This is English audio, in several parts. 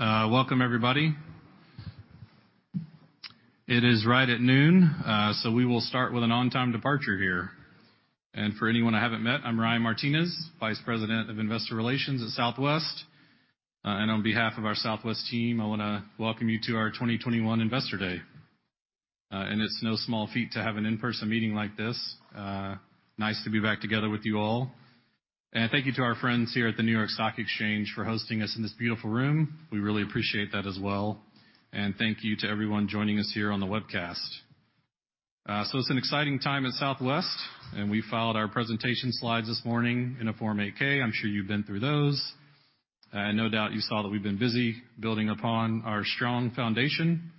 Welcome, everybody. It is right at noon, so we will start with an on-time departure here. For anyone I haven't met, I'm Ryan Martinez, Vice President of Investor Relations at Southwest. On behalf of our Southwest team, I wanna welcome you to our 2021 Investor Day. It's no small feat to have an in-person meeting like this. Nice to be back together with you all. Thank you to our friends here at the New York Stock Exchange for hosting us in this beautiful room. We really appreciate that as well. Thank you to everyone joining us here on the webcast. It's an exciting time at Southwest, and we filed our presentation slides this morning in a Form 8-K. I'm sure you've been through those. No doubt you saw that we've been busy building upon our strong foundation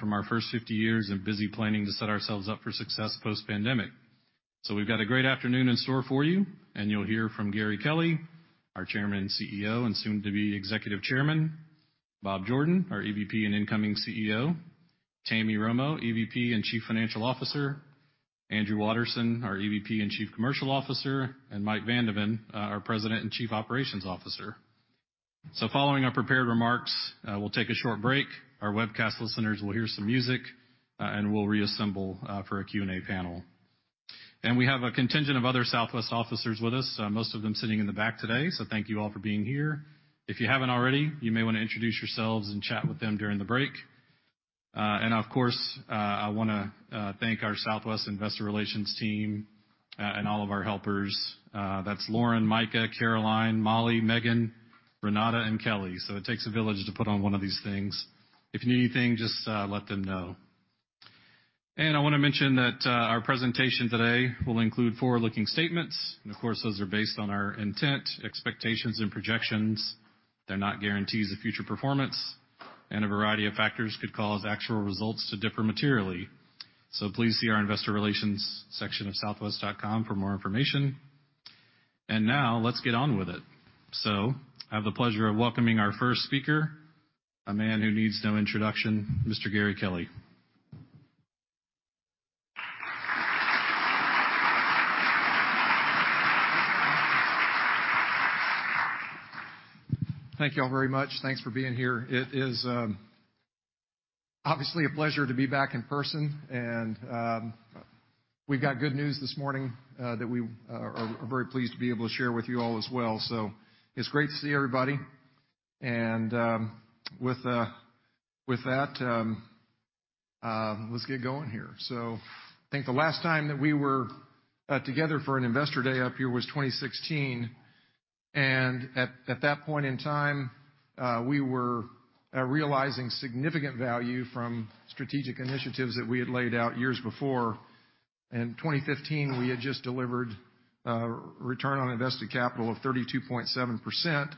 from our first 50 years and busy planning to set ourselves up for success post-pandemic. We've got a great afternoon in store for you, and you'll hear from Gary Kelly, our Chairman, CEO, and soon-to-be Executive Chairman, Bob Jordan, our EVP and incoming CEO, Tammy Romo, EVP and Chief Financial Officer, Andrew Watterson, our EVP and Chief Commercial Officer, and Mike Van de Ven, our President and Chief Operating Officer. Following our prepared remarks, we'll take a short break. Our webcast listeners will hear some music, and we'll reassemble for a Q&A panel. We have a contingent of other Southwest officers with us, most of them sitting in the back today, so thank you all for being here. If you haven't already, you may wanna introduce yourselves and chat with them during the break. Of course, I wanna thank our Southwest Investor Relations team and all of our helpers. That's Lauren, Micah, Caroline, Molly, Megan, Renata, and Kelly. It takes a village to put on one of these things. If you need anything, just let them know. I wanna mention that our presentation today will include forward-looking statements, and of course, those are based on our intent, expectations, and projections. They're not guarantees of future performance, and a variety of factors could cause actual results to differ materially. Please see our investor relations section of southwest.com for more information. Now let's get on with it. I have the pleasure of welcoming our first speaker, a man who needs no introduction, Mr. Gary Kelly. Thank you all very much. Thanks for being here. It is obviously a pleasure to be back in person, and we've got good news this morning that we are very pleased to be able to share with you all as well. It's great to see everybody. With that, let's get going here. I think the last time that we were together for an Investor Day up here was 2016, and at that point in time, we were realizing significant value from strategic initiatives that we had laid out years before. In 2015, we had just delivered a return on invested capital of 32.7%,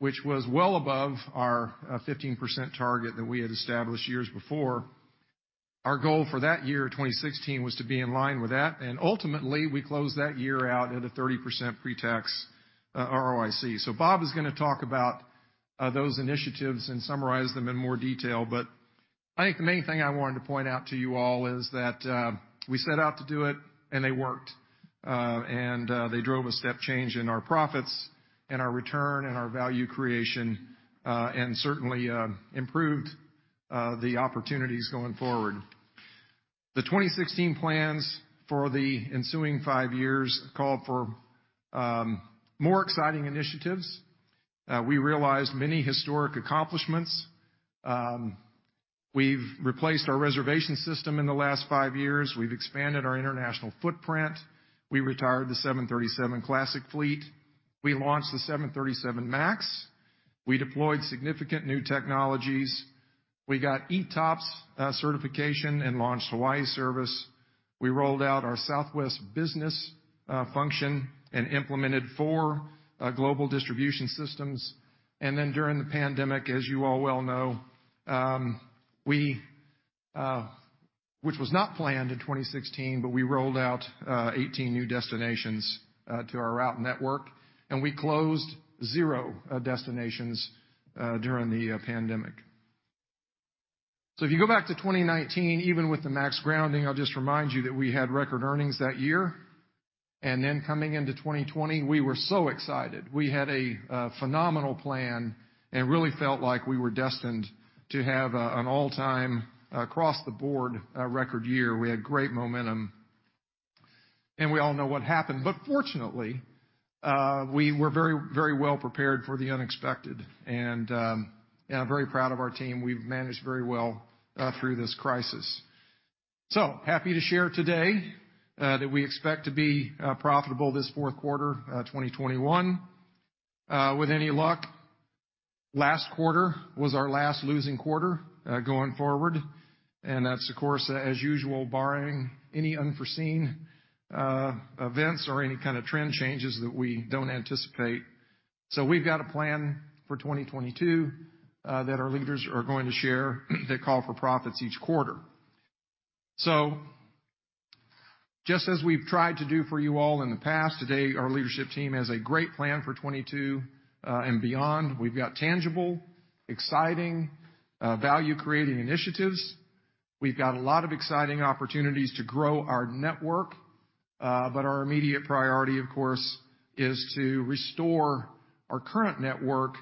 which was well above our 15% target that we had established years before. Our goal for that year, 2016, was to be in line with that, and ultimately, we closed that year out at a 30% pretax ROIC. Bob is gonna talk about those initiatives and summarize them in more detail, but I think the main thing I wanted to point out to you all is that we set out to do it, and they worked. They drove a step change in our profits and our return and our value creation, and certainly improved the opportunities going forward. The 2016 plans for the ensuing five years called for more exciting initiatives. We realized many historic accomplishments. We've replaced our reservation system in the last five years. We've expanded our international footprint. We retired the 737 Classic fleet. We launched the 737 MAX. We deployed significant new technologies. We got ETOPS certification and launched Hawaii service. We rolled out our Southwest Business function and implemented four global distribution systems. During the pandemic, as you all well know, which was not planned in 2016, but we rolled out 18 new destinations to our route network, and we closed zero destinations during the pandemic. If you go back to 2019, even with the MAX grounding, I'll just remind you that we had record earnings that year. Coming into 2020, we were so excited. We had a phenomenal plan and really felt like we were destined to have an all-time, across the board, record year. We had great momentum. We all know what happened. Fortunately, we were very, very well prepared for the unexpected. I'm very proud of our team. We've managed very well through this crisis. Happy to share today that we expect to be profitable this fourth quarter, 2021. With any luck, last quarter was our last losing quarter going forward, and that's, of course, as usual, barring any unforeseen events or any kind of trend changes that we don't anticipate. We've got a plan for 2022 that our leaders are going to share that call for profits each quarter. Just as we've tried to do for you all in the past, today our leadership team has a great plan for 2022 and beyond. We've got tangible, exciting value-creating initiatives. We've got a lot of exciting opportunities to grow our network, but our immediate priority, of course, is to restore our current network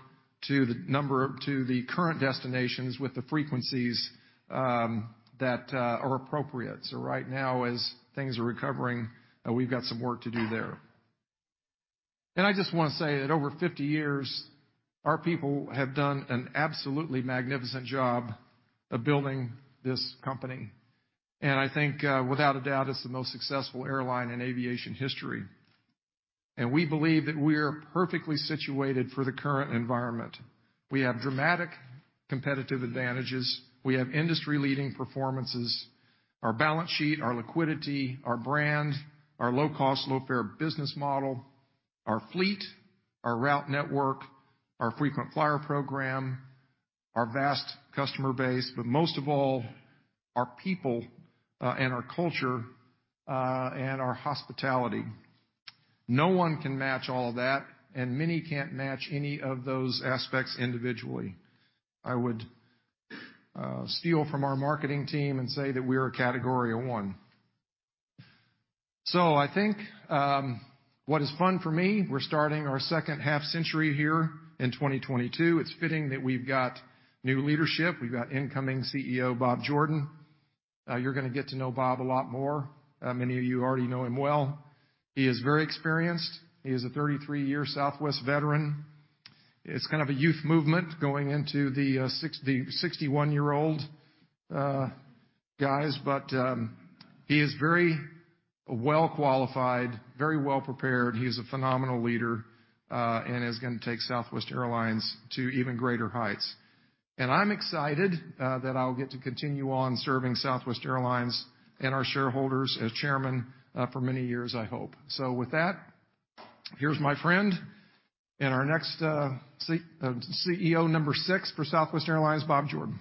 to the current destinations with the frequencies that are appropriate. Right now, as things are recovering, we've got some work to do there. I just wanna say that over 50 years, our people have done an absolutely magnificent job of building this company. I think, without a doubt, it's the most successful airline in aviation history. We believe that we're perfectly situated for the current environment. We have dramatic competitive advantages. We have industry-leading performances. Our balance sheet, our liquidity, our brand, our low cost, low fare business model, our fleet, our route network, our frequent flyer program, our vast customer base, but most of all, our people, and our culture, and our hospitality. No one can match all that, and many can't match any of those aspects individually. I would steal from our marketing team and say that we are a category of one. I think what is fun for me, we're starting our second half-century here in 2022. It's fitting that we've got new leadership. We've got incoming CEO Bob Jordan. You're gonna get to know Bob a lot more. Many of you already know him well. He is very experienced. He is a 33-year Southwest veteran. It's kind of a youth movement going into the 61-year-old guys, but he is very well qualified, very well prepared. He is a phenomenal leader, and is gonna take Southwest Airlines to even greater heights. I'm excited that I'll get to continue on serving Southwest Airlines and our shareholders as chairman for many years, I hope. With that, here's my friend and our next CEO number six for Southwest Airlines, Bob Jordan.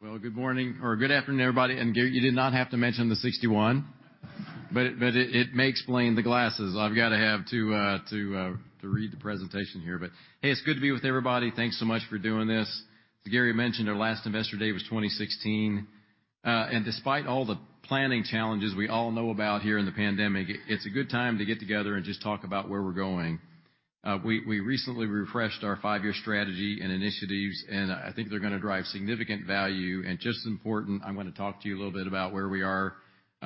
Well, good morning or good afternoon, everybody. Gary, you did not have to mention the 61, but it may explain the glasses I've gotta have to read the presentation here. Hey, it's good to be with everybody. Thanks so much for doing this. As Gary mentioned, our last Investor Day was 2016. Despite all the planning challenges we all know about here in the pandemic, it's a good time to get together and just talk about where we're going. We recently refreshed our five-year strategy and initiatives, and I think they're gonna drive significant value. Just as important, I'm gonna talk to you a little bit about where we are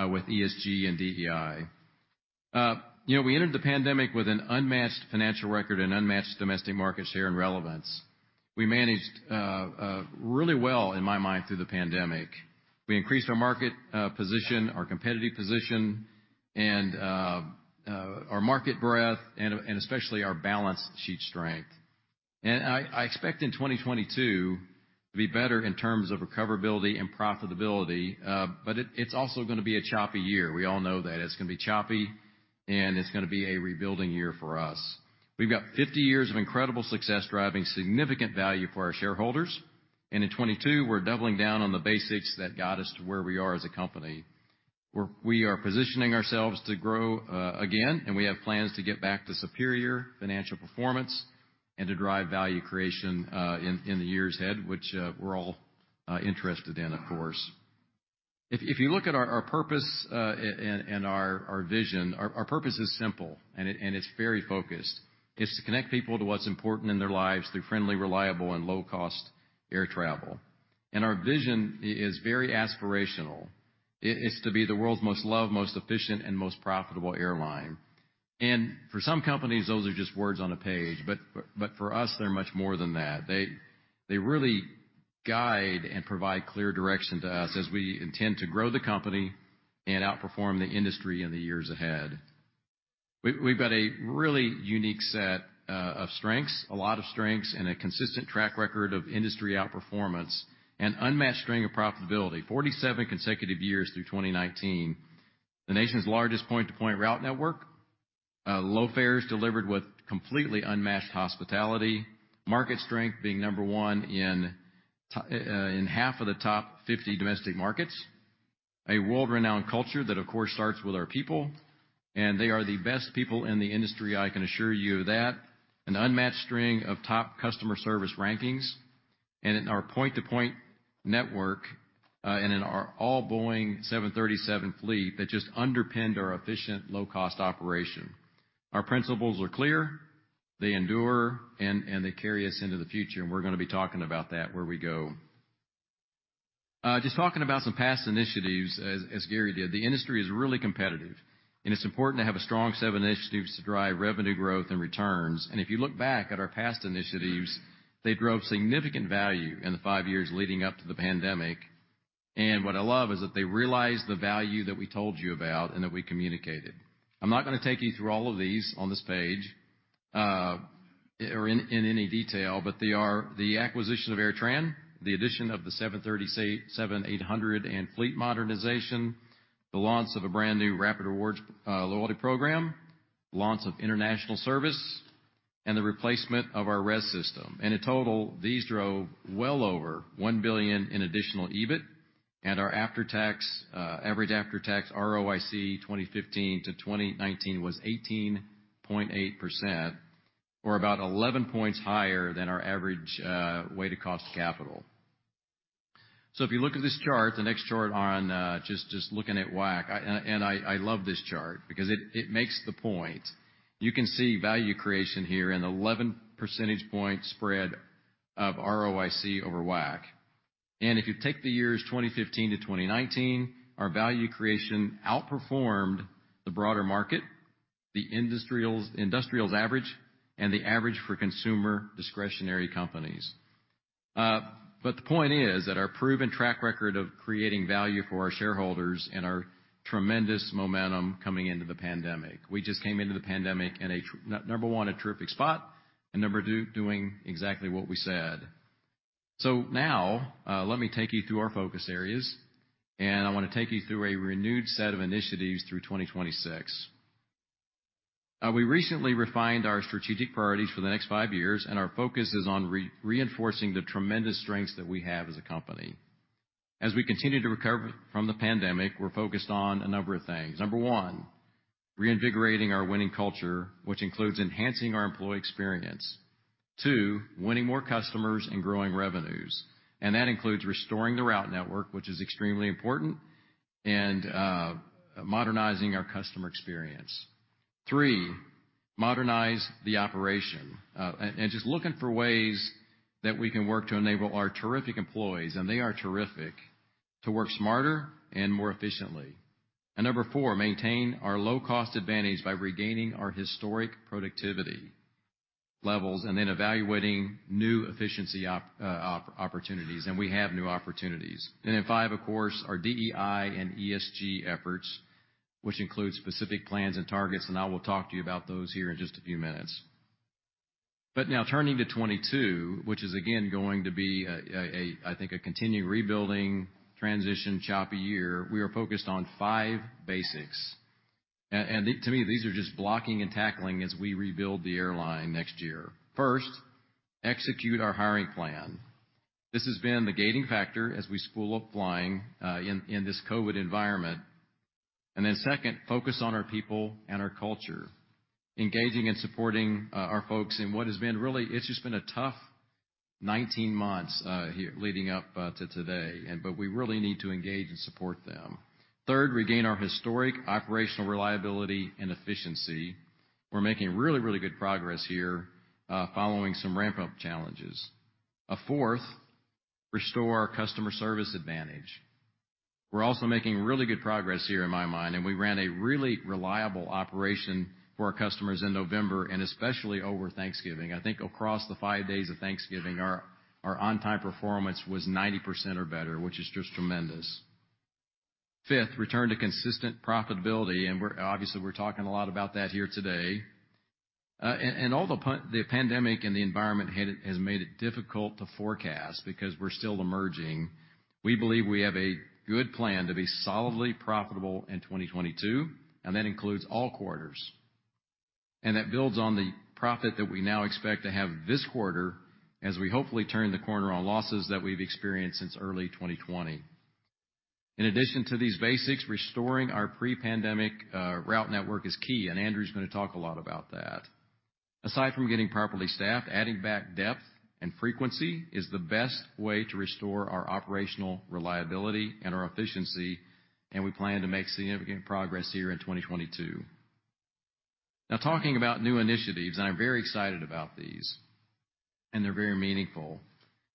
with ESG and DEI. You know, we entered the pandemic with an unmatched financial record and unmatched domestic market share and relevance. We managed really well, in my mind, through the pandemic. We increased our market position, our competitive position, and our market breadth, and especially our balance sheet strength. I expect in 2022 to be better in terms of recoverability and profitability, but it's also gonna be a choppy year. We all know that. It's gonna be choppy, and it's gonna be a rebuilding year for us. We've got 50 years of incredible success driving significant value for our shareholders, and in 2022, we're doubling down on the basics that got us to where we are as a company. We are positioning ourselves to grow again, and we have plans to get back to superior financial performance and to drive value creation in the years ahead, which we're all interested in, of course. If you look at our purpose and our vision, our purpose is simple and it's very focused. It's to connect people to what's important in their lives through friendly, reliable, and low-cost air travel. Our vision is very aspirational. It is to be the world's most loved, most efficient, and most profitable airline. For some companies, those are just words on a page, but for us, they're much more than that. They really guide and provide clear direction to us as we intend to grow the company and outperform the industry in the years ahead. We've got a really unique set of strengths, a lot of strengths, and a consistent track record of industry outperformance and unmatched string of profitability, 47 consecutive years through 2019. The nation's largest point-to-point route network. Low fares delivered with completely unmatched hospitality. Market strength being number one in half of the top 50 domestic markets. A world-renowned culture that, of course, starts with our people, and they are the best people in the industry, I can assure you of that. An unmatched string of top customer service rankings and in our point-to-point network, and in our all-Boeing 737 fleet that just underpinned our efficient low-cost operation. Our principles are clear, they endure, and they carry us into the future, and we're gonna be talking about that where we go. Just talking about some past initiatives as Gary did. The industry is really competitive, and it's important to have a strong set of initiatives to drive revenue growth and returns. If you look back at our past initiatives, they drove significant value in the five years leading up to the pandemic. What I love is that they realized the value that we told you about and that we communicated. I'm not gonna take you through all of these on this page, or in any detail, but they are the acquisition of AirTran, the addition of the 737-800 and fleet modernization, the launch of a brand-new Rapid Rewards loyalty program, launch of international service. The replacement of our RES system. In total, these drove well over $1 billion in additional EBIT and our after-tax average after-tax ROIC 2015-2019 was 18.8% or about 11 points higher than our average weighted cost of capital. If you look at this chart, the next chart, just looking at WACC. I love this chart because it makes the point. You can see value creation here and 11 percentage point spread of ROIC over WACC. If you take the years 2015-2019, our value creation outperformed the broader market, the industrials average, and the average for consumer discretionary companies. The point is that our proven track record of creating value for our shareholders and our tremendous momentum coming into the pandemic. We just came into the pandemic in a number one, a terrific spot, and number two, doing exactly what we said. Now, let me take you through our focus areas, and I wanna take you through a renewed set of initiatives through 2026. We recently refined our strategic priorities for the next five years, and our focus is on reinforcing the tremendous strengths that we have as a company. As we continue to recover from the pandemic, we're focused on a number of things. Number one, reinvigorating our winning culture, which includes enhancing our employee experience. Two, winning more customers and growing revenues. That includes restoring the route network, which is extremely important, and modernizing our customer experience. Three, modernize the operation. Just looking for ways that we can work to enable our terrific employees, and they are terrific, to work smarter and more efficiently. Number four, maintain our low-cost advantage by regaining our historic productivity levels and then evaluating new efficiency opportunities. We have new opportunities. Then five, of course, our DEI and ESG efforts, which includes specific plans and targets, and I will talk to you about those here in just a few minutes. Now turning to 2022, which is again going to be a, I think, a continued rebuilding, transition, choppy year, we are focused on five basics. To me, these are just blocking and tackling as we rebuild the airline next year. First, execute our hiring plan. This has been the gating factor as we spool up flying in this COVID environment. Second, focus on our people and our culture, engaging and supporting our folks in what has been really, it's just been a tough 19 months here leading up to today, but we really need to engage and support them. Third, regain our historic operational reliability and efficiency. We're making really good progress here following some ramp-up challenges. Fourth, restore our customer service advantage. We're also making really good progress here in my mind, and we ran a really reliable operation for our customers in November, and especially over Thanksgiving. I think across the 5 days of Thanksgiving, our on-time performance was 90% or better, which is just tremendous. Fifth, return to consistent profitability, and we're obviously talking a lot about that here today. And although the pandemic and the environment has made it difficult to forecast because we're still emerging, we believe we have a good plan to be solidly profitable in 2022, and that includes all quarters. And that builds on the profit that we now expect to have this quarter as we hopefully turn the corner on losses that we've experienced since early 2020. In addition to these basics, restoring our pre-pandemic route network is key, and Andrew's gonna talk a lot about that. Aside from getting properly staffed, adding back depth and frequency is the best way to restore our operational reliability and our efficiency, and we plan to make significant progress here in 2022. Now talking about new initiatives, and I'm very excited about these, and they're very meaningful.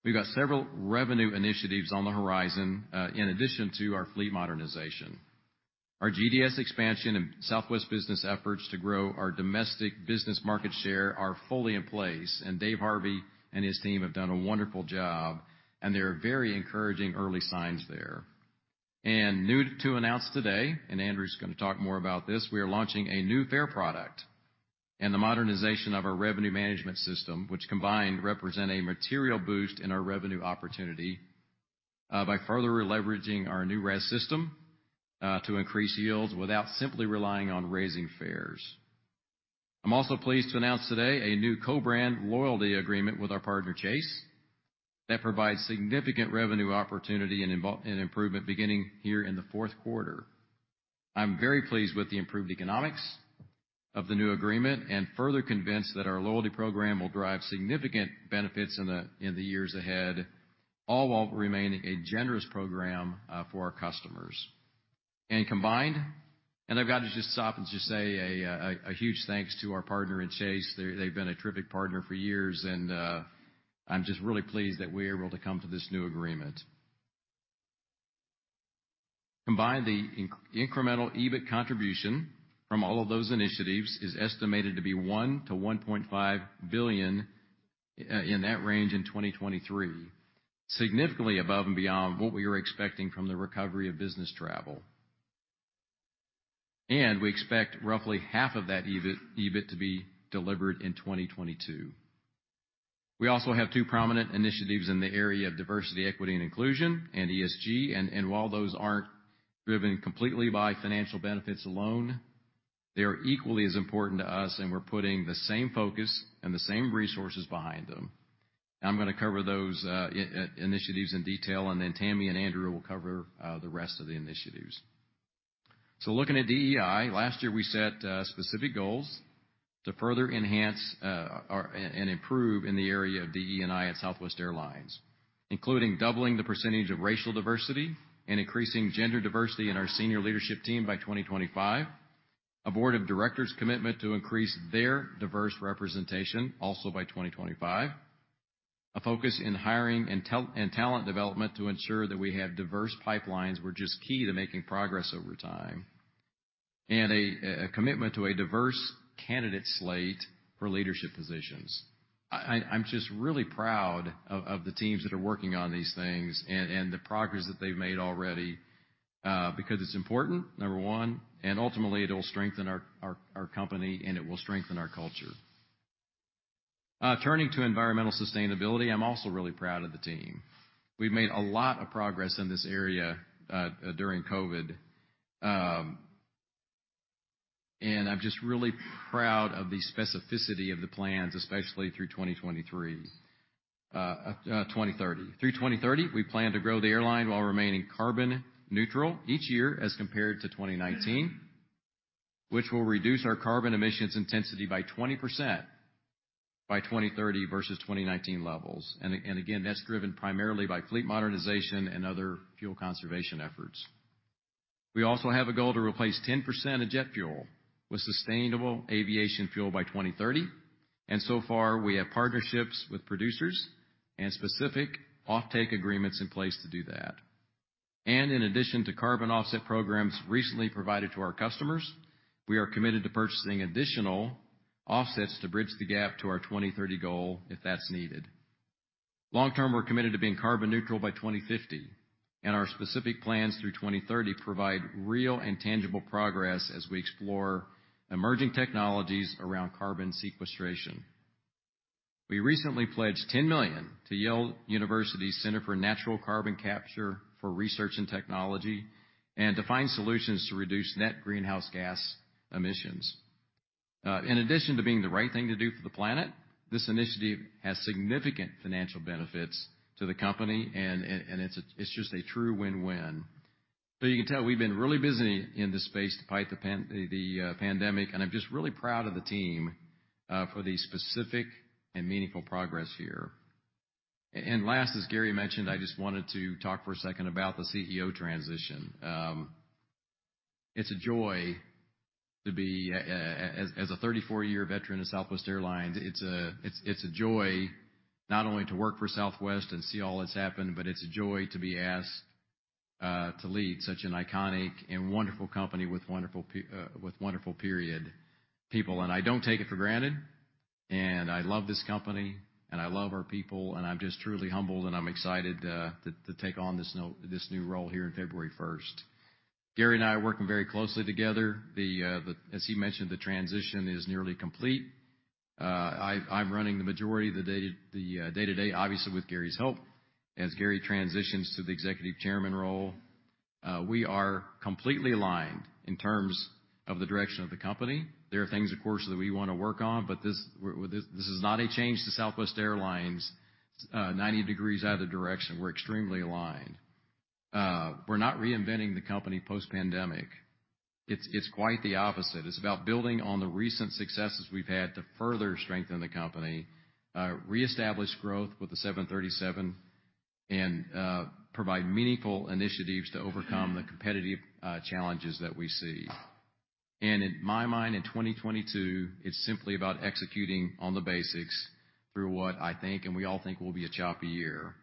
We've got several revenue initiatives on the horizon, in addition to our fleet modernization. Our GDS expansion and Southwest Business efforts to grow our domestic business market share are fully in place, and Dave Harvey and his team have done a wonderful job, and there are very encouraging early signs there. Now to announce today, and Andrew's gonna talk more about this, we are launching a new fare product and the modernization of our revenue management system, which combined represent a material boost in our revenue opportunity, by further leveraging our new RES system, to increase yields without simply relying on raising fares. I'm also pleased to announce today a new co-brand loyalty agreement with our partner, Chase, that provides significant revenue opportunity and improvement beginning here in the fourth quarter. I'm very pleased with the improved economics of the new agreement and further convinced that our loyalty program will drive significant benefits in the years ahead, all while remaining a generous program for our customers. Combined, I've got to just stop and just say a huge thanks to our partner at Chase. They've been a terrific partner for years and, I'm just really pleased that we're able to come to this new agreement. Combined, the incremental EBIT contribution from all of those initiatives is estimated to be $1 billion-$1.5 billion in that range in 2023, significantly above and beyond what we were expecting from the recovery of business travel. We expect roughly half of that EBIT to be delivered in 2022. We also have two prominent initiatives in the area of diversity, equity, and inclusion and ESG. While those aren't driven completely by financial benefits alone, they are equally as important to us, and we're putting the same focus and the same resources behind them. I'm gonna cover those initiatives in detail, and then Tammy and Andrew will cover the rest of the initiatives. Looking at DE&I, last year, we set specific goals to further enhance and improve in the area of DE&I at Southwest Airlines, including doubling the percentage of racial diversity and increasing gender diversity in our senior leadership team by 2025, a board of directors commitment to increase their diverse representation also by 2025, a focus in hiring and talent development to ensure that we have diverse pipelines, which is key to making progress over time, and a commitment to a diverse candidate slate for leadership positions. I'm just really proud of the teams that are working on these things and the progress that they've made already, because it's important, number one, and ultimately it'll strengthen our company, and it will strengthen our culture. Turning to environmental sustainability, I'm also really proud of the team. We've made a lot of progress in this area during COVID, and I'm just really proud of the specificity of the plans, especially through 2030. Through 2030, we plan to grow the airline while remaining carbon neutral each year as compared to 2019, which will reduce our carbon emissions intensity by 20% by 2030 versus 2019 levels. Again, that's driven primarily by fleet modernization and other fuel conservation efforts. We also have a goal to replace 10% of jet fuel with sustainable aviation fuel by 2030, and so far we have partnerships with producers and specific offtake agreements in place to do that. In addition to carbon offset programs recently provided to our customers, we are committed to purchasing additional offsets to bridge the gap to our 2030 goal if that's needed. Long term, we're committed to being carbon neutral by 2050, and our specific plans through 2030 provide real and tangible progress as we explore emerging technologies around carbon sequestration. We recently pledged $10 million to Yale University's Center for Natural Carbon Capture for research and technology and to find solutions to reduce net greenhouse gas emissions. In addition to being the right thing to do for the planet, this initiative has significant financial benefits to the company, and it's just a true win-win. You can tell we've been really busy in this space despite the pandemic, and I'm just really proud of the team for the specific and meaningful progress here. Last, as Gary mentioned, I just wanted to talk for a second about the CEO transition. It's a joy to be as a 34-year veteran of Southwest Airlines. It's a joy not only to work for Southwest and see all that's happened, but it's a joy to be asked to lead such an iconic and wonderful company with wonderful people. I don't take it for granted, and I love this company, and I love our people, and I'm just truly humbled, and I'm excited to take on this new role here in February first. Gary and I are working very closely together. As he mentioned, the transition is nearly complete. I'm running the majority of the day-to-day, obviously with Gary's help. As Gary transitions to the Executive Chairman role, we are completely aligned in terms of the direction of the company. There are things, of course, that we wanna work on, but this is not a change to Southwest Airlines, 90 degrees out of the direction. We're extremely aligned. We're not reinventing the company post-pandemic. It's quite the opposite. It's about building on the recent successes we've had to further strengthen the company, reestablish growth with the 737, and provide meaningful initiatives to overcome the competitive challenges that we see. In my mind, in 2022, it's simply about executing on the basics through what I think and we all think will be a choppy year.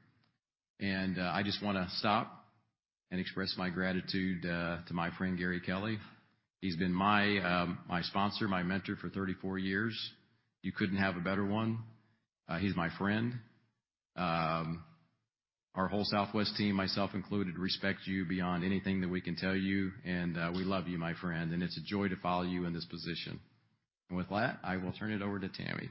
I just wanna stop and express my gratitude to my friend, Gary Kelly. He's been my sponsor, my mentor for 34 years. You couldn't have a better one. He's my friend. Our whole Southwest team, myself included, respect you beyond anything that we can tell you. We love you, my friend, and it's a joy to follow you in this position. With that, I will turn it over to Tammy.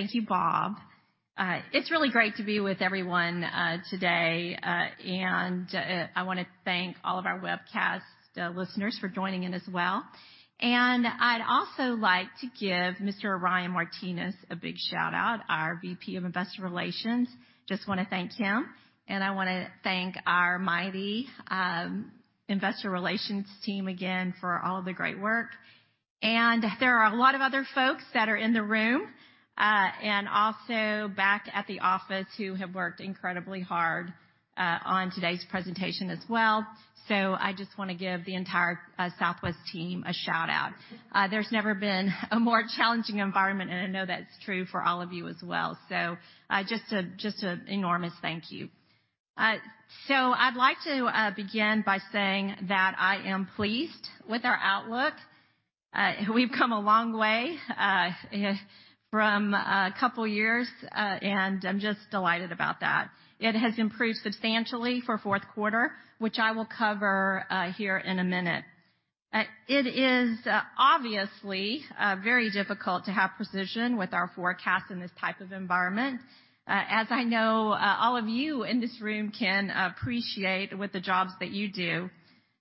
Thank you, Bob. It's really great to be with everyone today, and I wanna thank all of our webcast listeners for joining in as well. I'd also like to give Mr. Ryan Martinez a big shout-out, our VP of Investor Relations. Just wanna thank him, and I wanna thank our mighty investor relations team again for all of the great work. There are a lot of other folks that are in the room, and also back at the office who have worked incredibly hard on today's presentation as well. I just wanna give the entire Southwest team a shout-out. There's never been a more challenging environment, and I know that's true for all of you as well. Just an enormous thank you. I'd like to begin by saying that I am pleased with our outlook. We've come a long way from a couple years and I'm just delighted about that. It has improved substantially for fourth quarter, which I will cover here in a minute. It is obviously very difficult to have precision with our forecast in this type of environment, as I know all of you in this room can appreciate with the jobs that you do.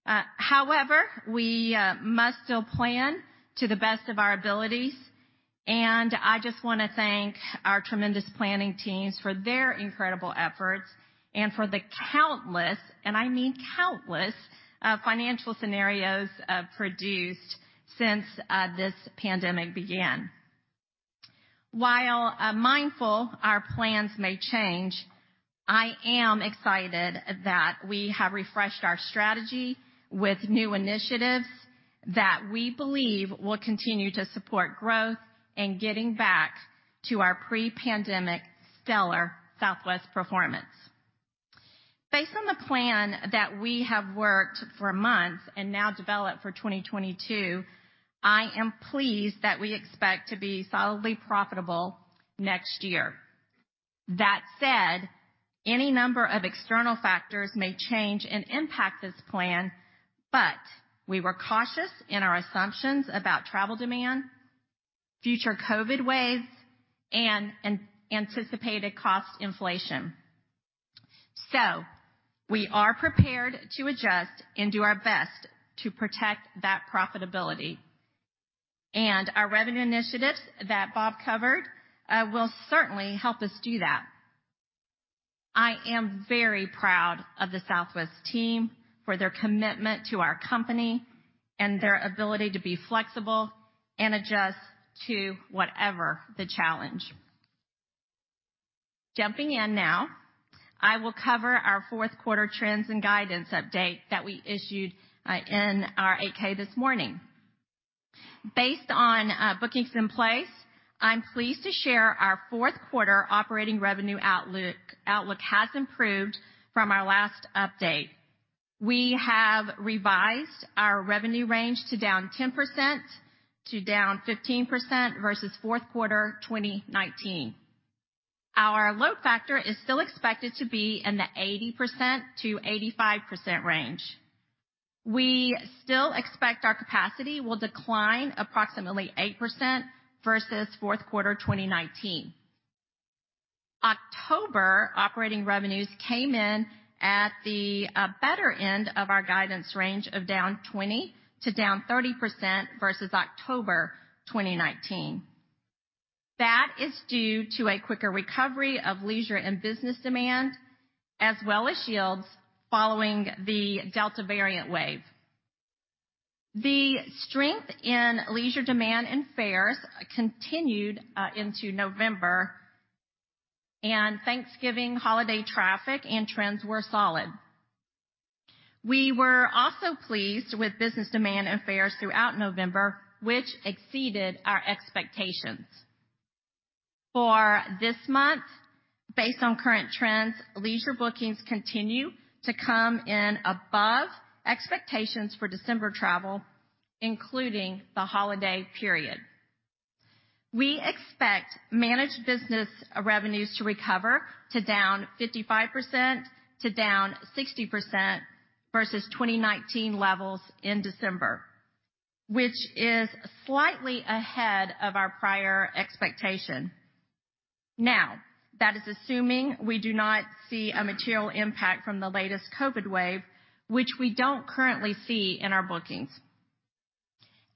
However, we must still plan to the best of our abilities, and I just wanna thank our tremendous planning teams for their incredible efforts and for the countless, and I mean countless, financial scenarios produced since this pandemic began. While mindful that our plans may change, I am excited that we have refreshed our strategy with new initiatives that we believe will continue to support growth and getting back to our pre-pandemic stellar Southwest performance. Based on the plan that we have worked for months and now developed for 2022, I am pleased that we expect to be solidly profitable next year. That said, any number of external factors may change and impact this plan, but we were cautious in our assumptions about travel demand, future COVID waves, and anticipated cost inflation. We are prepared to adjust and do our best to protect that profitability. Our revenue initiatives that Bob covered will certainly help us do that. I am very proud of the Southwest team for their commitment to our company and their ability to be flexible and adjust to whatever the challenge. Jumping in now, I will cover our fourth quarter trends and guidance update that we issued in our 8-K this morning. Based on bookings in place, I'm pleased to share our fourth quarter operating revenue outlook has improved from our last update. We have revised our revenue range to down 10% to down 15% versus fourth quarter 2019. Our load factor is still expected to be in the 80%-85% range. We still expect our capacity will decline approximately 8% versus fourth quarter 2019. October operating revenues came in at the better end of our guidance range of down 20% to down 30% versus October 2019. That is due to a quicker recovery of leisure and business demand, as well as yields following the Delta variant wave. The strength in leisure demand and fares continued into November, and Thanksgiving holiday traffic and trends were solid. We were also pleased with business demand and fares throughout November, which exceeded our expectations. For this month, based on current trends, leisure bookings continue to come in above expectations for December travel, including the holiday period. We expect managed business revenues to recover to down 55% to down 60% versus 2019 levels in December, which is slightly ahead of our prior expectation. Now, that is assuming we do not see a material impact from the latest COVID wave, which we don't currently see in our bookings.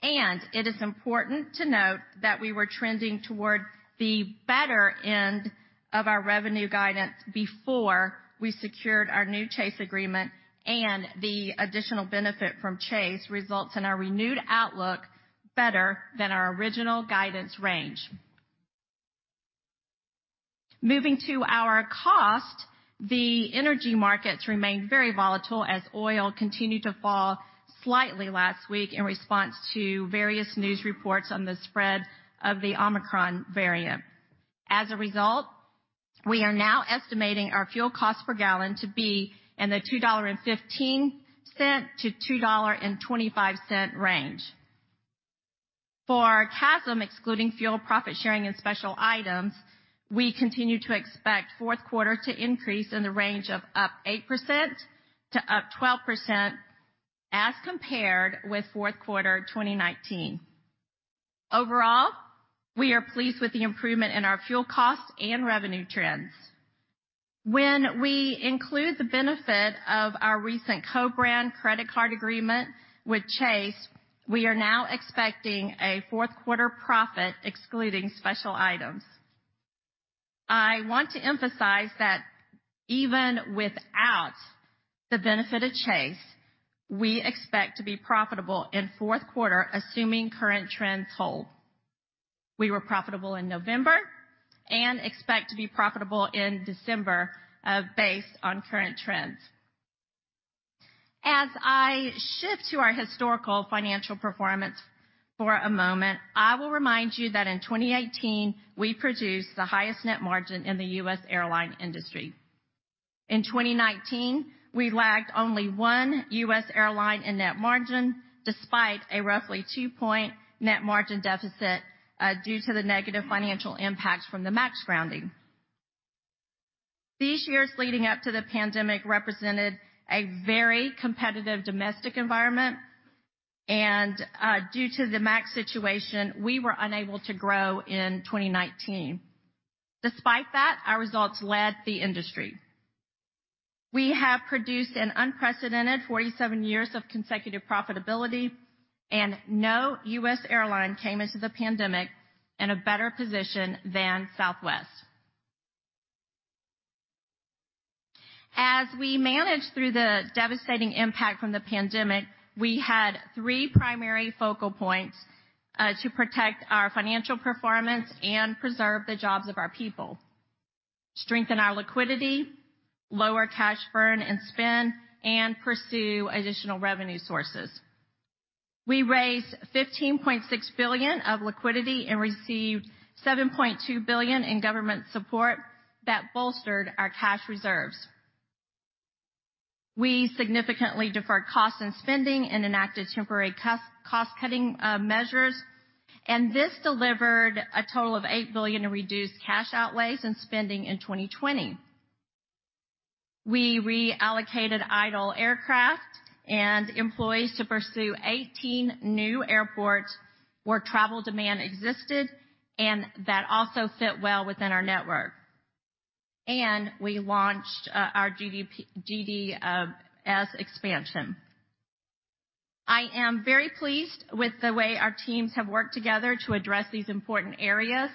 It is important to note that we were trending toward the better end of our revenue guidance before we secured our new Chase agreement, and the additional benefit from Chase results in our renewed outlook better than our original guidance range. Moving to our cost, the energy markets remained very volatile as oil continued to fall slightly last week in response to various news reports on the spread of the Omicron variant. As a result, we are now estimating our fuel cost per gallon to be in the $2.15-$2.25 range. For our CASM, excluding fuel, profit-sharing, and special items, we continue to expect fourth quarter to increase in the range of 8%-12% as compared with fourth quarter 2019. Overall, we are pleased with the improvement in our fuel costs and revenue trends. When we include the benefit of our recent co-brand credit card agreement with Chase, we are now expecting a fourth quarter profit excluding special items. I want to emphasize that even without the benefit of Chase, we expect to be profitable in fourth quarter, assuming current trends hold. We were profitable in November and expect to be profitable in December, based on current trends. As I shift to our historical financial performance for a moment, I will remind you that in 2018, we produced the highest net margin in the U.S. airline industry. In 2019, we lagged only one U.S. airline in net margin, despite a roughly 2-point net margin deficit, due to the negative financial impact from the MAX grounding. These years leading up to the pandemic represented a very competitive domestic environment, and, due to the MAX situation, we were unable to grow in 2019. Despite that, our results led the industry. We have produced an unprecedented 47 years of consecutive profitability, and no U.S. airline came into the pandemic in a better position than Southwest. As we managed through the devastating impact from the pandemic, we had three primary focal points to protect our financial performance and preserve the jobs of our people, strengthen our liquidity, lower cash burn and spend, and pursue additional revenue sources. We raised $15.6 billion of liquidity and received $7.2 billion in government support that bolstered our cash reserves. We significantly deferred costs and spending and enacted temporary cost-cutting measures, and this delivered a total of $8 billion in reduced cash outlays and spending in 2020. We reallocated idle aircraft and employees to pursue 18 new airports where travel demand existed and that also fit well within our network. We launched our GDS expansion. I am very pleased with the way our teams have worked together to address these important areas,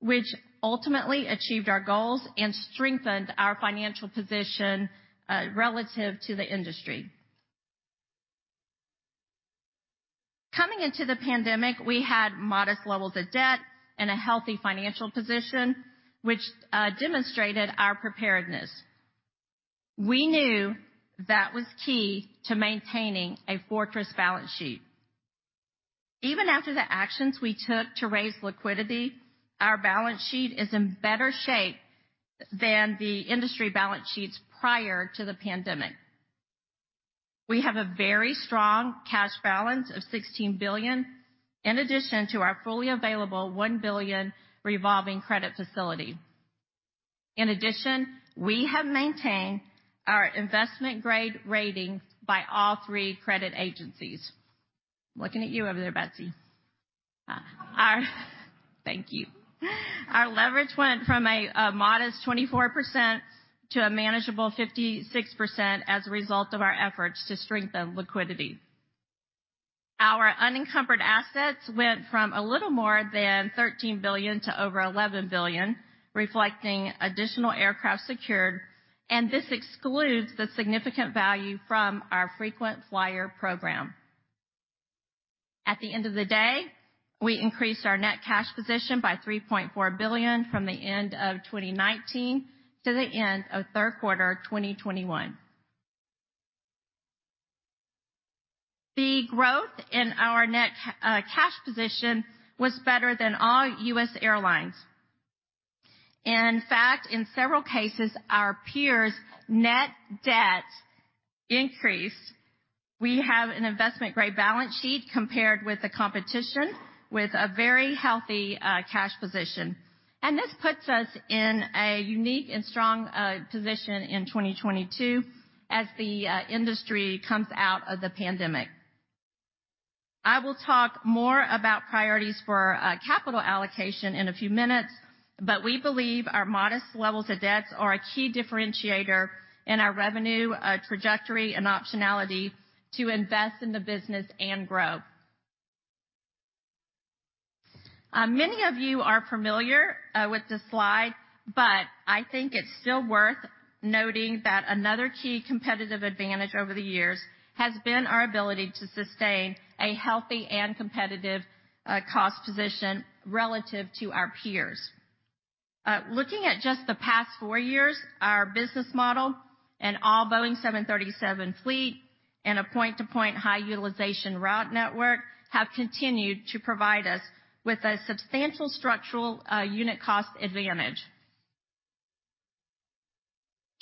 which ultimately achieved our goals and strengthened our financial position relative to the industry. Coming into the pandemic, we had modest levels of debt and a healthy financial position, which demonstrated our preparedness. We knew that was key to maintaining a fortress balance sheet. Even after the actions we took to raise liquidity, our balance sheet is in better shape than the industry balance sheets prior to the pandemic. We have a very strong cash balance of $16 billion, in addition to our fully available $1 billion revolving credit facility. In addition, we have maintained our investment-grade rating by all three credit agencies. I'm looking at you over there, Betsy. Thank you. Our leverage went from a modest 24% to a manageable 56% as a result of our efforts to strengthen liquidity. Our unencumbered assets went from a little more than $13 billion to over $11 billion, reflecting additional aircraft secured, and this excludes the significant value from our frequent flyer program. At the end of the day, we increased our net cash position by $3.4 billion from the end of 2019 to the end of third quarter 2021. The growth in our net cash position was better than all U.S. airlines. In fact, in several cases, our peers' net debt increased. We have an investment-grade balance sheet compared with the competition, with a very healthy cash position. This puts us in a unique and strong position in 2022 as the industry comes out of the pandemic. I will talk more about priorities for capital allocation in a few minutes, but we believe our modest levels of debts are a key differentiator in our revenue trajectory and optionality to invest in the business and grow. Many of you are familiar with this slide, but I think it's still worth noting that another key competitive advantage over the years has been our ability to sustain a healthy and competitive cost position relative to our peers. Looking at just the past 4 years, our business model and all Boeing 737 fleet and a point-to-point high utilization route network have continued to provide us with a substantial structural unit cost advantage.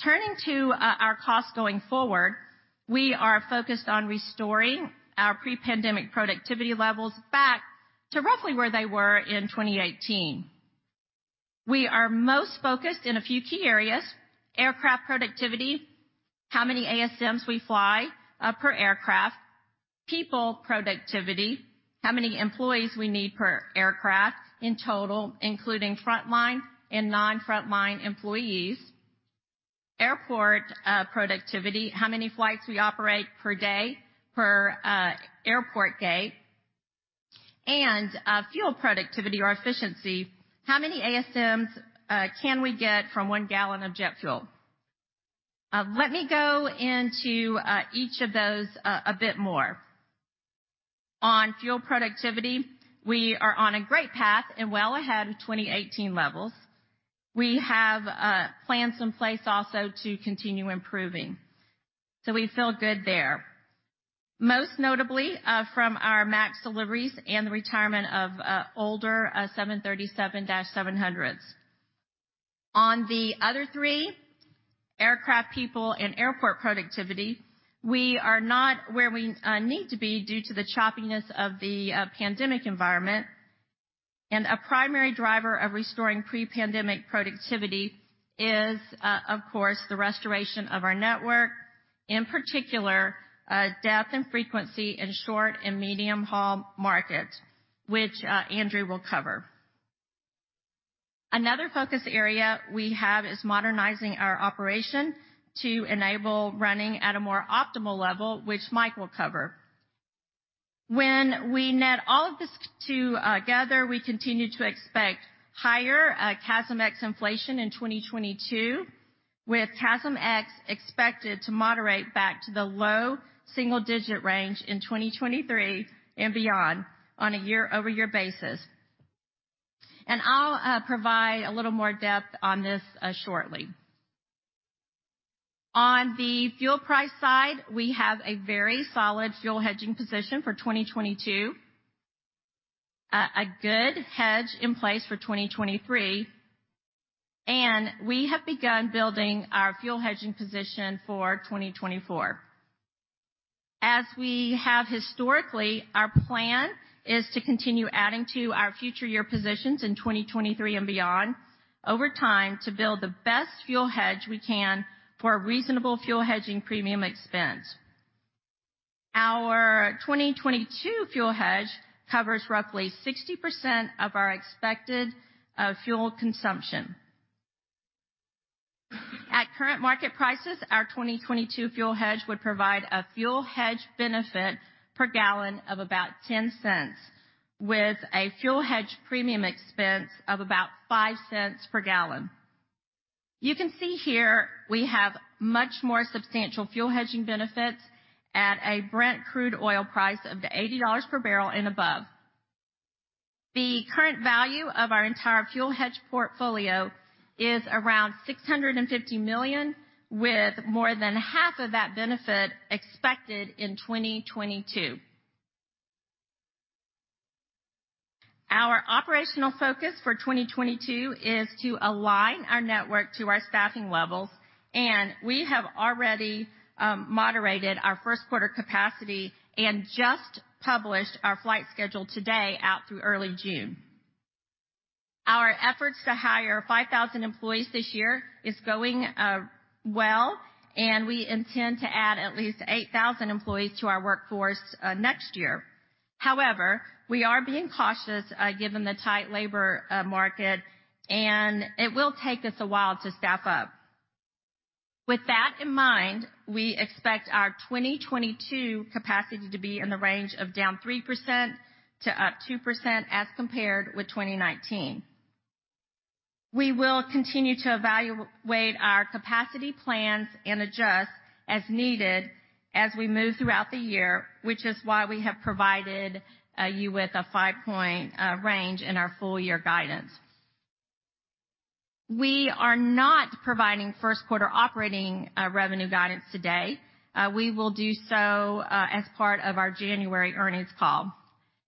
Turning to our costs going forward, we are focused on restoring our pre-pandemic productivity levels back to roughly where they were in 2018. We are most focused in a few key areas aircraft productivity, how many ASMs we fly per aircraft, people productivity, how many employees we need per aircraft in total, including frontline and non-frontline employees, airport productivity, how many flights we operate per day per airport gate, and fuel productivity or efficiency, how many ASMs can we get from one gallon of jet fuel? Let me go into each of those a bit more. On fuel productivity, we are on a great path and well ahead of 2018 levels. We have plans in place also to continue improving. So we feel good there. Most notably from our MAX deliveries and the retirement of older 737-700s. On the other three, aircraft people and airport productivity, we are not where we need to be due to the choppiness of the pandemic environment. A primary driver of restoring pre-pandemic productivity is, of course, the restoration of our network, in particular, depth and frequency in short and medium-haul markets, which Andrew will cover. Another focus area we have is modernizing our operation to enable running at a more optimal level, which Mike will cover. When we net all of this together, we continue to expect higher CASM ex inflation in 2022, with CASM ex expected to moderate back to the low single-digit range in 2023 and beyond on a year-over-year basis. I'll provide a little more depth on this shortly. On the fuel price side, we have a very solid fuel hedging position for 2022, a good hedge in place for 2023, and we have begun building our fuel hedging position for 2024. As we have historically, our plan is to continue adding to our future year positions in 2023 and beyond over time to build the best fuel hedge we can for a reasonable fuel hedging premium expense. Our 2022 fuel hedge covers roughly 60% of our expected fuel consumption. At current market prices, our 2022 fuel hedge would provide a fuel hedge benefit per gallon of about $0.10 with a fuel hedge premium expense of about $0.05 per gallon. You can see here we have much more substantial fuel hedging benefits at a Brent crude oil price of $80 per barrel and above. The current value of our entire fuel hedge portfolio is around $650 million, with more than half of that benefit expected in 2022. Our operational focus for 2022 is to align our network to our staffing levels, and we have already moderated our first quarter capacity and just published our flight schedule today out through early June. Our efforts to hire 5,000 employees this year is going well, and we intend to add at least 8,000 employees to our workforce next year. However, we are being cautious given the tight labor market, and it will take us a while to staff up. With that in mind, we expect our 2022 capacity to be in the range of -3% to +2% as compared with 2019. We will continue to evaluate our capacity plans and adjust as needed as we move throughout the year, which is why we have provided you with a five-point range in our full year guidance. We are not providing first quarter operating revenue guidance today. We will do so as part of our January earnings call.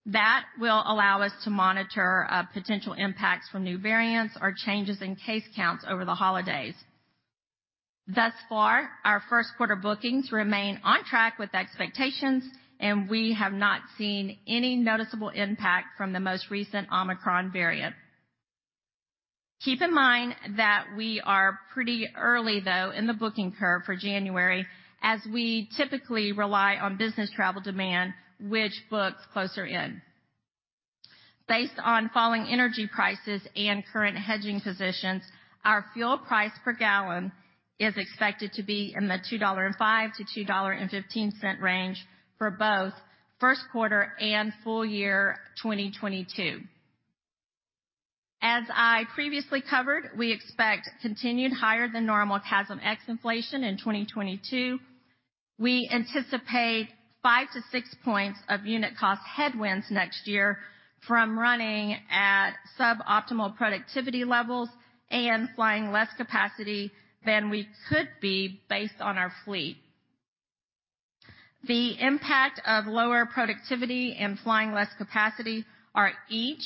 That will allow us to monitor potential impacts from new variants or changes in case counts over the holidays. Thus far, our first quarter bookings remain on track with expectations, and we have not seen any noticeable impact from the most recent Omicron variant. Keep in mind that we are pretty early, though, in the booking curve for January, as we typically rely on business travel demand, which books closer in. Based on falling energy prices and current hedging positions, our fuel price per gallon is expected to be in the $2.05-$2.15 range for both first quarter and full year 2022. As I previously covered, we expect continued higher than normal CASM ex inflation in 2022. We anticipate 5-6 points of unit cost headwinds next year from running at sub-optimal productivity levels and flying less capacity than we could be based on our fleet. The impact of lower productivity and flying less capacity are each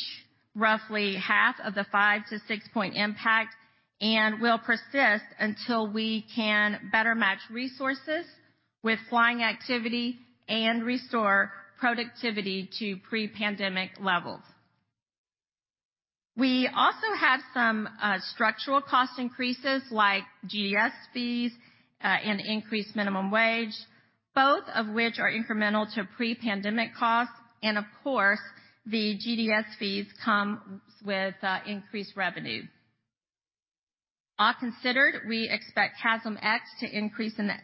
roughly half of the 5-6-point impact and will persist until we can better match resources with flying activity and restore productivity to pre-pandemic levels. We also have some structural cost increases like GDS fees and increased minimum wage, both of which are incremental to pre-pandemic costs. Of course, the GDS fees come with increased revenue. All considered, we expect CASM ex to increase in the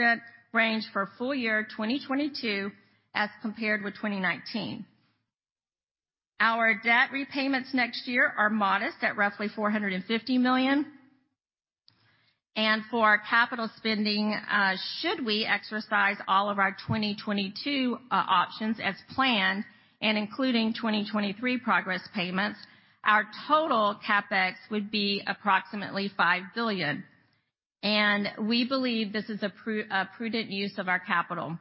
8%-12% range for full year 2022 as compared with 2019. Our debt repayments next year are modest at roughly $450 million. For our capital spending, should we exercise all of our 2022 options as planned and including 2023 progress payments, our total CapEx would be approximately $5 billion. We believe this is a prudent use of our capital.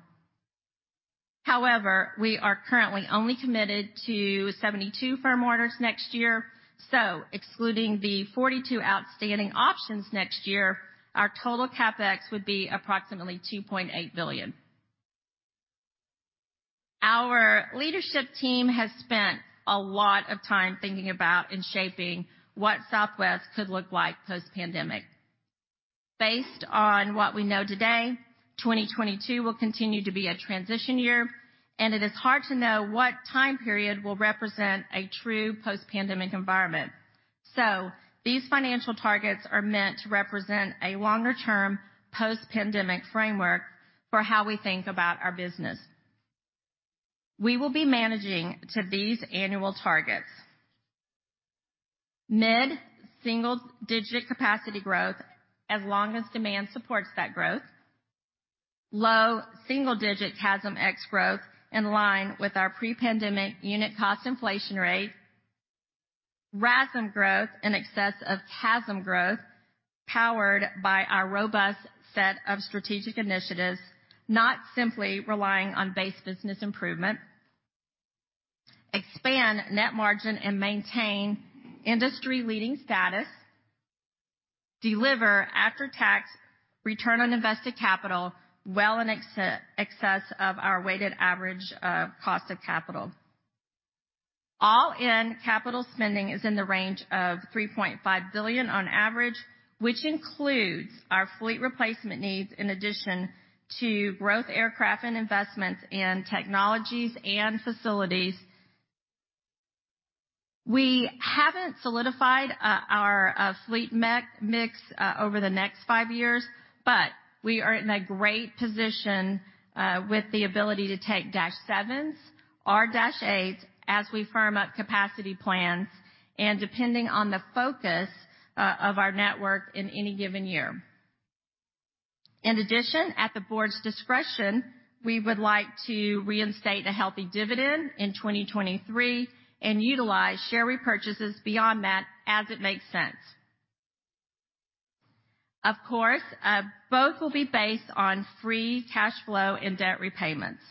However, we are currently only committed to 72 firm orders next year, so excluding the 42 outstanding options next year, our total CapEx would be approximately $2.8 billion. Our leadership team has spent a lot of time thinking about and shaping what Southwest could look like post-pandemic. Based on what we know today, 2022 will continue to be a transition year, and it is hard to know what time period will represent a true post-pandemic environment. These financial targets are meant to represent a longer-term post-pandemic framework for how we think about our business. We will be managing to these annual targets. Mid-single-digit capacity growth as long as demand supports that growth. Low single-digit CASM ex growth in line with our pre-pandemic unit cost inflation rate. RASM growth in excess of CASM growth, powered by our robust set of strategic initiatives, not simply relying on base business improvement. Expand net margin and maintain industry-leading status. Deliver after-tax return on invested capital well in excess of our weighted average cost of capital. All-in capital spending is in the range of $3.5 billion on average, which includes our fleet replacement needs in addition to growth aircraft and investments in technologies and facilities. We haven't solidified our fleet mix over the next 5 years, but we are in a great position with the ability to take dash sevens or dash eights as we firm up capacity plans and depending on the focus of our network in any given year. In addition, at the board's discretion, we would like to reinstate a healthy dividend in 2023 and utilize share repurchases beyond that as it makes sense. Of course, both will be based on free cash flow and debt repayments.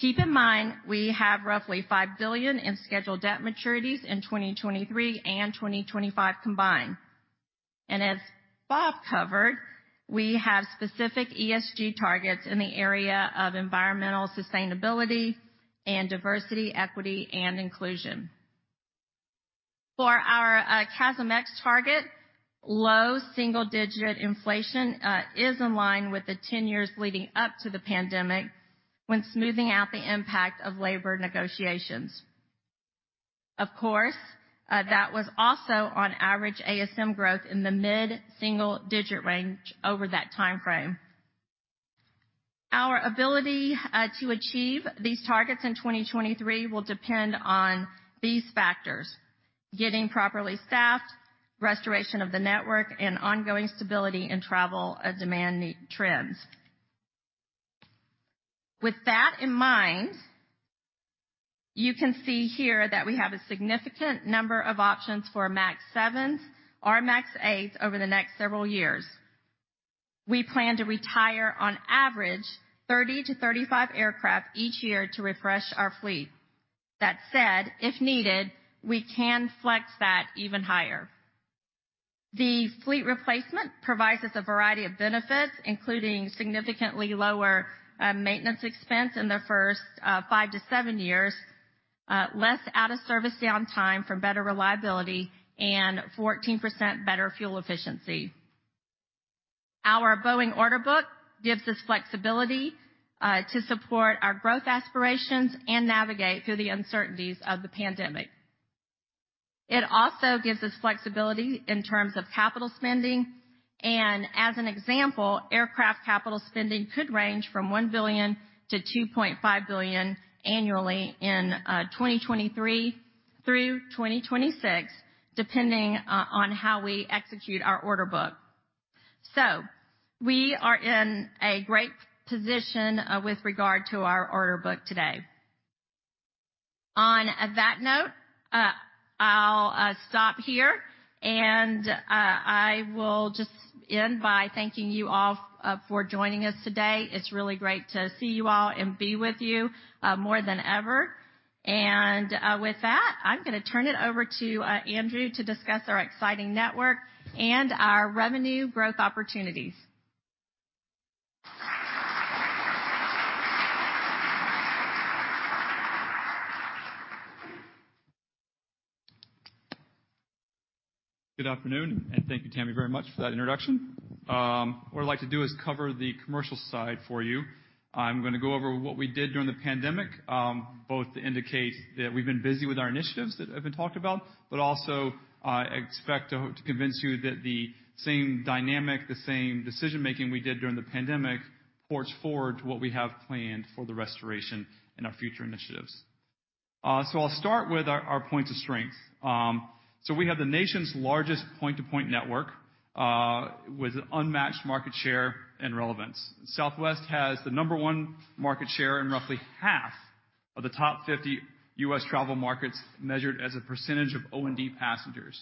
Keep in mind, we have roughly $5 billion in scheduled debt maturities in 2023 and 2025 combined. As Bob covered, we have specific ESG targets in the area of environmental sustainability and diversity, equity, and inclusion. For our CASM ex target, low single-digit inflation is in line with the 10 years leading up to the pandemic when smoothing out the impact of labor negotiations. Of course, that was also on average ASM growth in the mid-single-digit range over that timeframe. Our ability to achieve these targets in 2023 will depend on these factors, getting properly staffed, restoration of the network, and ongoing stability in travel demand trends. With that in mind, you can see here that we have a significant number of options for MAX 7s or MAX 8s over the next several years. We plan to retire, on average, 30-35 aircraft each year to refresh our fleet. That said, if needed, we can flex that even higher. The fleet replacement provides us a variety of benefits, including significantly lower maintenance expense in the first 5-7 years, less out of service downtime for better reliability, and 14% better fuel efficiency. Our Boeing order book gives us flexibility to support our growth aspirations and navigate through the uncertainties of the pandemic. It also gives us flexibility in terms of capital spending, and as an example, aircraft capital spending could range from $1 billion-$2.5 billion annually in 2023 through 2026, depending on how we execute our order book. We are in a great position with regard to our order book today. On that note, I'll stop here, and I will just end by thanking you all for joining us today. It's really great to see you all and be with you more than ever. With that, I'm gonna turn it over to Andrew to discuss our exciting network and our revenue growth opportunities. Good afternoon, and thank you, Tammy, very much for that introduction. What I'd like to do is cover the commercial side for you. I'm gonna go over what we did during the pandemic, both to indicate that we've been busy with our initiatives that have been talked about, but also expect to convince you that the same dynamic, the same decision-making we did during the pandemic carries forward to what we have planned for the restoration and our future initiatives. I'll start with our points of strength. We have the nation's largest point-to-point network, with unmatched market share and relevance. Southwest has the number one market share in roughly half of the top 50 U.S. travel markets, measured as a percentage of O&D passengers.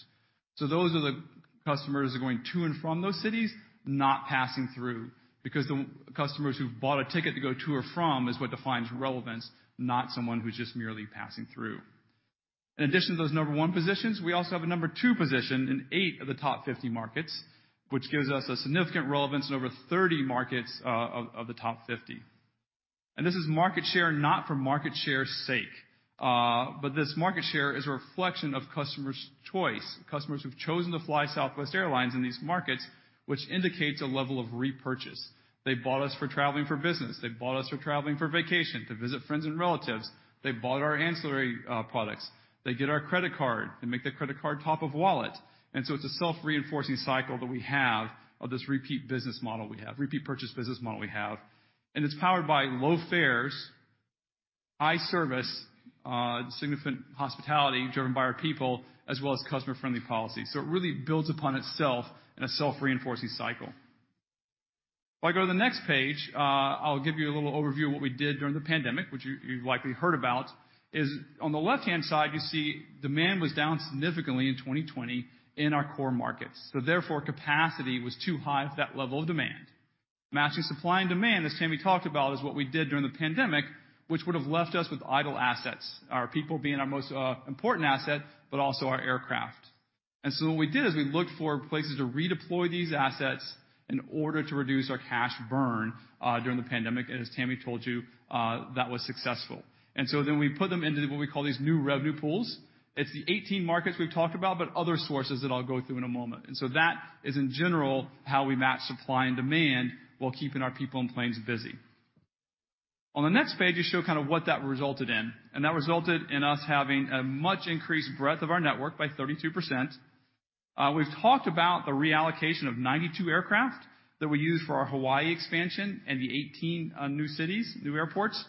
Those are the customers that are going to and from those cities, not passing through, because the customers who bought a ticket to go to or from is what defines relevance, not someone who's just merely passing through. In addition to those number one positions, we also have a number two position in eight of the top 50 markets, which gives us a significant relevance in over 30 markets, of the top 50. This is market share, not for market share's sake, but this market share is a reflection of customers' choice. Customers who've chosen to fly Southwest Airlines in these markets, which indicates a level of repurchase. They bought us for traveling for business. They bought us for traveling for vacation, to visit friends and relatives. They get our credit card. They make their credit card top of wallet. It's a self-reinforcing cycle that we have of this repeat business model we have, repeat purchase business model we have. It's powered by low fares, high service, significant hospitality driven by our people, as well as customer-friendly policies. It really builds upon itself in a self-reinforcing cycle. If I go to the next page, I'll give you a little overview of what we did during the pandemic, which you've likely heard about, is on the left-hand side, you see demand was down significantly in 2020 in our core markets. Therefore, capacity was too high at that level of demand. Matching supply and demand, as Tammy talked about, is what we did during the pandemic, which would have left us with idle assets, our people being our most important asset, but also our aircraft. What we did is we looked for places to redeploy these assets in order to reduce our cash burn during the pandemic. As Tammy told you, that was successful. We put them into what we call these new revenue pools. It's the 18 markets we've talked about, but other sources that I'll go through in a moment. That is in general how we match supply and demand while keeping our people and planes busy. On the next page, we show kind of what that resulted in, and that resulted in us having a much increased breadth of our network by 32%. We've talked about the reallocation of 92 aircraft that we used for our Hawaii expansion and the 18 new cities, new airports.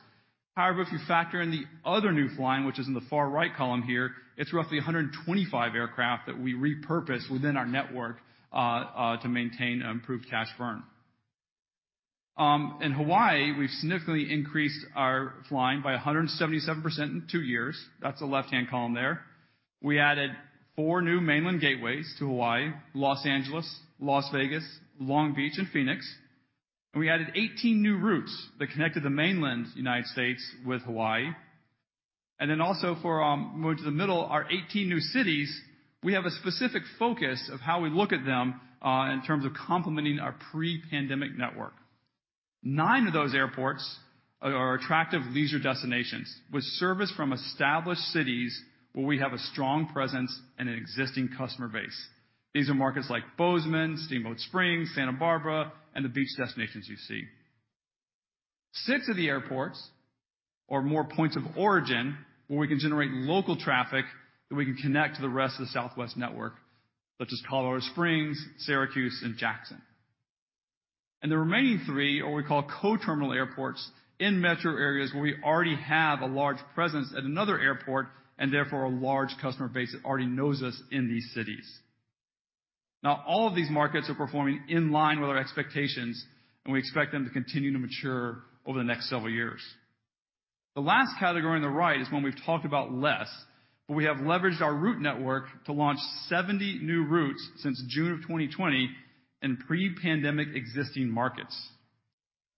However, if you factor in the other new flying, which is in the far right column here, it's roughly 125 aircraft that we repurposed within our network to maintain improved cash burn. In Hawaii, we've significantly increased our flying by 177% in two years. That's the left-hand column there. We added four new mainland gateways to Hawaii, Los Angeles, Las Vegas, Long Beach, and Phoenix. We added 18 new routes that connected the mainland United States with Hawaii. For more to the middle, our 18 new cities, we have a specific focus of how we look at them in terms of complementing our pre-pandemic network. Nine of those airports are attractive leisure destinations with service from established cities where we have a strong presence and an existing customer base. These are markets like Bozeman, Steamboat Springs, Santa Barbara, and the beach destinations you see. Six of the airports are more points of origin, where we can generate local traffic that we can connect to the rest of the Southwest network, such as Colorado Springs, Syracuse, and Jackson. The remaining three are what we call co-terminal airports in metro areas where we already have a large presence at another airport, and therefore a large customer base that already knows us in these cities. Now, all of these markets are performing in line with our expectations, and we expect them to continue to mature over the next several years. The last category on the right is one we've talked about less, but we have leveraged our route network to launch 70 new routes since June of 2020 in pre-pandemic existing markets.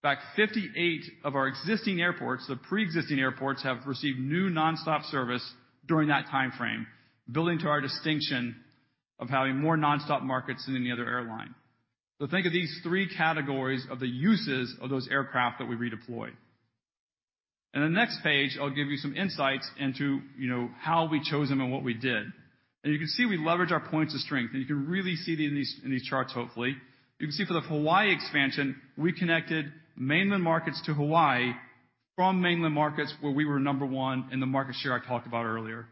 In fact, 58 of our existing airports, the pre-existing airports, have received new nonstop service during that timeframe, building to our distinction of having more nonstop markets than any other airline. Think of these three categories of the uses of those aircraft that we redeployed. In the next page, I'll give you some insights into, you know, how we chose them and what we did. You can see we leverage our points of strength, and you can really see these in these charts, hopefully. You can see for the Hawaii expansion, we connected mainland markets to Hawaii from mainland markets where we were number one in the market share I talked about earlier.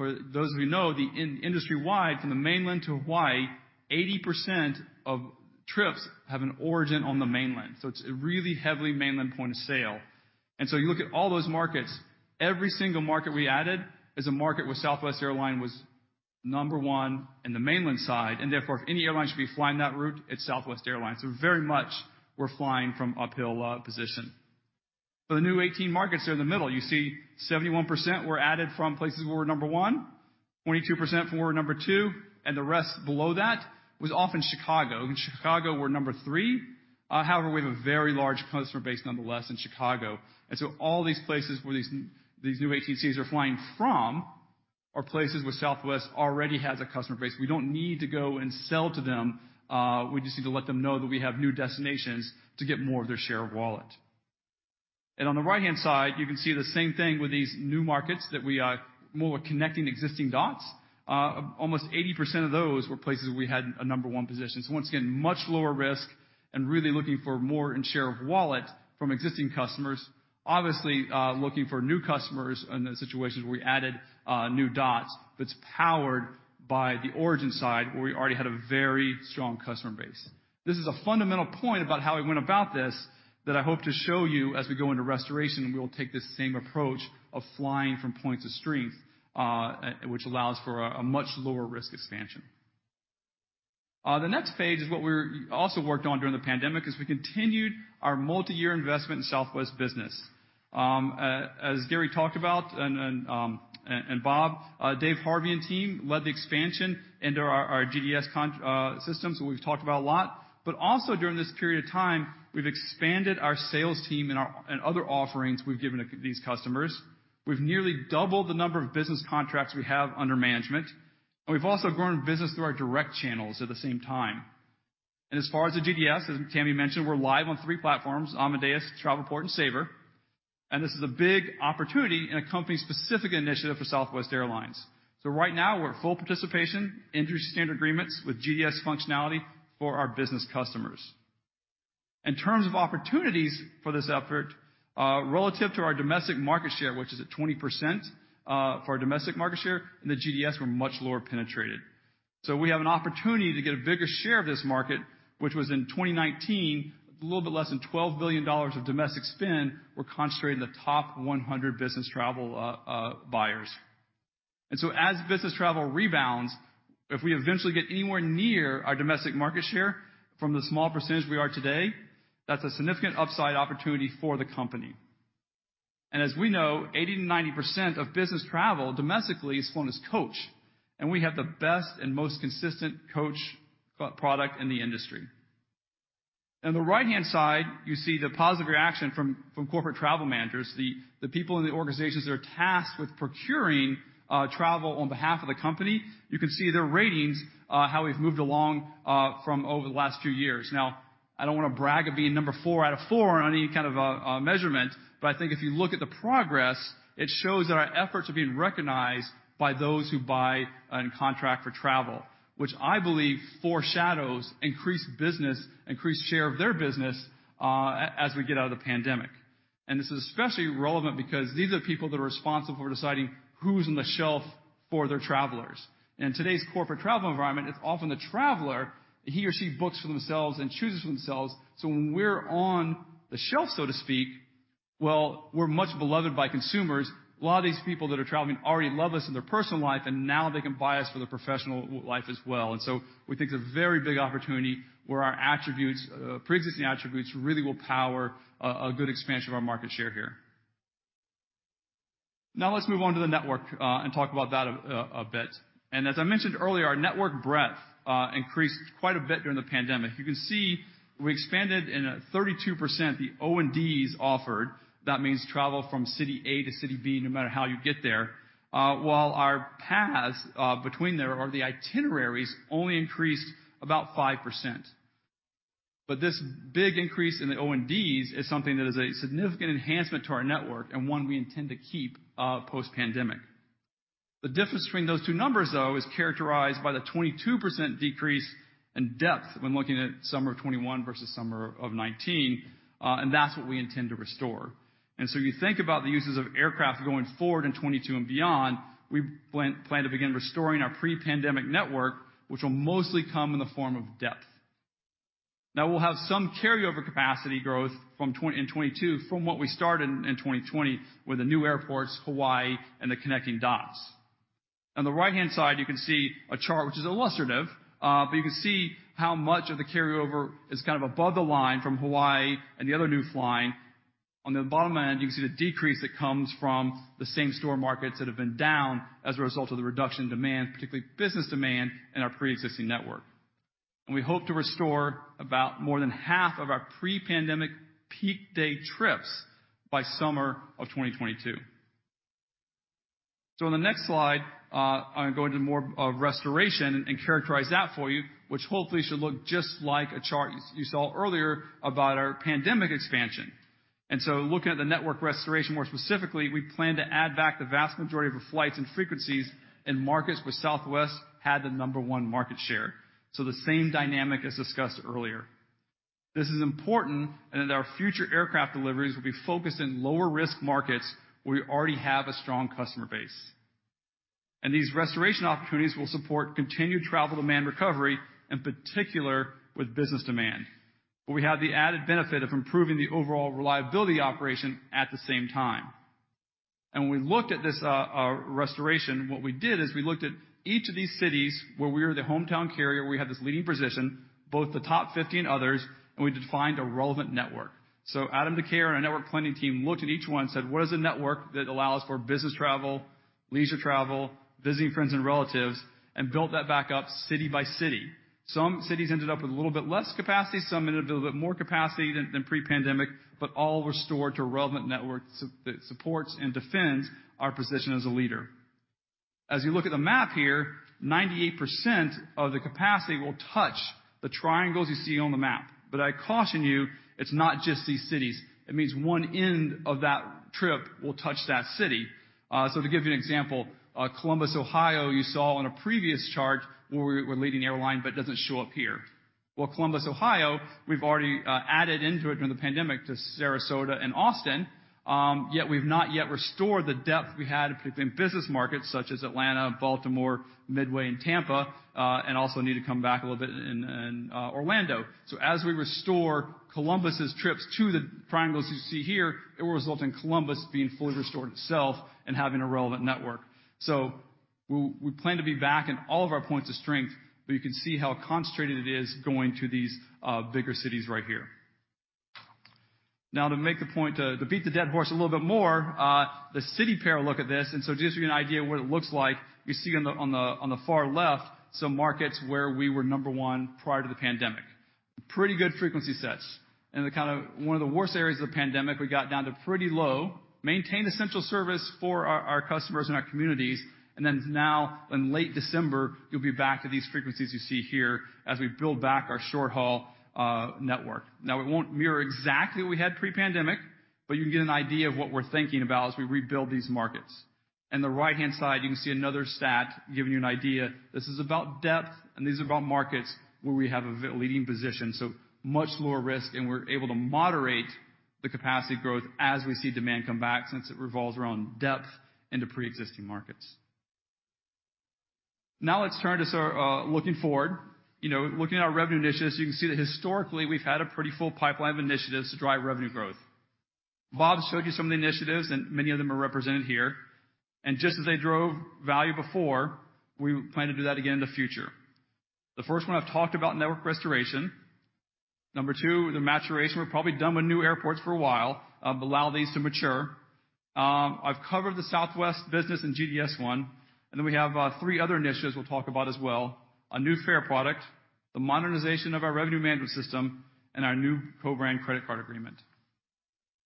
For those of you who know, the industry-wide from the mainland to Hawaii, 80% of trips have an origin on the mainland. It's a really heavily mainland point of sale. You look at all those markets. Every single market we added is a market where Southwest Airlines was number one in the mainland side, and therefore, if any airline should be flying that route, it's Southwest Airlines. Very much we're flying from uphill position. For the new 18 markets there in the middle, you see 71% were added from places where we're number one, 22% for number two, and the rest below that was often Chicago. In Chicago, we're number three. However, we have a very large customer base nonetheless in Chicago. All these places where these new ATCs are flying from are places where Southwest already has a customer base. We don't need to go and sell to them. We just need to let them know that we have new destinations to get more of their share of wallet. On the right-hand side, you can see the same thing with these new markets that we are more connecting existing dots. Almost 80% of those were places we had a number one position. Once again, much lower risk and really looking for more in share of wallet from existing customers. Obviously, looking for new customers in those situations where we added new dots that's powered by the origin side, where we already had a very strong customer base. This is a fundamental point about how we went about this that I hope to show you as we go into restoration, and we will take this same approach of flying from points of strength, which allows for a much lower risk expansion. The next page is what we also worked on during the pandemic as we continued our multi-year investment in Southwest Business. As Gary talked about and Bob, Dave Harvey and team led the expansion into our GDS systems that we've talked about a lot. Also during this period of time, we've expanded our sales team and other offerings we've given these customers. We've nearly doubled the number of business contracts we have under management, and we've also grown business through our direct channels at the same time. As far as the GDS, as Tammy mentioned, we're live on three platforms, Amadeus, Travelport, and Sabre. This is a big opportunity and a company-specific initiative for Southwest Airlines. Right now, we're at full participation, industry standard agreements with GDS functionality for our business customers. In terms of opportunities for this effort, relative to our domestic market share, which is at 20%, for our domestic market share, and the GDS we're much lower penetrated. We have an opportunity to get a bigger share of this market, which was in 2019, a little bit less than $12 billion of domestic spend were concentrated in the top 100 business travel buyers. As business travel rebounds, if we eventually get anywhere near our domestic market share from the small percentage we are today, that's a significant upside opportunity for the company. As we know, 80%-90% of business travel domestically is flown as coach, and we have the best and most consistent coach product in the industry. On the right-hand side, you see the positive reaction from corporate travel managers, the people in the organizations that are tasked with procuring travel on behalf of the company. You can see their ratings, how we've moved along from over the last few years. Now, I don't wanna brag of being number four out of four on any kind of measurement, but I think if you look at the progress, it shows that our efforts are being recognized by those who buy and contract for travel, which I believe foreshadows increased business, increased share of their business, as we get out of the pandemic. This is especially relevant because these are the people that are responsible for deciding who's on the shelf for their travelers. In today's corporate travel environment, it's often the traveler, he or she books for themselves and chooses for themselves. So when we're on the shelf, so to speak, well, we're much beloved by consumers. A lot of these people that are traveling already love us in their personal life, and now they can buy us for their professional life as well. We think it's a very big opportunity where our attributes, pre-existing attributes, really will power a good expansion of our market share here. Now, let's move on to the network, and talk about that a bit. As I mentioned earlier, our network breadth increased quite a bit during the pandemic. You can see we expanded in 32% the O&Ds offered. That means travel from city A to city B, no matter how you get there. While our paths between there or the itineraries only increased about 5%. This big increase in the O&Ds is something that is a significant enhancement to our network and one we intend to keep post-pandemic. The difference between those two numbers, though, is characterized by the 22% decrease in depth when looking at summer of 2021 versus summer of 2019, and that's what we intend to restore. You think about the uses of aircraft going forward in 2022 and beyond, we plan to begin restoring our pre-pandemic network, which will mostly come in the form of depth. Now we'll have some carryover capacity growth in 2022 from what we started in 2020 with the new airports, Hawaii and the connecting dots. On the right-hand side, you can see a chart which is illustrative, but you can see how much of the carryover is kind of above the line from Hawaii and the other new flying. On the bottom end, you can see the decrease that comes from the same store markets that have been down as a result of the reduction in demand, particularly business demand in our pre-existing network. We hope to restore about more than half of our pre-pandemic peak day trips by summer of 2022. In the next slide, I'm gonna go into more of restoration and characterize that for you, which hopefully should look just like a chart you saw earlier about our pandemic expansion. Looking at the network restoration more specifically, we plan to add back the vast majority of the flights and frequencies in markets where Southwest had the number one market share. The same dynamic as discussed earlier. This is important and that our future aircraft deliveries will be focused in lower risk markets where we already have a strong customer base. These restoration opportunities will support continued travel demand recovery, in particular with business demand, where we have the added benefit of improving the overall reliability operation at the same time. When we looked at this restoration, what we did is we looked at each of these cities where we were the hometown carrier, we had this leading position, both the top fifty and others, and we defined a relevant network. Adam Decaire and our network planning team looked at each one and said, "What is a network that allows for business travel, leisure travel, visiting friends and relatives," and built that back up city by city. Some cities ended up with a little bit less capacity, some ended up with a bit more capacity than pre-pandemic, but all restored to a relevant network that supports and defends our position as a leader. As you look at the map here, 98% of the capacity will touch the triangles you see on the map. I caution you, it's not just these cities. It means one end of that trip will touch that city. To give you an example, Columbus, Ohio, you saw on a previous chart where we're leading airline, but it doesn't show up here. Well, Columbus, Ohio, we've already added into it during the pandemic to Sarasota and Austin, yet we've not yet restored the depth we had, particularly in business markets such as Atlanta, Baltimore, Midway, and Tampa, and also need to come back a little bit in Orlando. As we restore Columbus's trips to the triangles you see here, it will result in Columbus being fully restored itself and having a relevant network. We plan to be back in all of our points of strength, but you can see how concentrated it is going to these bigger cities right here. Now to make the point, to beat the dead horse a little bit more, the city pair look at this. Just to give you an idea of what it looks like, you see on the far left some markets where we were number one prior to the pandemic. Pretty good frequency sets. In one of the worst areas of the pandemic, we got down to pretty low, maintained essential service for our customers and our communities. Now in late December, we'll be back to these frequencies you see here as we build back our short-haul network. It won't mirror exactly what we had pre-pandemic, but you can get an idea of what we're thinking about as we rebuild these markets. In the right-hand side, you can see another stat giving you an idea. This is about depth, and these are about markets where we have a leading position, so much lower risk, and we're able to moderate the capacity growth as we see demand come back since it revolves around depth into preexisting markets. Now let's turn to sort of, looking forward. You know, looking at our revenue initiatives, you can see that historically we've had a pretty full pipeline of initiatives to drive revenue growth. Bob showed you some of the initiatives, and many of them are represented here. Just as they drove value before, we plan to do that again in the future. The first one I've talked about, network restoration. Number two, the maturation. We're probably done with new airports for a while, allow these to mature. I've covered the Southwest Business and GDS one, and then we have three other initiatives we'll talk about as well, a new fare product, the modernization of our revenue management system, and our new co-brand credit card agreement.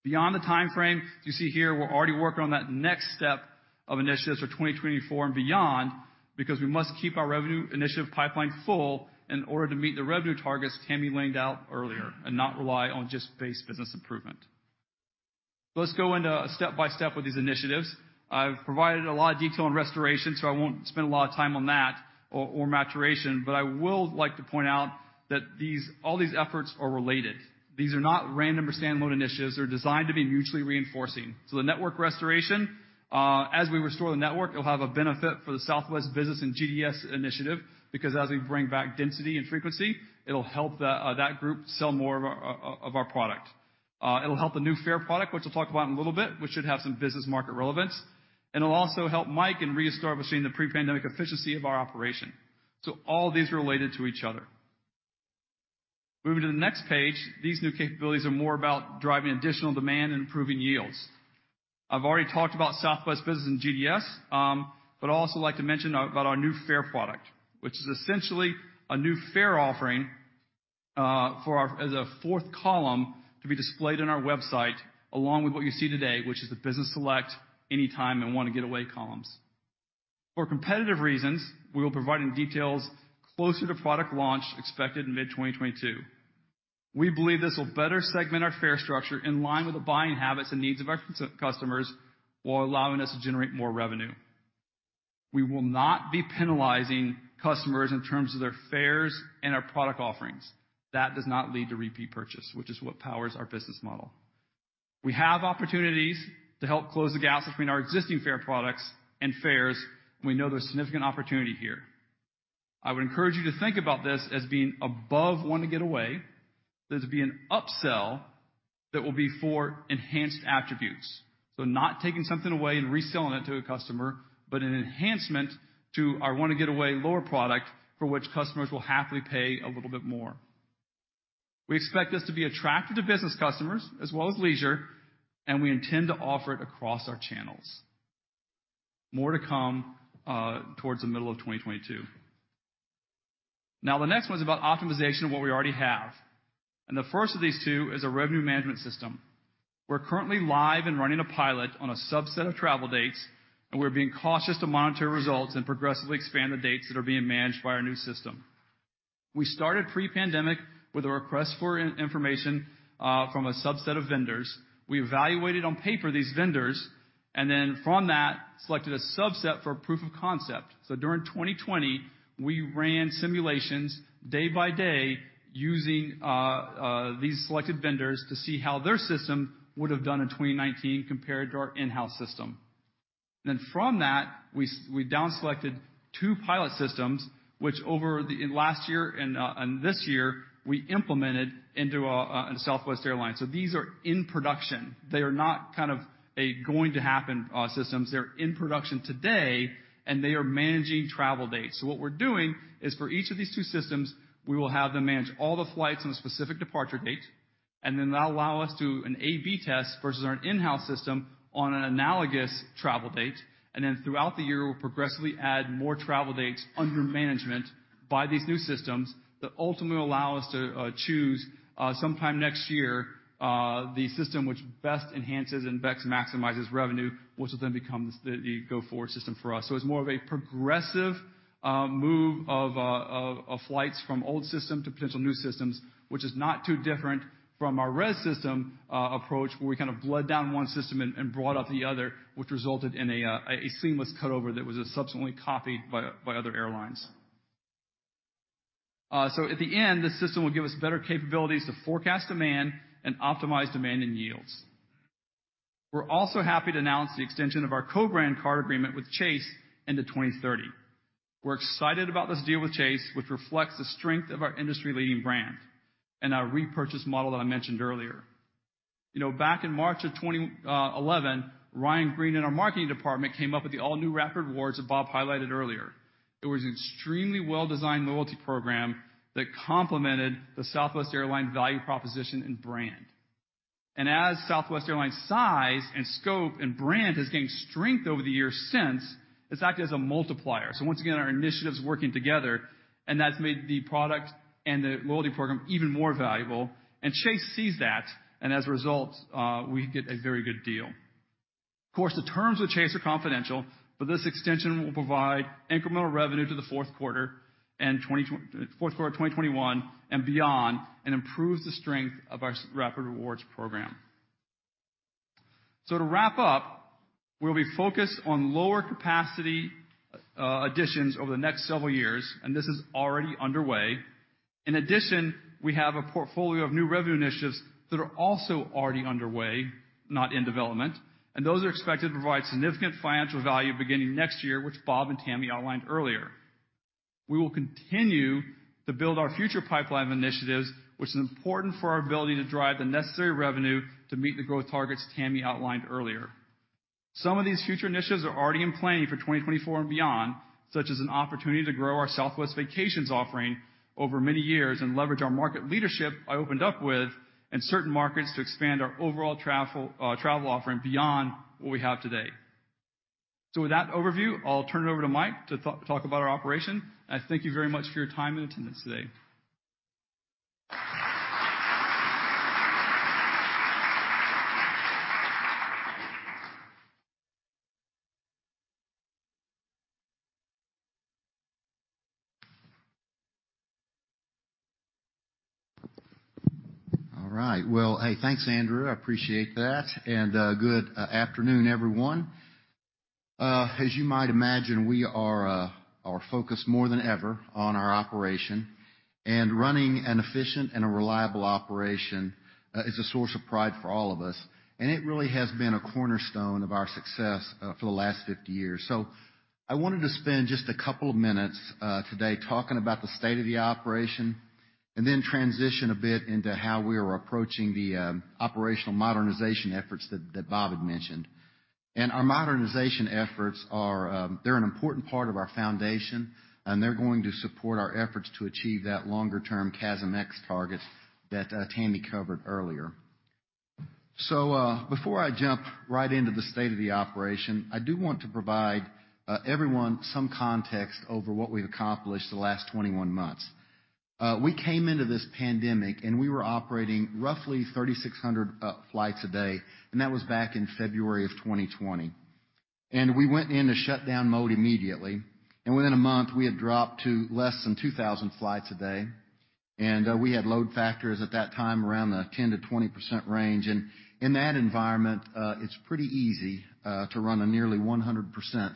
Beyond the timeframe that you see here, we're already working on that next step of initiatives for 2024 and beyond because we must keep our revenue initiative pipeline full in order to meet the revenue targets Tammy laid out earlier and not rely on just base business improvement. Let's go into a step-by-step with these initiatives. I've provided a lot of detail on restoration, so I won't spend a lot of time on that or maturation, but I will like to point out that these, all these efforts are related. These are not random or standalone initiatives. They're designed to be mutually reinforcing. The network restoration, as we restore the network, it will have a benefit for the Southwest Business and GDS initiative because as we bring back density and frequency, it'll help the that group sell more of our product. It'll help the new fare product, which we'll talk about in a little bit, which should have some business market relevance, and it'll also help Mike in reestablishing the pre-pandemic efficiency of our operation. All these are related to each other. Moving to the next page, these new capabilities are more about driving additional demand and improving yields. I've already talked about Southwest Business and GDS, but I'd also like to mention about our new fare product, which is essentially a new fare offering, as a fourth column to be displayed on our website, along with what you see today, which is the Business Select, Anytime, and Wanna Get Away columns. For competitive reasons, we will provide any details closer to product launch expected in mid-2022. We believe this will better segment our fare structure in line with the buying habits and needs of our customers while allowing us to generate more revenue. We will not be penalizing customers in terms of their fares and our product offerings. That does not lead to repeat purchase, which is what powers our business model. We have opportunities to help close the gap between our existing fare products and fares. We know there's significant opportunity here. I would encourage you to think about this as being above Wanna Get Away. This would be an upsell that will be for enhanced attributes. Not taking something away and reselling it to a customer, but an enhancement to our Wanna Get Away lower product for which customers will happily pay a little bit more. We expect this to be attractive to business customers as well as leisure, and we intend to offer it across our channels. More to come, towards the middle of 2022. Now the next one's about optimization of what we already have, and the first of these two is a revenue management system. We're currently live and running a pilot on a subset of travel dates, and we're being cautious to monitor results and progressively expand the dates that are being managed by our new system. We started pre-pandemic with a request for information from a subset of vendors. We evaluated on paper these vendors, and then from that selected a subset for proof of concept. During 2020, we ran simulations day by day using these selected vendors to see how their system would have done in 2019 compared to our in-house system. From that, we down-selected two pilot systems, which in last year and this year we implemented in Southwest Airlines. These are in production. They are not kind of a going to happen systems. They're in production today, and they are managing travel dates. What we're doing is for each of these two systems, we will have them manage all the flights on a specific departure date, and then that'll allow us to do an AB test versus our in-house system on an analogous travel date. Throughout the year, we'll progressively add more travel dates under management by these new systems that ultimately allow us to choose sometime next year the system which best enhances and best maximizes revenue, which will then become the go-forward system for us. It's more of a progressive move of flights from old system to potential new systems, which is not too different from our res system approach, where we kind of bled down one system and brought up the other, which resulted in a seamless cut over that was subsequently copied by other airlines. At the end, this system will give us better capabilities to forecast demand and optimize demand and yields. We're also happy to announce the extension of our co-brand card agreement with Chase into 2030. We're excited about this deal with Chase, which reflects the strength of our industry-leading brand and our repurchase model that I mentioned earlier. You know, back in March of 2011, Ryan Green in our marketing department came up with the all-new Rapid Rewards that Bob highlighted earlier. It was an extremely well-designed loyalty program that complemented the Southwest Airlines value proposition and brand. As Southwest Airlines size and scope and brand has gained strength over the years since, it's acted as a multiplier. Once again, our initiatives working together, and that's made the product and the loyalty program even more valuable. Chase sees that, and as a result, we get a very good deal. Of course, the terms with Chase are confidential, but this extension will provide incremental revenue to the fourth quarter of 2021 and beyond, and improves the strength of our Rapid Rewards program. To wrap up, we'll be focused on lower capacity additions over the next several years, and this is already underway. In addition, we have a portfolio of new revenue initiatives that are also already underway, not in development. Those are expected to provide significant financial value beginning next year, which Bob and Tammy outlined earlier. We will continue to build our future pipeline of initiatives, which is important for our ability to drive the necessary revenue to meet the growth targets Tammy outlined earlier. Some of these future initiatives are already in planning for 2024 and beyond, such as an opportunity to grow our Southwest Vacations offering over many years and leverage our market leadership, I opened up with, in certain markets to expand our overall travel offering beyond what we have today. With that overview, I'll turn it over to Mike to talk about our operation. I thank you very much for your time and attendance today. All right. Well, hey, thanks, Andrew. I appreciate that. Good afternoon, everyone. As you might imagine, we are focused more than ever on our operation. Running an efficient and a reliable operation is a source of pride for all of us, and it really has been a cornerstone of our success for the last 50 years. I wanted to spend just a couple of minutes today talking about the state of the operation, and then transition a bit into how we are approaching the operational modernization efforts that Bob had mentioned. Our modernization efforts, they're an important part of our foundation, and they're going to support our efforts to achieve that longer-term CASMx target that Tammy covered earlier. Before I jump right into the state of the operation, I do want to provide everyone some context over what we've accomplished the last 21 months. We came into this pandemic, and we were operating roughly 3,600 flights a day, and that was back in February 2020. We went into shutdown mode immediately, and within a month, we had dropped to less than 2,000 flights a day. We had load factors at that time around the 10%-20% range. In that environment, it's pretty easy to run a nearly 100%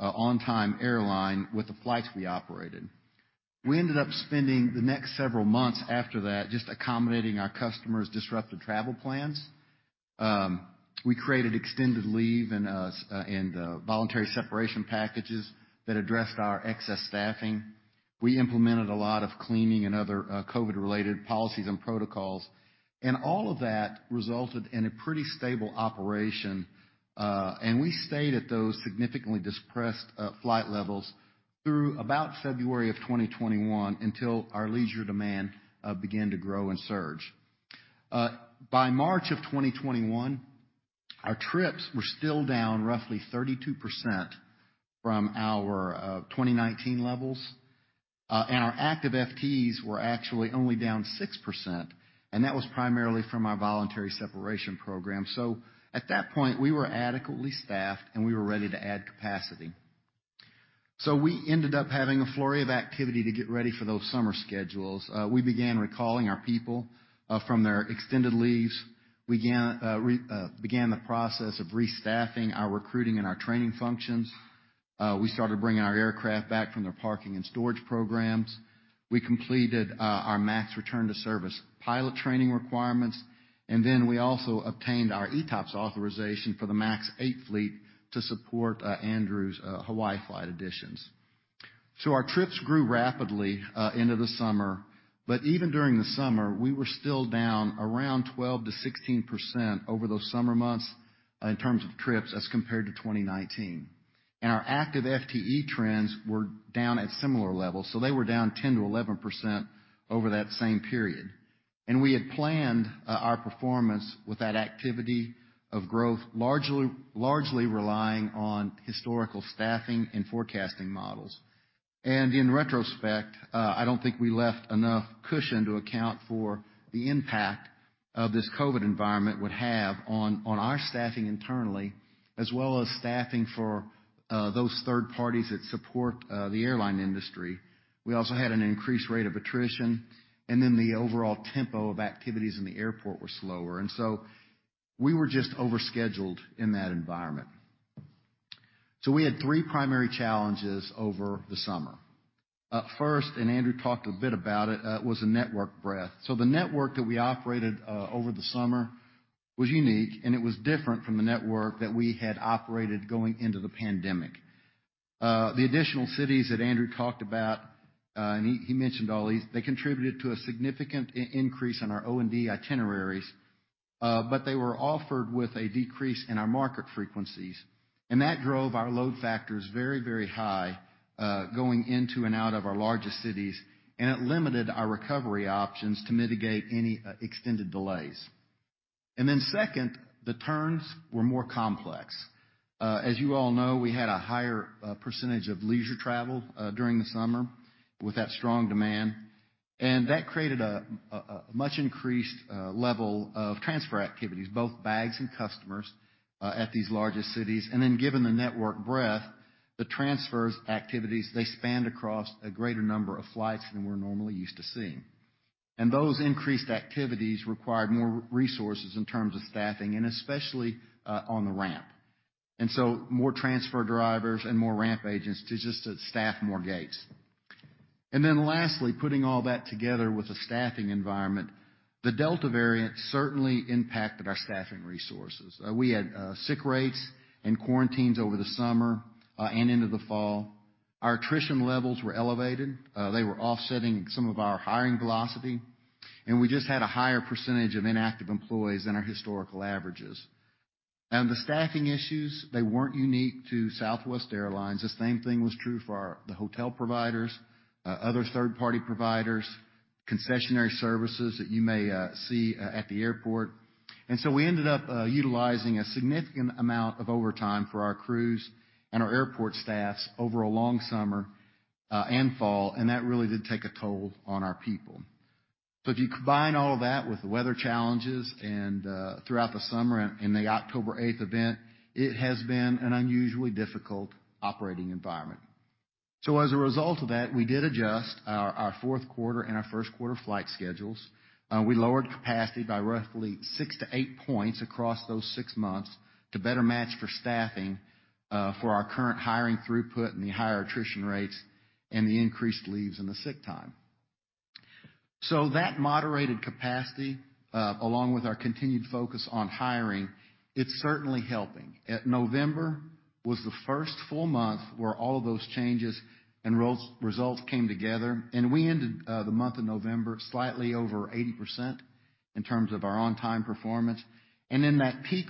on time airline with the flights we operated. We ended up spending the next several months after that just accommodating our customers' disrupted travel plans. We created extended leave and voluntary separation packages that addressed our excess staffing. We implemented a lot of cleaning and other COVID-related policies and protocols. All of that resulted in a pretty stable operation, and we stayed at those significantly depressed flight levels through about February of 2021 until our leisure demand began to grow and surge. By March of 2021, our trips were still down roughly 32% from our 2019 levels, and our active FTEs were actually only down 6%, and that was primarily from our voluntary separation program. At that point, we were adequately staffed, and we were ready to add capacity. We ended up having a flurry of activity to get ready for those summer schedules. We began recalling our people from their extended leaves. We began the process of restaffing our recruiting and our training functions. We started bringing our aircraft back from their parking and storage programs. We completed our MAX return to service pilot training requirements, and then we also obtained our ETOPS authorization for the MAX 8 fleet to support Andrew's Hawaii flight additions. Our trips grew rapidly into the summer, but even during the summer, we were still down around 12%-16% over those summer months in terms of trips as compared to 2019. Our active FTEs trends were down at similar levels, so they were down 10%-11% over that same period. We had planned our performance with that activity of growth largely relying on historical staffing and forecasting models. In retrospect, I don't think we left enough cushion to account for the impact of this COVID environment would have on our staffing internally as well as staffing for those third parties that support the airline industry. We also had an increased rate of attrition, and then the overall tempo of activities in the airport were slower. We were just overscheduled in that environment. We had three primary challenges over the summer. First, and Andrew talked a bit about it, was a network breadth. The network that we operated over the summer was unique, and it was different from the network that we had operated going into the pandemic. The additional cities that Andrew talked about, and he mentioned all these, they contributed to a significant increase in our O&D itineraries. They were offered with a decrease in our market frequencies, and that drove our load factors very high, going into and out of our largest cities, and it limited our recovery options to mitigate any extended delays. Second, the turns were more complex. As you all know, we had a higher percentage of leisure travel during the summer with that strong demand. That created a much increased level of transfer activities, both bags and customers, at these larger cities. Given the network breadth, the transfer activities, they spanned across a greater number of flights than we're normally used to seeing. Those increased activities required more resources in terms of staffing, and especially on the ramp. More transfer drivers and more ramp agents to staff more gates. Lastly, putting all that together with the staffing environment, the Delta variant certainly impacted our staffing resources. We had sick rates and quarantines over the summer and into the fall. Our attrition levels were elevated. They were offsetting some of our hiring velocity, and we just had a higher percentage of inactive employees than our historical averages. The staffing issues, they weren't unique to Southwest Airlines. The same thing was true for the hotel providers, other third-party providers, concessionary services that you may see at the airport. We ended up utilizing a significant amount of overtime for our crews and our airport staffs over a long summer and fall, and that really did take a toll on our people. If you combine all of that with the weather challenges throughout the summer and the October 8 event, it has been an unusually difficult operating environment. As a result of that, we did adjust our fourth quarter and our first quarter flight schedules. We lowered capacity by roughly 6%-8% across those six months to better match for staffing, for our current hiring throughput and the higher attrition rates and the increased leaves and the sick time. That moderated capacity, along with our continued focus on hiring, it's certainly helping. In November was the first full month where all of those changes and res results came together, and we ended the month of November slightly over 80% in terms of our on-time performance. In that peak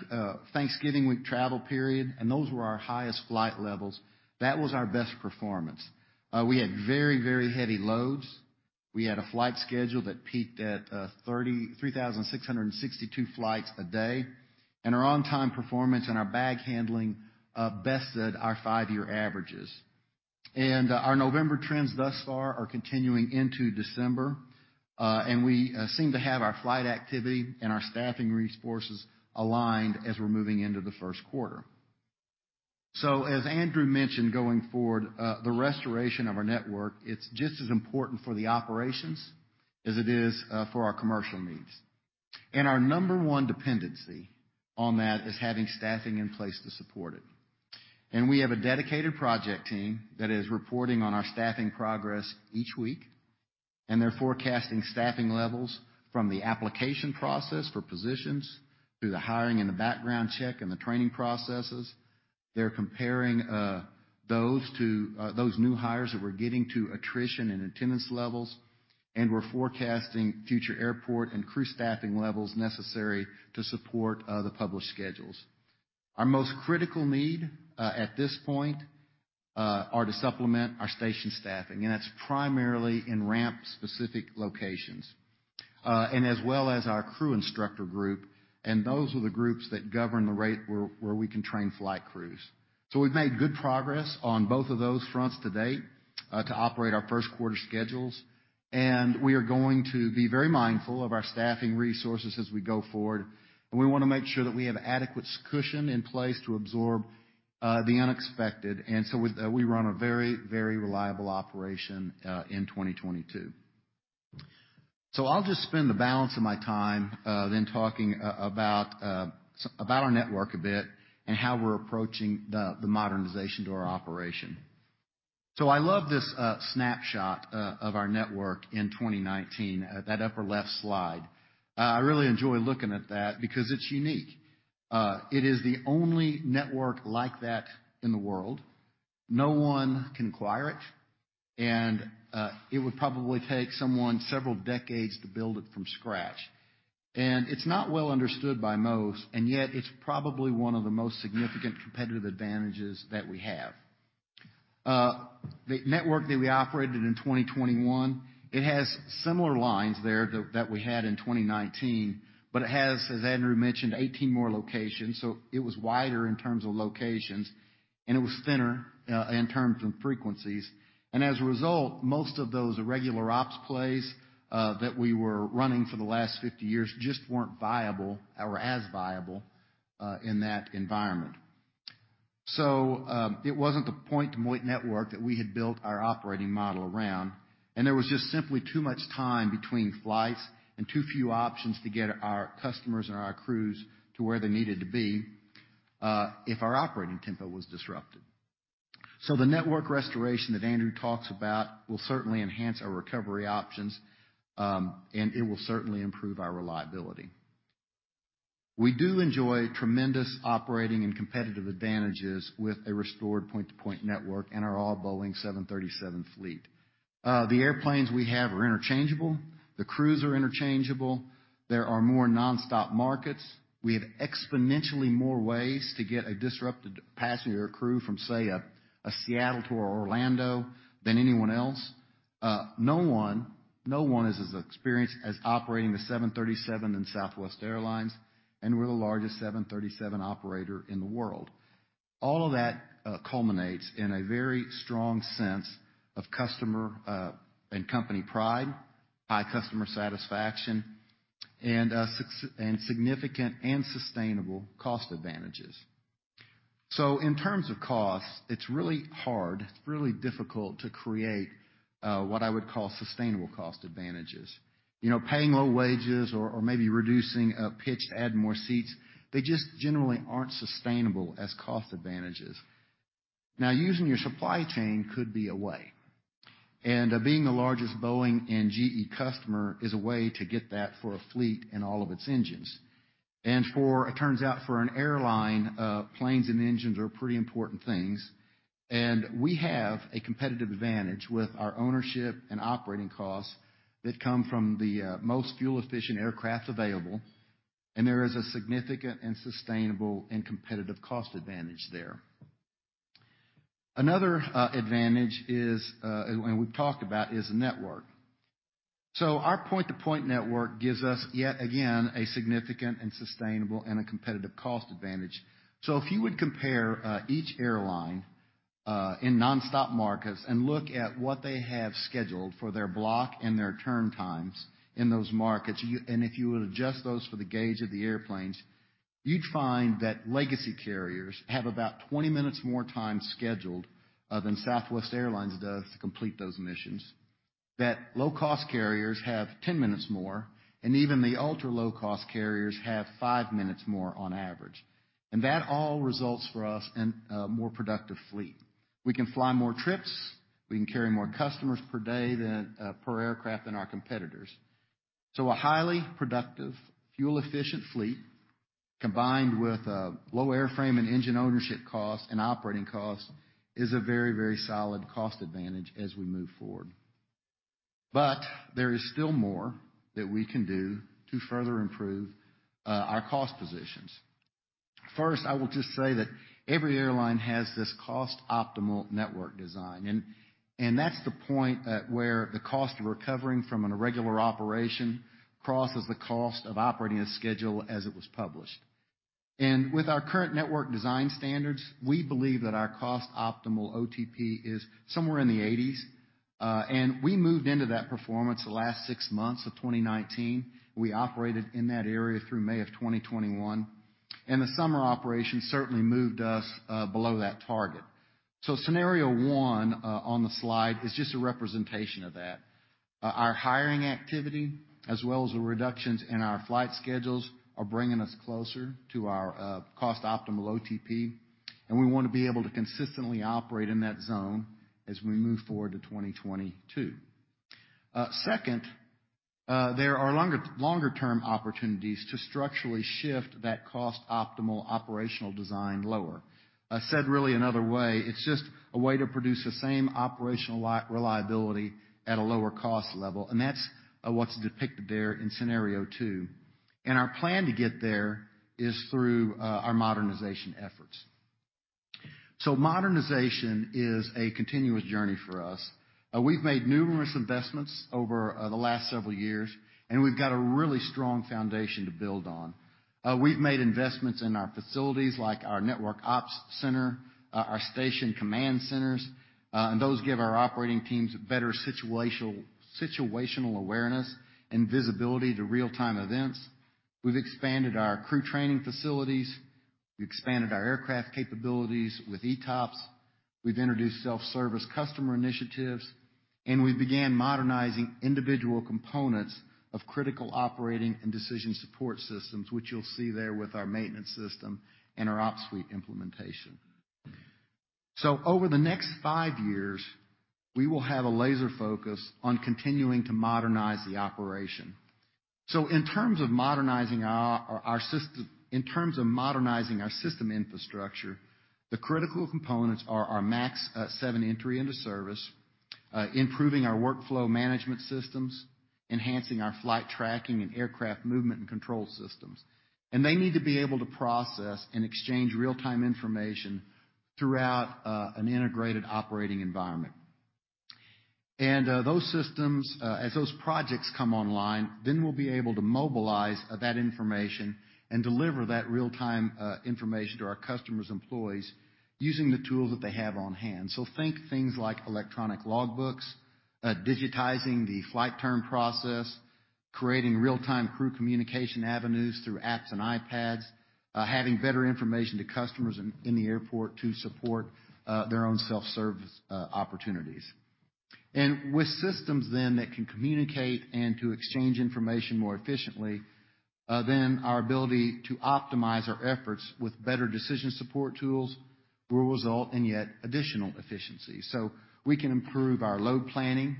Thanksgiving week travel period, those were our highest flight levels. That was our best performance. We had very, very heavy loads. We had a flight schedule that peaked at 3,662 flights a day. Our on-time performance and our bag handling bested our five-year averages. Our November trends thus far are continuing into December, and we seem to have our flight activity and our staffing resources aligned as we're moving into the first quarter. As Andrew mentioned going forward, the restoration of our network, it's just as important for the operations as it is for our commercial needs. Our number one dependency on that is having staffing in place to support it. We have a dedicated project team that is reporting on our staffing progress each week, and they're forecasting staffing levels from the application process for positions through the hiring and the background check and the training processes. They're comparing those to those new hires that we're getting to attrition and attendance levels, and we're forecasting future airport and crew staffing levels necessary to support the published schedules. Our most critical need at this point are to supplement our station staffing, and that's primarily in ramp-specific locations, and as well as our crew instructor group. Those are the groups that govern the rate where we can train flight crews. We've made good progress on both of those fronts to date to operate our first quarter schedules, and we are going to be very mindful of our staffing resources as we go forward. We wanna make sure that we have adequate cushion in place to absorb the unexpected. We run a very reliable operation in 2022. I'll just spend the balance of my time then talking about our network a bit and how we're approaching the modernization to our operation. I love this snapshot of our network in 2019, that upper left slide. I really enjoy looking at that because it's unique. It is the only network like that in the world. No one can acquire it, and it would probably take someone several decades to build it from scratch. It's not well understood by most, and yet it's probably one of the most significant competitive advantages that we have. The network that we operated in 2021, it has similar lines there that we had in 2019, but it has, as Andrew mentioned, 18 more locations, so it was wider in terms of locations, and it was thinner in terms of frequencies. As a result, most of those irregular ops plays that we were running for the last 50 years just weren't viable or as viable in that environment. It wasn't the point-to-point network that we had built our operating model around, and there was just simply too much time between flights and too few options to get our customers and our crews to where they needed to be, if our operating tempo was disrupted. The network restoration that Andrew talks about will certainly enhance our recovery options, and it will certainly improve our reliability. We do enjoy tremendous operating and competitive advantages with a restored point-to-point network and our all Boeing 737 fleet. The airplanes we have are interchangeable, the crews are interchangeable. There are more nonstop markets. We have exponentially more ways to get a disrupted passenger crew from, say, Seattle to Orlando than anyone else. No one is as experienced as operating the 737 in Southwest Airlines, and we're the largest 737 operator in the world. All of that culminates in a very strong sense of customer and company pride, high customer satisfaction, and significant and sustainable cost advantages. In terms of costs, it's really hard, really difficult to create what I would call sustainable cost advantages. You know, paying low wages or maybe reducing pitch to add more seats, they just generally aren't sustainable as cost advantages. Now, using your supply chain could be a way, and being the largest Boeing and GE customer is a way to get that for a fleet and all of its engines. It turns out, for an airline, planes and engines are pretty important things. We have a competitive advantage with our ownership and operating costs that come from the most fuel-efficient aircraft available, and there is a significant and sustainable and competitive cost advantage there. Another advantage is, and we've talked about, is the network. Our point-to-point network gives us, yet again, a significant and sustainable and a competitive cost advantage. If you would compare each airline in nonstop markets and look at what they have scheduled for their block and their turn times in those markets, and if you would adjust those for the gauge of the airplanes, you'd find that legacy carriers have about 20 minutes more time scheduled than Southwest Airlines does to complete those missions. That low-cost carriers have 10 minutes more, and even the ultra-low-cost carriers have 5 minutes more on average. That all results in a more productive fleet. We can fly more trips, we can carry more customers per day than per aircraft than our competitors. A highly productive, fuel-efficient fleet, combined with low airframe and engine ownership costs and operating costs, is a very, very solid cost advantage as we move forward. There is still more that we can do to further improve our cost positions. First, I will just say that every airline has this cost optimal network design, and that's the point at which the cost of recovering from an irregular operation crosses the cost of operating a schedule as it was published. With our current network design standards, we believe that our cost optimal OTP is somewhere in the eighties. We moved into that performance the last six months of 2019. We operated in that area through May 2021, and the summer operation certainly moved us below that target. Scenario 1 on the slide is just a representation of that. Our hiring activity, as well as the reductions in our flight schedules, are bringing us closer to our cost optimal OTP, and we wanna be able to consistently operate in that zone as we move forward to 2022. Second, there are longer-term opportunities to structurally shift that cost optimal operational design lower. Said really another way, it's just a way to produce the same operational reliability at a lower cost level, and that's what's depicted there in scenario 2. Our plan to get there is through our modernization efforts. Modernization is a continuous journey for us. We've made numerous investments over the last several years, and we've got a really strong foundation to build on. We've made investments in our facilities, like our network ops center, our station command centers, and those give our operating teams better situational awareness and visibility to real-time events. We've expanded our crew training facilities. We expanded our aircraft capabilities with ETOPS. We've introduced self-service customer initiatives, and we began modernizing individual components of critical operating and decision support systems, which you'll see there with our maintenance system and our OpsSuite implementation. Over the next five years, we will have a laser focus on continuing to modernize the operation. In terms of modernizing our system infrastructure, the critical components are our MAX 7 entry into service, improving our workflow management systems, enhancing our flight tracking and aircraft movement and control systems. They need to be able to process and exchange real-time information throughout an integrated operating environment. Those systems, as those projects come online, then we'll be able to mobilize that information and deliver that real-time information to our customers' employees using the tools that they have on hand. Think things like electronic logbooks, digitizing the flight turn process, creating real-time crew communication avenues through apps and iPads, having better information to customers in the airport to support their own self-service opportunities. With systems then that can communicate and to exchange information more efficiently, then our ability to optimize our efforts with better decision support tools will result in yet additional efficiency. We can improve our load planning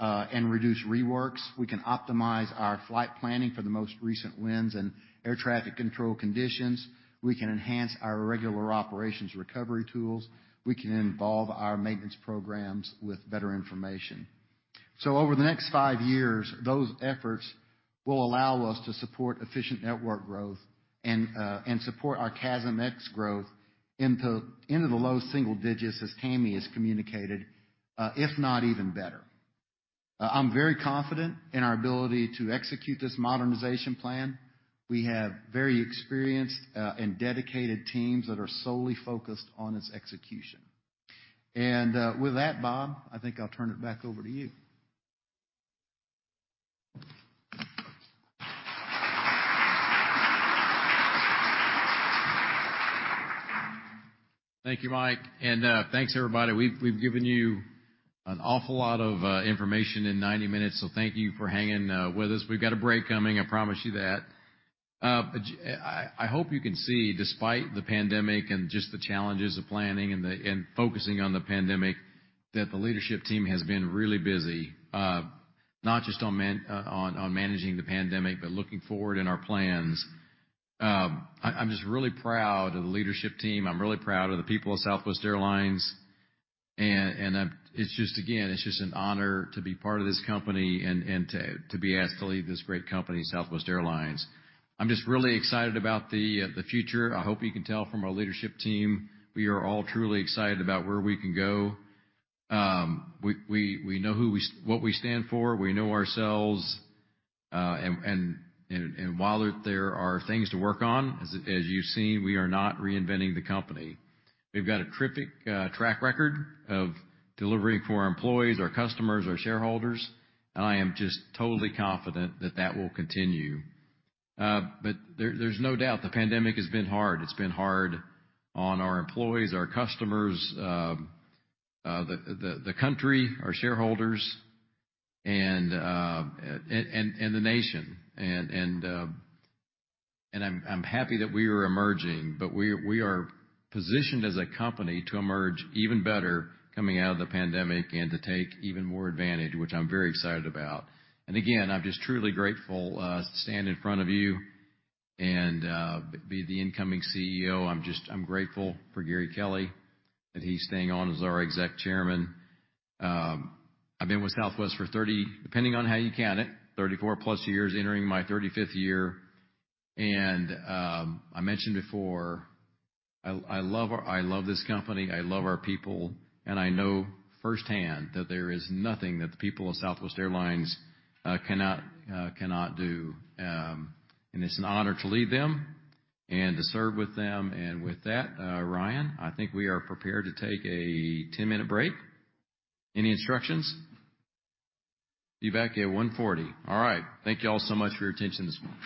and reduce reworks. We can optimize our flight planning for the most recent winds and air traffic control conditions. We can enhance our regular operations recovery tools. We can involve our maintenance programs with better information. Over the next five years, those efforts will allow us to support efficient network growth and support our CASM-ex growth into the low single digits, as Tammy has communicated, if not even better. I'm very confident in our ability to execute this modernization plan. We have very experienced and dedicated teams that are solely focused on its execution. With that, Bob, I think I'll turn it back over to you. Thank you, Mike, and thanks, everybody. We've given you an awful lot of information in 90 minutes, so thank you for hanging with us. We've got a break coming, I promise you that. I hope you can see, despite the pandemic and just the challenges of planning and focusing on the pandemic, that the leadership team has been really busy, not just on managing the pandemic, but looking forward in our plans. I'm just really proud of the leadership team. I'm really proud of the people of Southwest Airlines. It's just, again, an honor to be part of this company and to be asked to lead this great company, Southwest Airlines. I'm just really excited about the future. I hope you can tell from our leadership team. We are all truly excited about where we can go. We know what we stand for. We know ourselves. While there are things to work on, as you've seen, we are not reinventing the company. We've got a terrific track record of delivering for our employees, our customers, our shareholders, and I am just totally confident that will continue. There's no doubt the pandemic has been hard. It's been hard on our employees, our customers, the country, our shareholders, and the nation. I'm happy that we are emerging, but we are positioned as a company to emerge even better coming out of the pandemic and to take even more advantage, which I'm very excited about. Again, I'm just truly grateful to stand in front of you and be the incoming CEO. I'm grateful for Gary Kelly, that he's staying on as our Executive Chairman. I've been with Southwest for 30, depending on how you count it, 34+ years, entering my 35th year. I mentioned before, I love this company, I love our people, and I know firsthand that there is nothing that the people of Southwest Airlines cannot do. It's an honor to lead them and to serve with them. With that, Ryan, I think we are prepared to take a 10-minute break. Any instructions? Be back at 1:40 P.M. All right. Thank you all so much for your attention this morning.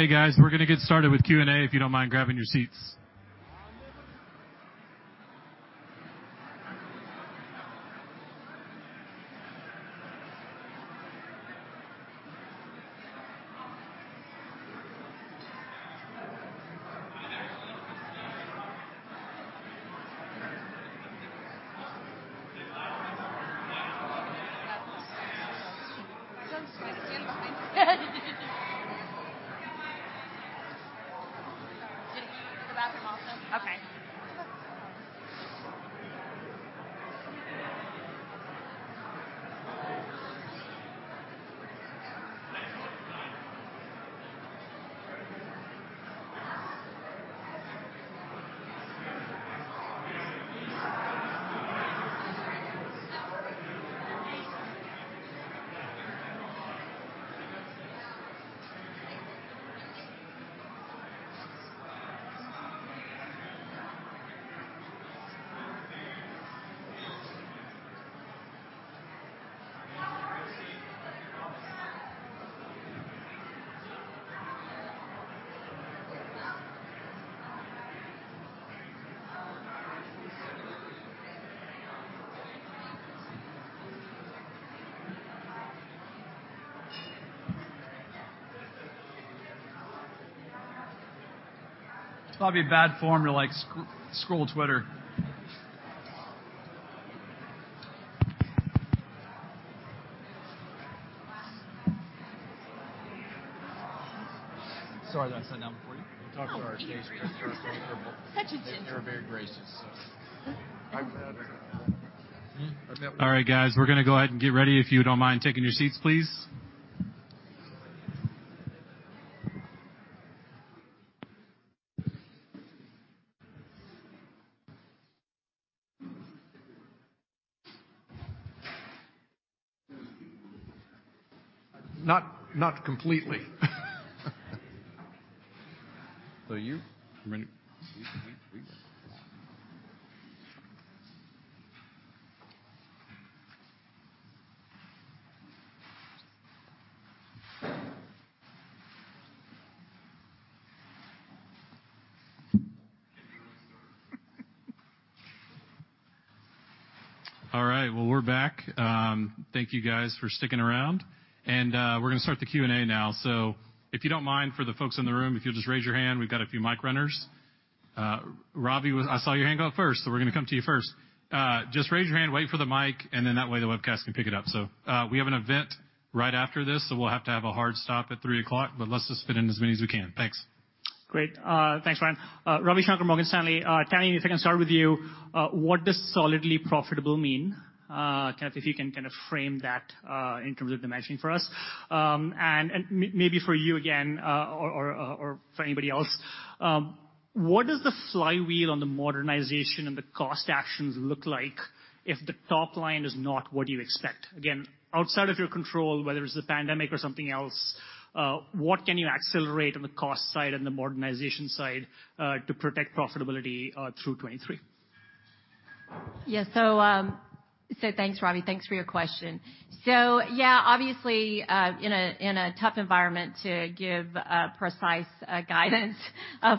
Hey guys, we're gonna get started with Q&A if you don't mind grabbing your seats. It's probably bad form to like scroll Twitter. Sorry, did I sit down before you? Oh, dearie. Such a gentleman. They're very gracious, so. I'm glad. All right, guys, we're gonna go ahead and get ready if you don't mind taking your seats, please. Not completely. Are you ready? All right, well, we're back. Thank you guys for sticking around. We're gonna start the Q&A now. If you don't mind, for the folks in the room, if you'll just raise your hand, we've got a few mic runners. Ravi, I saw your hand go up first, so we're gonna come to you first. Just raise your hand, wait for the mic, and then that way the webcast can pick it up. We have an event right after this, so we'll have to have a hard stop at 3:00 P.M., but let's just fit in as many as we can. Thanks. Great. Thanks, Ryan. Ravi Shanker, Morgan Stanley. Tammy, if I can start with you, what does solidly profitable mean? Kind of, if you can kind of frame that, in terms of the matching for us. And maybe for you again, or for anybody else, what does the flywheel on the modernization and the cost actions look like if the top line is not what you expect? Again, outside of your control, whether it's the pandemic or something else, what can you accelerate on the cost side and the modernization side, to protect profitability, through 2023? Thanks, Ravi. Thanks for your question. Yeah, obviously, in a tough environment to give precise guidance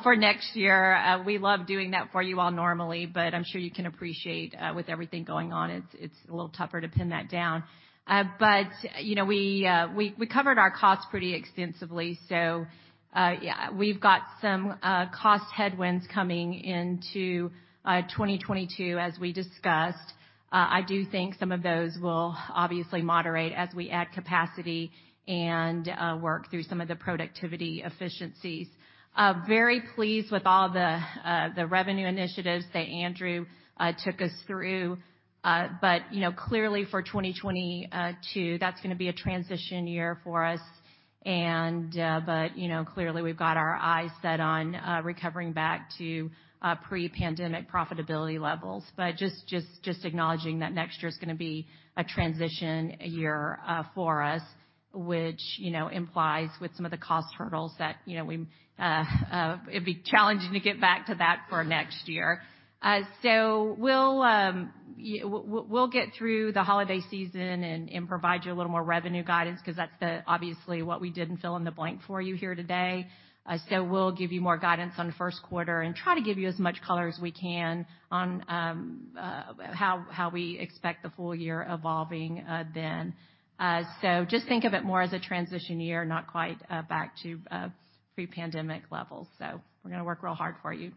for next year. We love doing that for you all normally, but I'm sure you can appreciate, with everything going on, it's a little tougher to pin that down. You know, we covered our costs pretty extensively. Yeah, we've got some cost headwinds coming into 2022 as we discussed. I do think some of those will obviously moderate as we add capacity and work through some of the productivity efficiencies. Very pleased with all the revenue initiatives that Andrew took us through. You know, clearly for 2022, that's gonna be a transition year for us and you know, clearly we've got our eyes set on recovering back to pre-pandemic profitability levels. Just acknowledging that next year's gonna be a transition year for us, which you know, implies with some of the cost hurdles that you know, we it'd be challenging to get back to that for next year. So we'll we'll get through the holiday season and provide you a little more revenue guidance 'cause that's obviously what we didn't fill in the blank for you here today. So we'll give you more guidance on first quarter and try to give you as much color as we can on how we expect the full year evolving then. Just think of it more as a transition year, not quite back to pre-pandemic levels. We're gonna work real hard for you.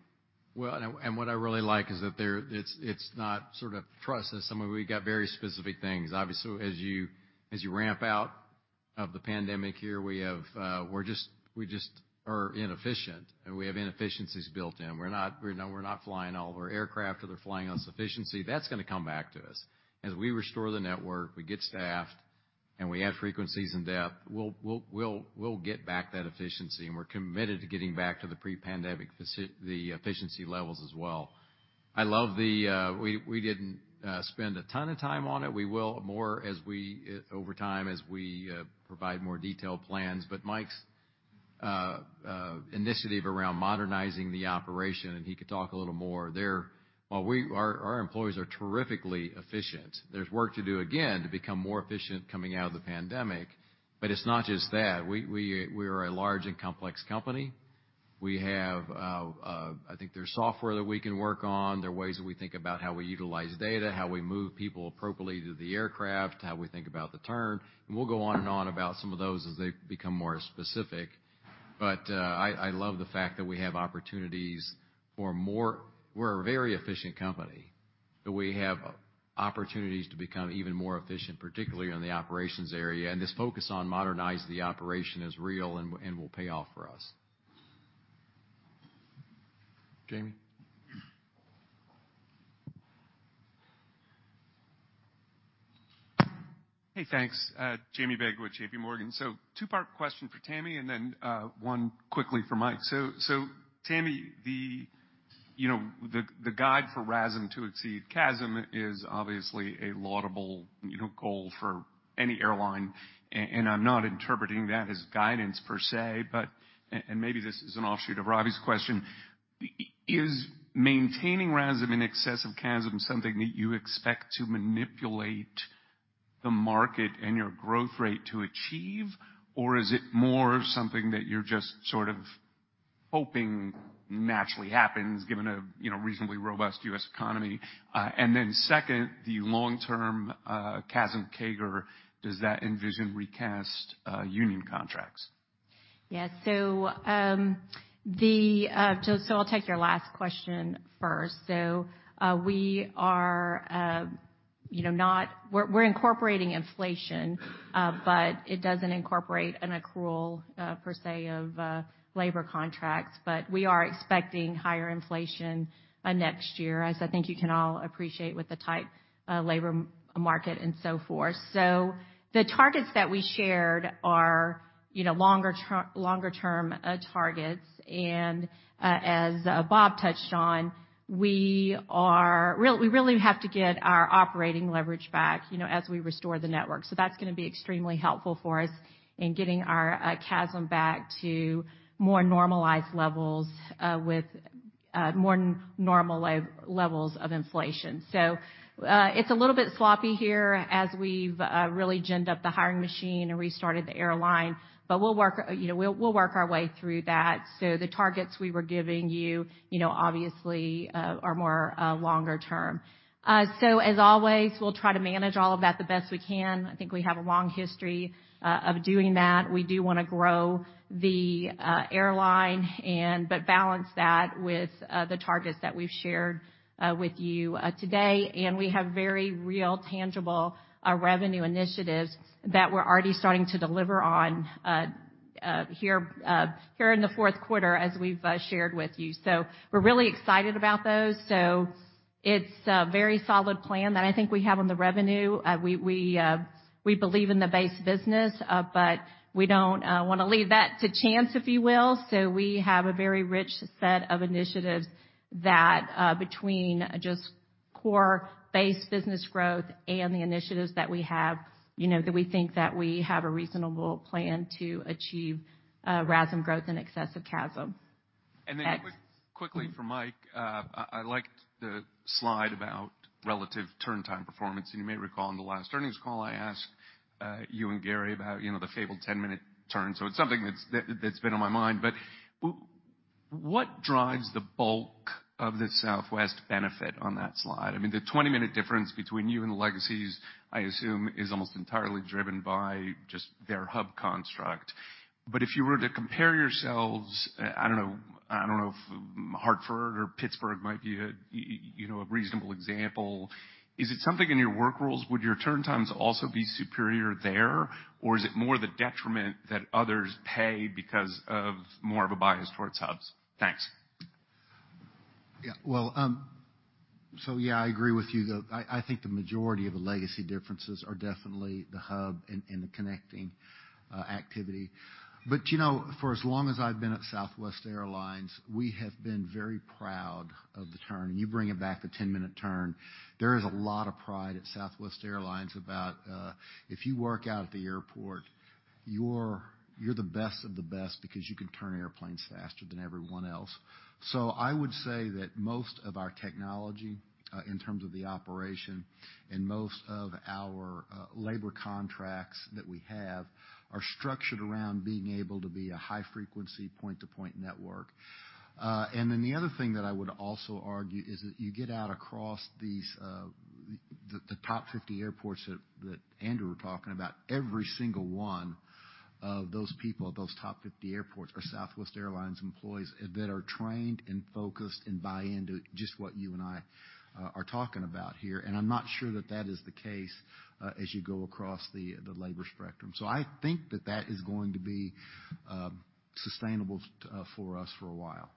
Well, what I really like is that there, it's not sort of just trust us. We've got very specific things. Obviously, as you ramp out of the pandemic here, we have, we just are inefficient, and we have inefficiencies built in. You know, we're not flying all of our aircraft or they're flying on insufficiency. That's gonna come back to us. As we restore the network, we get staffed, and we add frequencies and depth, we'll get back that efficiency, and we're committed to getting back to the pre-pandemic efficiency levels as well. I love that we didn't spend a ton of time on it. We will more as we over time, as we provide more detailed plans. Mike's initiative around modernizing the operation, and he could talk a little more there. Our employees are terrifically efficient. There's work to do, again, to become more efficient coming out of the pandemic, but it's not just that. We're a large and complex company. We have, I think there's software that we can work on. There are ways that we think about how we utilize data, how we move people appropriately to the aircraft, how we think about the turn, and we'll go on and on about some of those as they become more specific. I love the fact that we have opportunities. We're a very efficient company, but we have opportunities to become even more efficient, particularly in the operations area. This focus on modernizing the operation is real and will pay off for us. Jamie? Hey, thanks. Jamie Baker with JPMorgan. Two-part question for Tammy, and then one quickly for Mike. Tammy, you know, the guide for RASM to exceed CASM is obviously a laudable, you know, goal for any airline. I'm not interpreting that as guidance per se, but maybe this is an offshoot of Ravi's question. Is maintaining RASM in excess of CASM something that you expect to manipulate the market and your growth rate to achieve? Or is it more something that you're just sort of hoping naturally happens given a, you know, reasonably robust U.S. economy? Second, the long-term CASM CAGR, does that envision recast union contracts? I'll take your last question first. We are, you know, incorporating inflation, but it doesn't incorporate an accrual, per se, of labor contracts. We are expecting higher inflation next year, as I think you can all appreciate, with the tight labor market and so forth. The targets that we shared are, you know, longer-term targets. As Bob touched on, we really have to get our operating leverage back, you know, as we restore the network. That's gonna be extremely helpful for us in getting our CASM back to more normalized levels, with more normal levels of inflation. It's a little bit sloppy here as we've really geared up the hiring machine and restarted the airline, but we'll work our way through that, you know. The targets we were giving you know, obviously, are more long-term. As always, we'll try to manage all of that the best we can. I think we have a long history of doing that. We do wanna grow the airline but balance that with the targets that we've shared with you today. We have very real, tangible revenue initiatives that we're already starting to deliver on here in the fourth quarter, as we've shared with you. We're really excited about those. It's a very solid plan that I think we have on the revenue. We believe in the base business, but we don't wanna leave that to chance, if you will. We have a very rich set of initiatives that, between just core base business growth and the initiatives that we have, you know, that we think that we have a reasonable plan to achieve RASM growth in excess of CASM. Quickly for Mike, I liked the slide about relative turn time performance. You may recall in the last earnings call, I asked you and Gary about the fabled 10-minute turn. It's something that's been on my mind. What drives the bulk of the Southwest benefit on that slide? I mean, the 20-minute difference between you and the legacies, I assume, is almost entirely driven by just their hub construct. If you were to compare yourselves, I don't know if Hartford or Pittsburgh might be a reasonable example, is it something in your work rules? Would your turn times also be superior there? Or is it more the detriment that others pay because of more of a bias towards hubs? Thanks. Yeah. Well, so yeah, I agree with you, though. I think the majority of the legacy differences are definitely the hub and the connecting activity. You know, for as long as I've been at Southwest Airlines, we have been very proud of the turn. You bring it back to 10-minute turn. There is a lot of pride at Southwest Airlines about if you work out at the airport, you're the best of the best because you can turn airplanes faster than everyone else. I would say that most of our technology in terms of the operation, and most of our labor contracts that we have are structured around being able to be a high frequency, point-to-point network. The other thing that I would also argue is that you get out across these the top 50 airports that Andrew were talking about. Every single one of those people at those top 50 airports are Southwest Airlines employees that are trained and focused and buy in to just what you and I are talking about here. I'm not sure that is the case as you go across the labor spectrum. I think that is going to be sustainable for us for a while.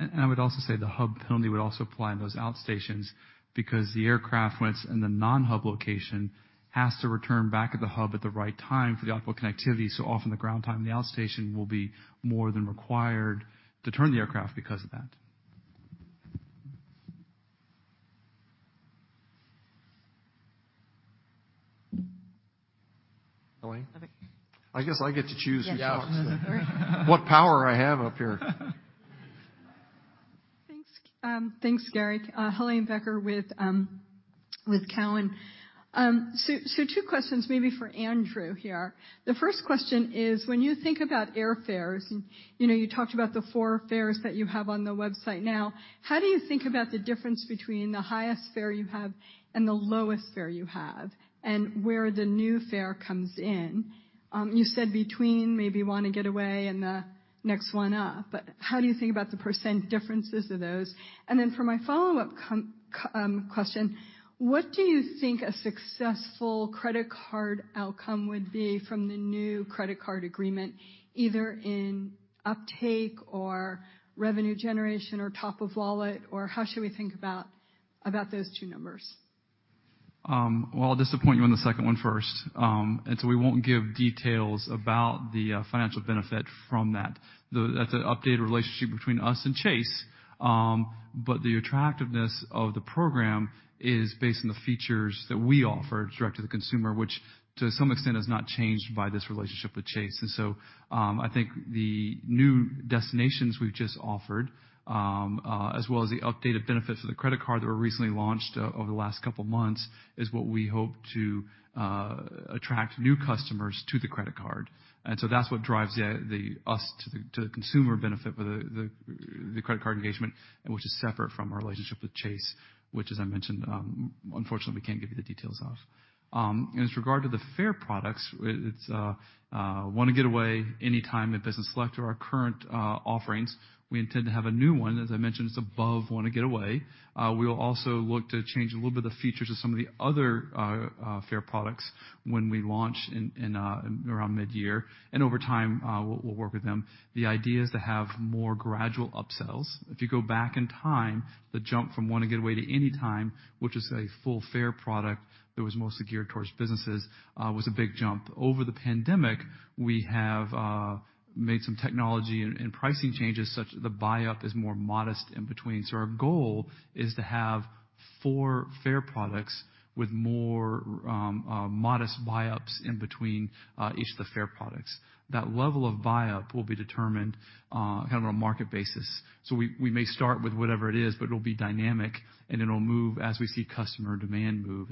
I would also say the hub penalty would also apply in those outstations because the aircraft, when it's in the non-hub location, has to return back at the hub at the right time for the output connectivity. Often the ground time in the outstation will be more than required to turn the aircraft because of that. Helane? Okay. I guess I get to choose who talks next. What power I have up here. Thanks. Thanks, Gary. Helane Becker with Cowen. So two questions maybe for Andrew here. The first question is, when you think about airfares, and you know, you talked about the four fares that you have on the website now, how do you think about the difference between the highest fare you have and the lowest fare you have, and where the new fare comes in? You said between maybe Wanna Get Away and the next one up, but how do you think about the percent differences of those? For my follow-up comment, question, what do you think a successful credit card outcome would be from the new credit card agreement, either in uptake or revenue generation or top of wallet, or how should we think about those two numbers? Well, I'll disappoint you on the second one first. We won't give details about the financial benefit from that. That's an updated relationship between us and Chase. The attractiveness of the program is based on the features that we offer direct to the consumer, which to some extent has not changed by this relationship with Chase. I think the new destinations we've just offered, as well as the updated benefits of the credit card that were recently launched over the last couple of months is what we hope to attract new customers to the credit card. That's what drives us to the consumer benefit with the credit card engagement, which is separate from our relationship with Chase, which as I mentioned, unfortunately, we can't give you the details of. As regards the fare products, it's Wanna Get Away, Anytime and Business Select are our current offerings. We intend to have a new one. As I mentioned, it's above Wanna Get Away. We will also look to change a little bit of the features of some of the other fare products when we launch in around mid-year. Over time, we'll work with them. The idea is to have more gradual upsells. If you go back in time, the jump from Wanna Get Away to Anytime, which is a full fare product that was mostly geared towards businesses, was a big jump. Over the pandemic, we have made some technology and pricing changes such that the buy-up is more modest in between. Our goal is to have four fare products with more modest buy-ups in between each of the fare products. That level of buy-up will be determined kind of on a market basis. We may start with whatever it is, but it'll be dynamic, and it'll move as we see customer demand move.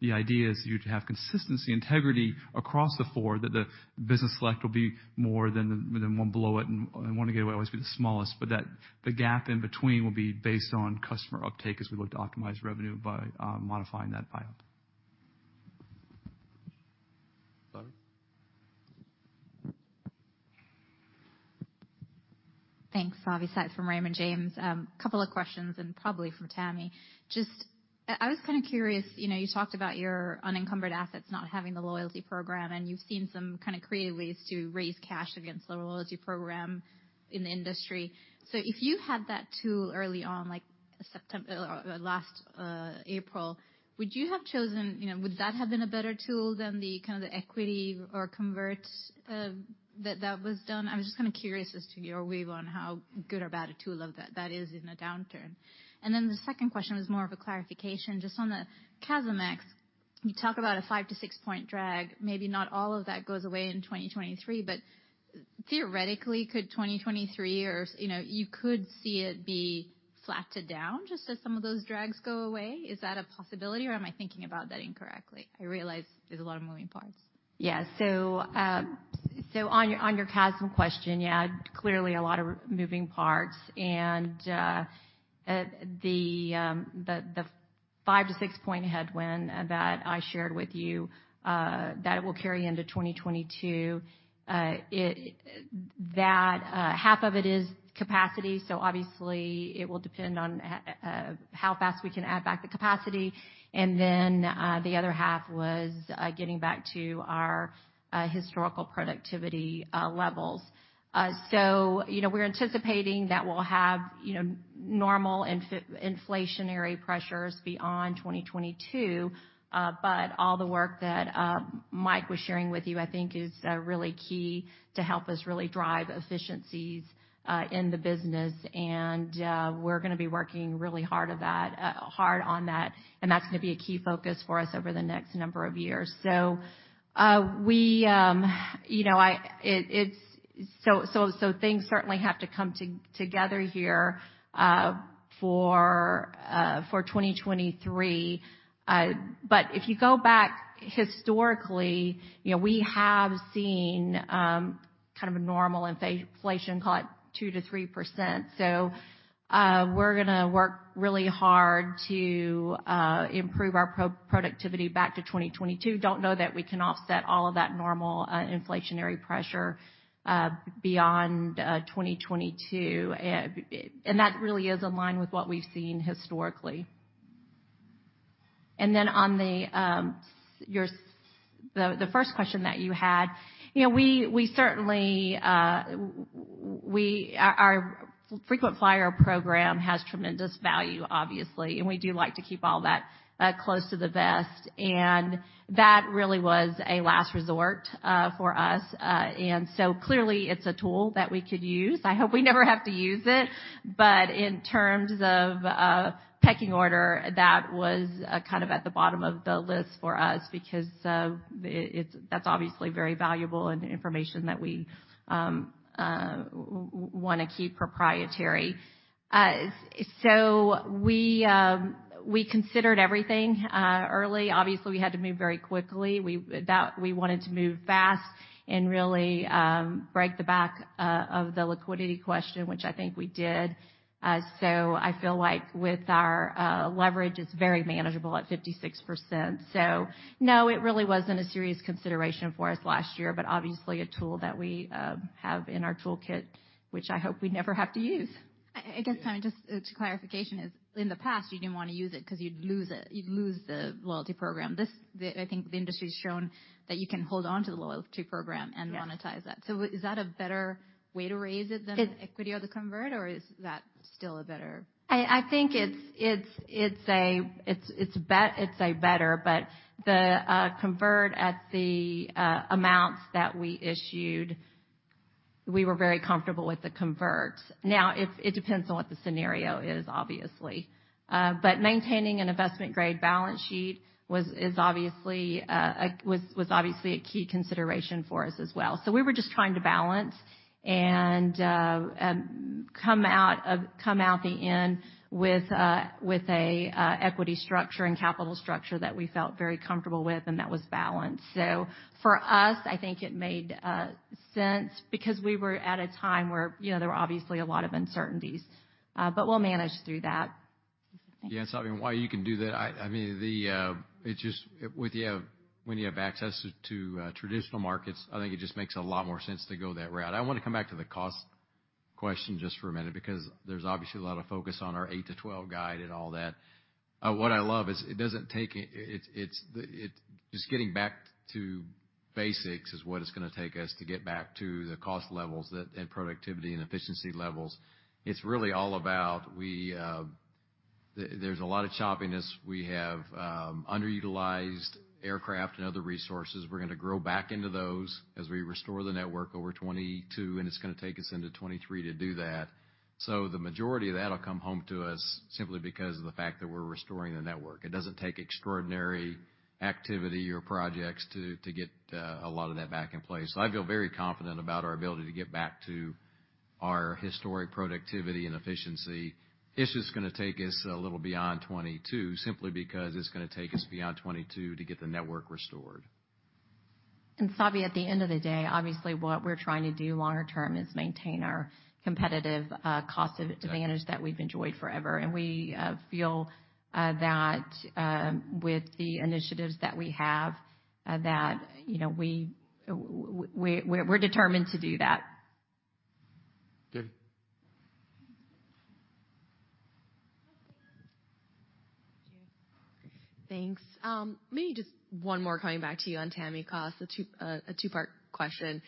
The idea is you'd have consistency, integrity across the four, that the Business Select will be more than one below it, and Wanna Get Away will always be the smallest, but that the gap in between will be based on customer uptake as we look to optimize revenue by modifying that buy-up. Savi? Thanks. Savanthi Syth from Raymond James. A couple of questions and probably for Tammy. I was kind of curious, you know, you talked about your unencumbered assets not having the loyalty program, and you've seen some kind of creative ways to raise cash against the loyalty program in the industry. If you had that tool early on, like or last April, would you have chosen, you know, would that have been a better tool than the kind of the equity or convert that was done? I was just kind of curious as to your view on how good or bad a tool that is in a downturn. The second question is more of a clarification. On the CASM ex, you talk about a 5-6-point drag. Maybe not all of that goes away in 2023, but theoretically, could 2023 or, you know, you could see it be flattened down just as some of those drags go away. Is that a possibility or am I thinking about that incorrectly? I realize there's a lot of moving parts. Yeah, on your CASM question, yeah, clearly a lot of moving parts. The 5- to 6-point headwind that I shared with you that will carry into 2022, half of it is capacity, so obviously it will depend on how fast we can add back the capacity. The other half was getting back to our historical productivity levels. You know, we're anticipating that we'll have normal inflationary pressures beyond 2022, but all the work that Mike was sharing with you, I think is really key to help us really drive efficiencies in the business. We're gonna be working really hard on that, and that's gonna be a key focus for us over the next number of years. We know things certainly have to come together here for 2023. But if you go back historically, you know, we have seen kind of a normal inflation call it 2%-3%. We're gonna work really hard to improve our productivity back to 2022. Don't know that we can offset all of that normal inflationary pressure beyond 2022. And that really is in line with what we've seen historically. On the first question that you had, you know, we certainly value our frequent flyer program has tremendous value, obviously, and we do like to keep all that close to the vest. That really was a last resort for us. Clearly it's a tool that we could use. I hope we never have to use it. In terms of pecking order, that was kind of at the bottom of the list for us because that's obviously very valuable information that we want to keep proprietary. We considered everything early. Obviously, we had to move very quickly. We wanted to move fast and really break the back of the liquidity question, which I think we did. I feel like with our leverage, it's very manageable at 56%. No, it really wasn't a serious consideration for us last year, but obviously a tool that we have in our toolkit, which I hope we never have to use. I guess, kind of just for clarification is, in the past, you didn't want to use it because you'd lose it, you'd lose the loyalty program. This, I think the industry has shown that you can hold on to the loyalty program and monetize that. Yeah. Is that a better way to raise it than equity or the convert, or is that still a better- I think it's better, but the converts at the amounts that we issued, we were very comfortable with the converts. Now it depends on what the scenario is, obviously. Maintaining an investment-grade balance sheet was obviously a key consideration for us as well. We were just trying to balance and come out the end with a equity structure and capital structure that we felt very comfortable with and that was balanced. For us, I think it made sense because we were at a time where, you know, there were obviously a lot of uncertainties. We'll manage through that. Yeah. Savi Syth, while you can do that, when you have access to traditional markets, I think it just makes a lot more sense to go that route. I wanna come back to the cost question just for a minute because there's obviously a lot of focus on our 8-12 guide and all that. What I love is just getting back to basics is what it's gonna take us to get back to the cost levels that, and productivity and efficiency levels. It's really all about there's a lot of choppiness. We have underutilized aircraft and other resources. We're gonna grow back into those as we restore the network over 2022, and it's gonna take us into 2023 to do that. The majority of that'll come home to us simply because of the fact that we're restoring the network. It doesn't take extraordinary activity or projects to get a lot of that back in place. I feel very confident about our ability to get back to our historic productivity and efficiency. It's just gonna take us a little beyond 2022 simply because it's gonna take us beyond 2022 to get the network restored. Savi, at the end of the day, obviously what we're trying to do longer term is maintain our competitive cost advantage that we've enjoyed forever. We feel that with the initiatives that we have, you know, we're determined to do that. David. Thanks. Maybe just one more coming back to you on Tammy cost, a two-part question.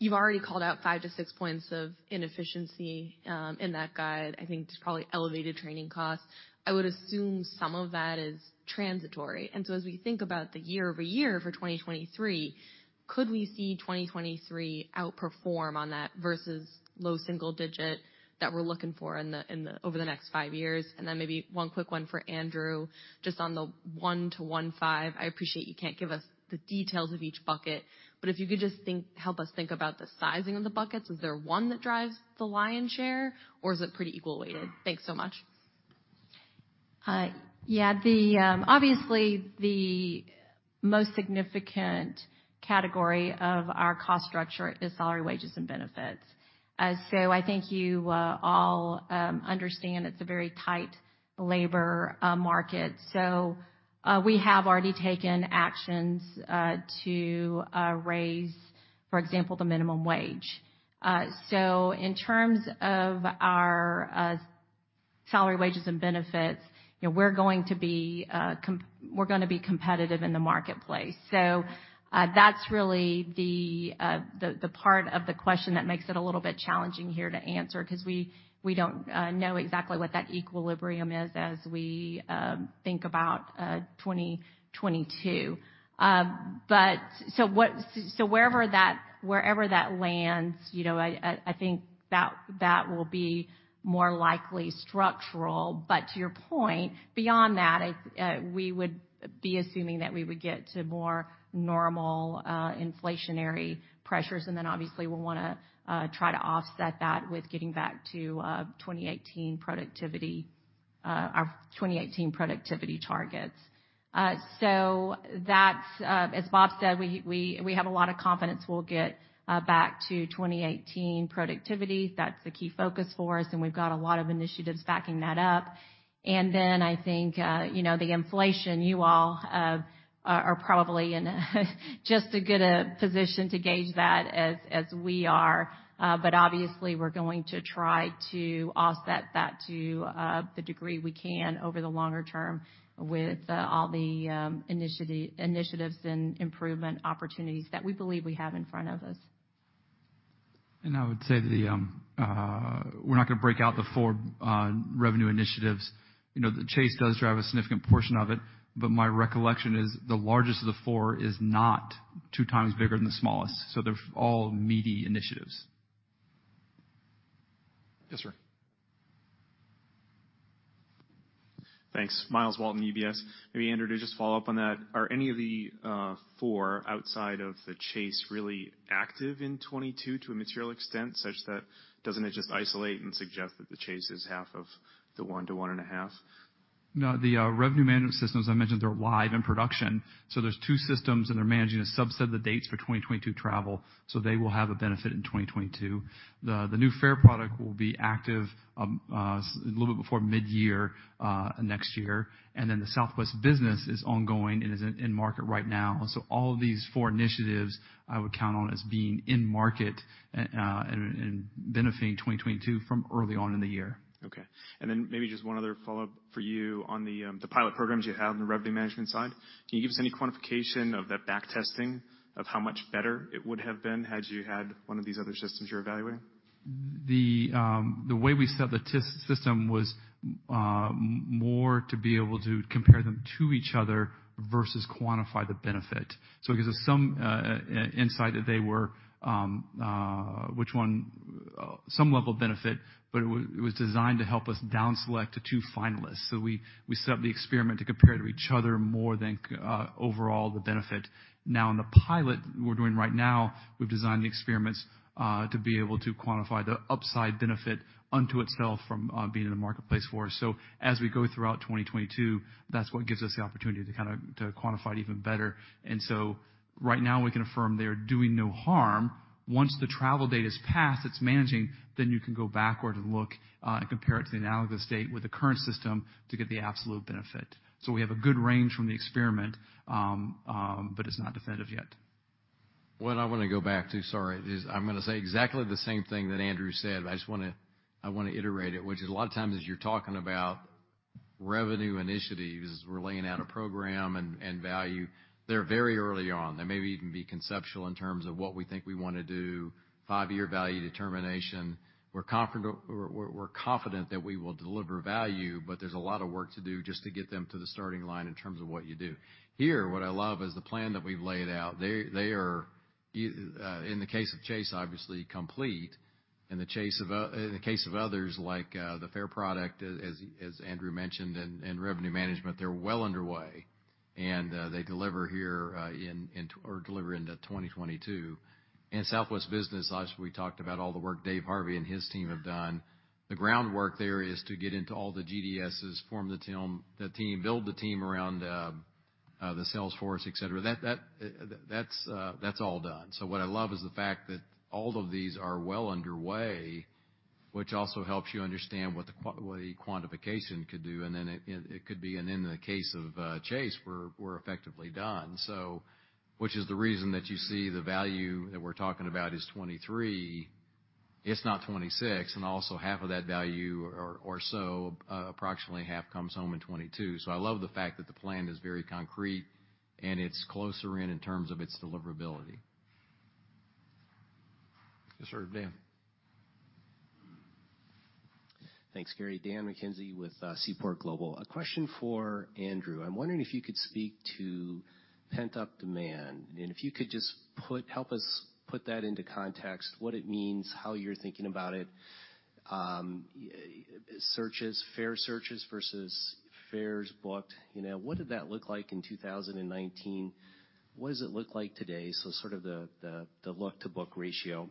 You've already called out 5-6 points of inefficiency in that guide. I think there's probably elevated training costs. I would assume some of that is transitory. As we think about the year-over-year for 2023, could we see 2023 outperform on that versus low single-digit that we're looking for over the next five years? Maybe one quick one for Andrew, just on the 1 to 1.5. I appreciate you can't give us the details of each bucket, but if you could just think, help us think about the sizing of the buckets. Is there one that drives the lion's share or is it pretty equal weighted? Thanks so much. Yeah. Obviously, the most significant category of our cost structure is salary, wages, and benefits. I think you all understand it's a very tight labor market. We have already taken actions to raise, for example, the minimum wage. In terms of our salary, wages, and benefits, you know, we're gonna be competitive in the marketplace. That's really the part of the question that makes it a little bit challenging here to answer 'cause we don't know exactly what that equilibrium is as we think about 2022. Wherever that lands, you know, I think that will be more likely structural. To your point, beyond that, we would be assuming that we would get to more normal inflationary pressures. Obviously we'll wanna try to offset that with getting back to 2018 productivity, our 2018 productivity targets. That's, as Bob said, we have a lot of confidence we'll get back to 2018 productivity. That's the key focus for us, and we've got a lot of initiatives backing that up. I think, you know, the inflation, you all are probably in just as good a position to gauge that as we are. Obviously we're going to try to offset that to the degree we can over the longer term with all the initiatives and improvement opportunities that we believe we have in front of us. I would say we're not gonna break out the four revenue initiatives. You know, the Chase does drive a significant portion of it, but my recollection is the largest of the four is not two times bigger than the smallest, so they're all meaty initiatives. Yes, sir. Thanks. Myles Walton, UBS. Maybe, Andrew, to just follow up on that, are any of the four outside of the Chase really active in 2022 to a material extent, such that doesn't it just isolate and suggest that the Chase is half of the 1 to 1.5? No, the revenue management systems I mentioned, they're live in production. There's 2 systems, and they're managing a subset of the dates for 2022 travel, so they will have a benefit in 2022. The new fare product will be active a little bit before mid-year next year. Then the Southwest Business is ongoing and is in market right now. All of these 4 initiatives I would count on as being in market and benefiting 2022 from early on in the year. Okay. Maybe just one other follow-up for you on the pilot programs you have on the revenue management side. Can you give us any quantification of that back testing of how much better it would have been had you had one of these other systems you were evaluating? The way we set the test system was more to be able to compare them to each other versus quantify the benefit. It gives us some insight that there was some level of benefit, but it was designed to help us down select the two finalists. We set up the experiment to compare to each other more than overall the benefit. Now in the pilot we're doing right now, we've designed the experiments to be able to quantify the upside benefit onto itself from being in the marketplace for us. As we go throughout 2022, that's what gives us the opportunity to kind of to quantify it even better. Right now we can affirm they are doing no harm. Once the travel date is passed, it's managing, then you can go backward and look, and compare it to the analogous state with the current system to get the absolute benefit. We have a good range from the experiment, but it's not definitive yet. What I wanna go back to, sorry, is I'm gonna say exactly the same thing that Andrew said, but I just wanna iterate it, which is a lot of times as you're talking about revenue initiatives, we're laying out a program and value. They're very early on. They may even be conceptual in terms of what we think we wanna do, five-year value determination. We're confident that we will deliver value, but there's a lot of work to do just to get them to the starting line in terms of what you do. Here, what I love is the plan that we've laid out. They are, in the case of Chase, obviously complete. In the case of others, like, the fare product, as Andrew mentioned, and revenue management, they're well underway, and they deliver here, or deliver into 2022. In Southwest Business, obviously, we talked about all the work Dave Harvey and his team have done. The groundwork there is to get into all the GDSs, form the team, build the team around the sales force, et cetera. That's all done. What I love is the fact that all of these are well underway, which also helps you understand what the quantification could do, and then it could be, and in the case of Chase, we're effectively done. Which is the reason that you see the value that we're talking about is 23. It's not 26, and also half of that value or so, approximately half comes home in 2022. I love the fact that the plan is very concrete, and it's closer in terms of its deliverability. Yes, sir. Dan. Thanks, Gary. Dan McKenzie with Seaport Global. A question for Andrew. I'm wondering if you could speak to pent-up demand, and if you could just help us put that into context, what it means, how you're thinking about it, searches, fare searches versus fares booked. You know, what did that look like in 2019? What does it look like today? So sort of the look-to-book ratio.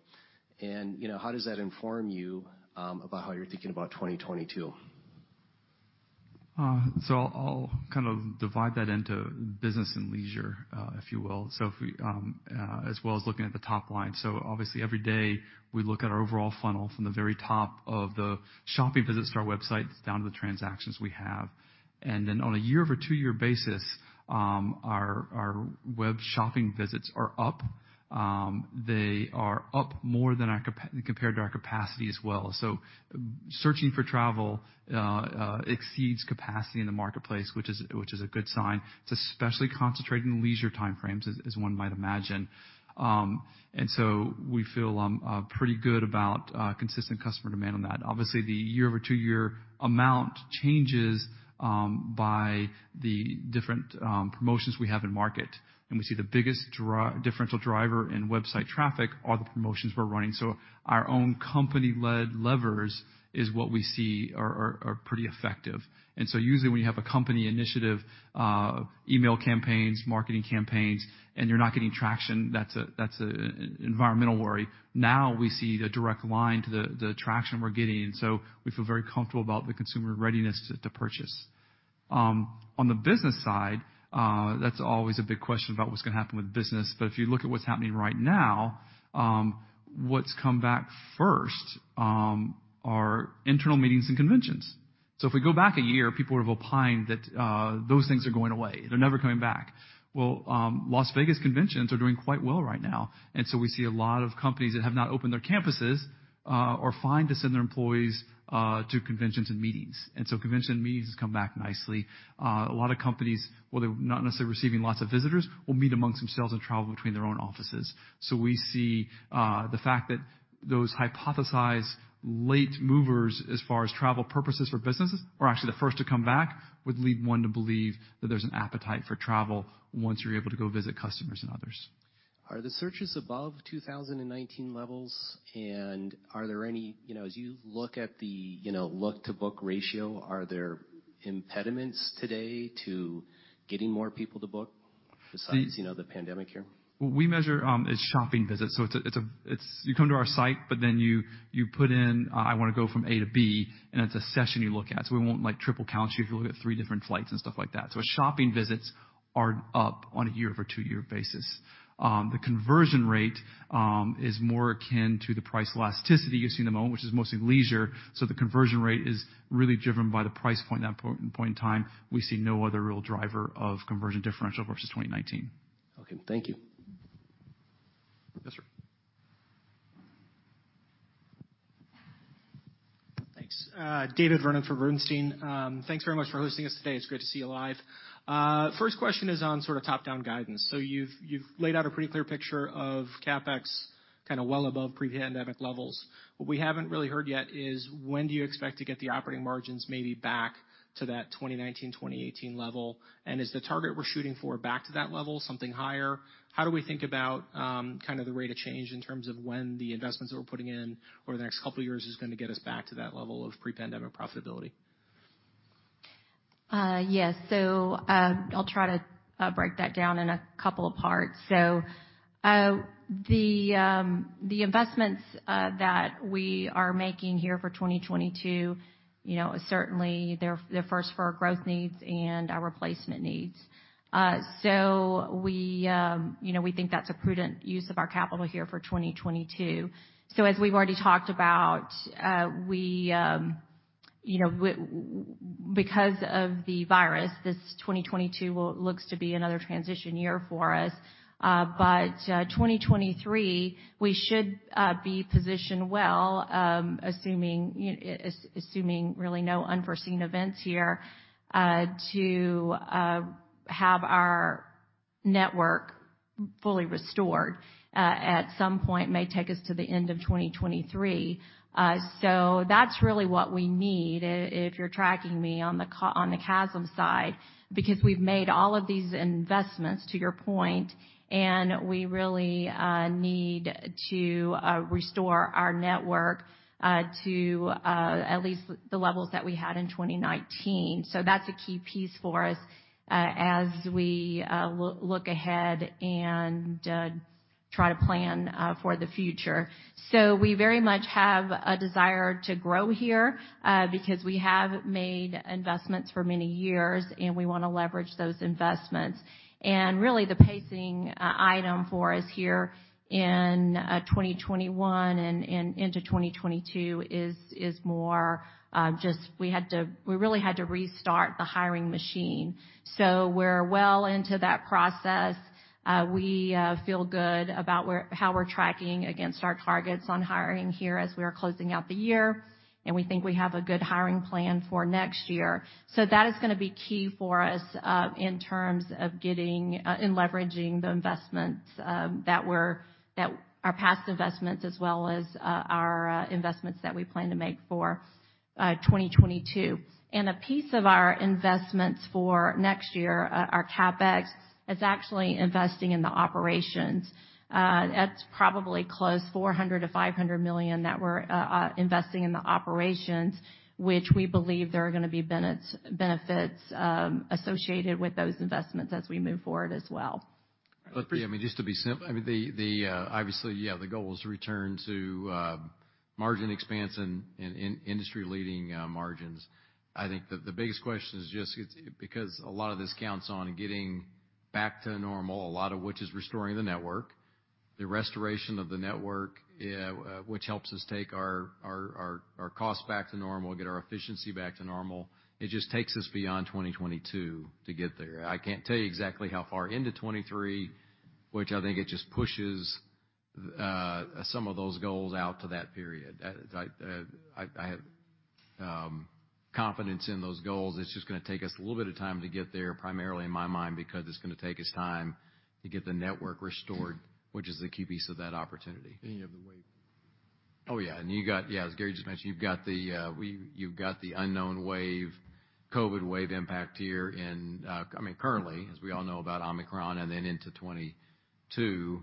You know, how does that inform you about how you're thinking about 2022? I'll kind of divide that into business and leisure, if you will. If we, as well as looking at the top line. Obviously every day, we look at our overall funnel from the very top of the shopping visits to our website down to the transactions we have. Then on a year over two year basis, our web shopping visits are up. They are up more than our capacity compared to our capacity as well. Searching for travel exceeds capacity in the marketplace, which is a good sign, too especially concentrate in leisure time frames, as one might imagine. We feel pretty good about consistent customer demand on that. Obviously, the year-over-year amount changes by the different promotions we have in market. We see the biggest differential driver in website traffic are the promotions we're running. Our own company-led levers is what we see are pretty effective. Usually when you have a company initiative, email campaigns, marketing campaigns, and you're not getting traction, that's an environmental worry. Now we see the direct line to the traction we're getting, and so we feel very comfortable about the consumer readiness to purchase. On the business side, that's always a big question about what's gonna happen with business. If you look at what's happening right now, what's come back first are internal meetings and conventions. If we go back a year, people were opining that those things are going away, they're never coming back. Las Vegas conventions are doing quite well right now, and so we see a lot of companies that have not opened their campuses are fine to send their employees to conventions and meetings. Conventions and meetings has come back nicely. A lot of companies, while they're not necessarily receiving lots of visitors, will meet amongst themselves and travel between their own offices. We see the fact that those hypothesized late movers as far as travel purposes for businesses were actually the first to come back would lead one to believe that there's an appetite for travel once you're able to go visit customers and others. Are the searches above 2019 levels? Are there any? You know, as you look at the, you know, look-to-book ratio, are there impediments today to getting more people to book besides, you know, the pandemic here? What we measure is shopping visits. It's... You come to our site, but then you put in, "I wanna go from A to B," and it's a session you look at. We won't, like, triple count you if you look at 3 different flights and stuff like that. Shopping visits are up on a year-over-year basis. The conversion rate is more akin to the price elasticity you see in the moment, which is mostly leisure. The conversion rate is really driven by the price point at point in time. We see no other real driver of conversion differential versus 2019. Okay. Thank you. Yes, sir. Thanks. David Vernon for Bernstein. Thanks very much for hosting us today. It's great to see you live. First question is on sort of top-down guidance. You've laid out a pretty clear picture of CapEx kind of well above pre-pandemic levels. What we haven't really heard yet is when do you expect to get the operating margins maybe back to that 2019, 2018 level? And is the target we're shooting for back to that level, something higher? How do we think about kind of the rate of change in terms of when the investments that we're putting in over the next couple of years is gonna get us back to that level of pre-pandemic profitability? Yes. I'll try to break that down in a couple of parts. The investments that we are making here for 2022, you know, certainly they're first for our growth needs and our replacement needs. We, you know, we think that's a prudent use of our capital here for 2022. As we've already talked about, because of the virus, this 2022 looks to be another transition year for us. 2023, we should be positioned well, assuming really no unforeseen events here, to have our network fully restored. At some point, it may take us to the end of 2023. That's really what we need, if you're tracking me on the CASM side, because we've made all of these investments, to your point, and we really need to restore our network to at least the levels that we had in 2019. That's a key piece for us, as we look ahead and try to plan for the future. We very much have a desire to grow here, because we have made investments for many years, and we wanna leverage those investments. Really the pacing item for us here in 2021 and into 2022 is more just we really had to restart the hiring machine. We're well into that process. We feel good about how we're tracking against our targets on hiring here as we are closing out the year, and we think we have a good hiring plan for next year. That is gonna be key for us in terms of leveraging the investments that are past investments as well as our investments that we plan to make for 2022. A piece of our investments for next year, our CapEx, is actually investing in the operations. That's probably close to $400 million-$500 million that we're investing in the operations, which we believe there are gonna be benefits associated with those investments as we move forward as well. Appre- Yeah, I mean, just to be simple, I mean, obviously, yeah, the goal is to return to margin expansion and industry-leading margins. I think that the biggest question is just it's because a lot of this counts on getting back to normal, a lot of which is restoring the network. The restoration of the network, which helps us take our costs back to normal, get our efficiency back to normal. It just takes us beyond 2022 to get there. I can't tell you exactly how far into 2023, which I think it just pushes some of those goals out to that period. I have confidence in those goals. It's just gonna take us a little bit of time to get there, primarily in my mind, because it's gonna take us time to get the network restored, which is the key piece of that opportunity. You have the wave. Oh, yeah. You got, yeah, as Gary just mentioned, you've got the unknown wave, COVID wave impact here in, I mean, currently, as we all know about Omicron and then into 2022.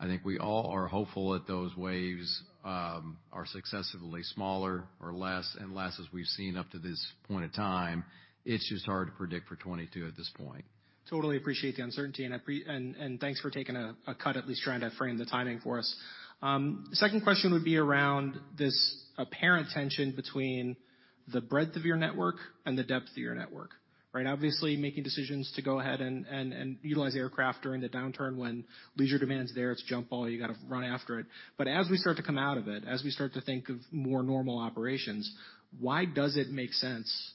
I think we all are hopeful that those waves are successively smaller or less and less as we've seen up to this point of time. It's just hard to predict for 2022 at this point. Totally appreciate the uncertainty and thanks for taking a cut at least trying to frame the timing for us. Second question would be around this apparent tension between the breadth of your network and the depth of your network, right? Obviously, making decisions to go ahead and utilize aircraft during the downturn when leisure demand is there, it's jump ball, you gotta run after it. As we start to come out of it, as we start to think of more normal operations, why does it make sense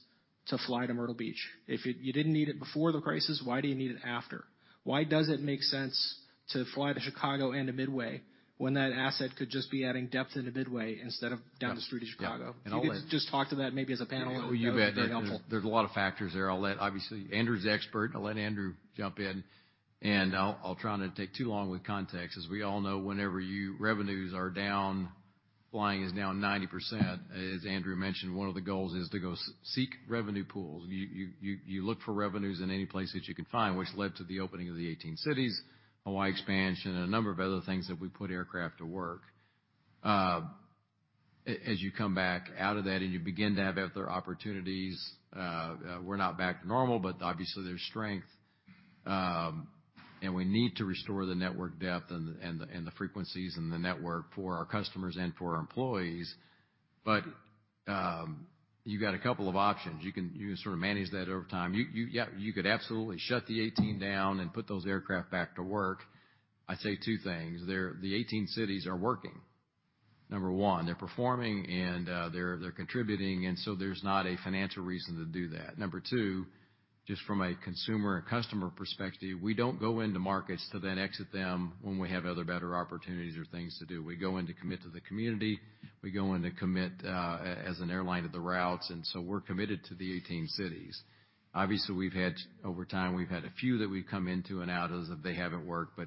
to fly to Myrtle Beach? If you didn't need it before the crisis, why do you need it after? Why does it make sense to fly to Chicago and to Midway when that asset could just be adding depth into Midway instead of down the street of Chicago? Yeah. I'll let- If you could just talk to that maybe as a panel, that would be very helpful. You bet. There's a lot of factors there. Obviously, Andrew's the expert. I'll let Andrew jump in, and I'll try not to take too long with context. As we all know, revenues are down, flying is down 90%. As Andrew mentioned, one of the goals is to go seek revenue pools. You look for revenues in any place that you can find, which led to the opening of the 18 cities, Hawaii expansion, and a number of other things that we put aircraft to work. As you come back out of that and you begin to have other opportunities, we're not back to normal, but obviously there's strength, and we need to restore the network depth and the frequencies and the network for our customers and for our employees. You got a couple of options. You can sort of manage that over time. You could absolutely shut the 18 down and put those aircraft back to work. I'd say two things. The 18 cities are working, number one. They're performing and they're contributing, and so there's not a financial reason to do that. Number two. Just from a consumer and customer perspective, we don't go into markets to then exit them when we have other better opportunities or things to do. We go in to commit to the community. We go in to commit as an airline to the routes, and so we're committed to the 18 cities. Obviously, we've had over time a few that we've come into and out of that they haven't worked.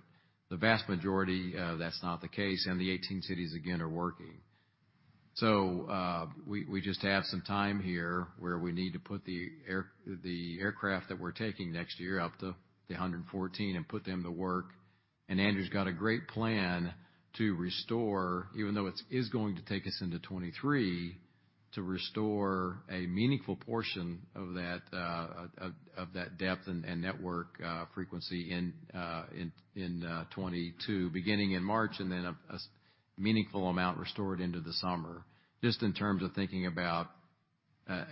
The vast majority, that's not the case, and the 18 cities, again, are working. We just have some time here where we need to put the aircraft that we're taking next year, up to the 114, and put them to work. Andrew's got a great plan to restore, even though it's going to take us into 2023, to restore a meaningful portion of that, of that depth and network, frequency in 2022, beginning in March, and then a meaningful amount restored into the summer. Just in terms of thinking about,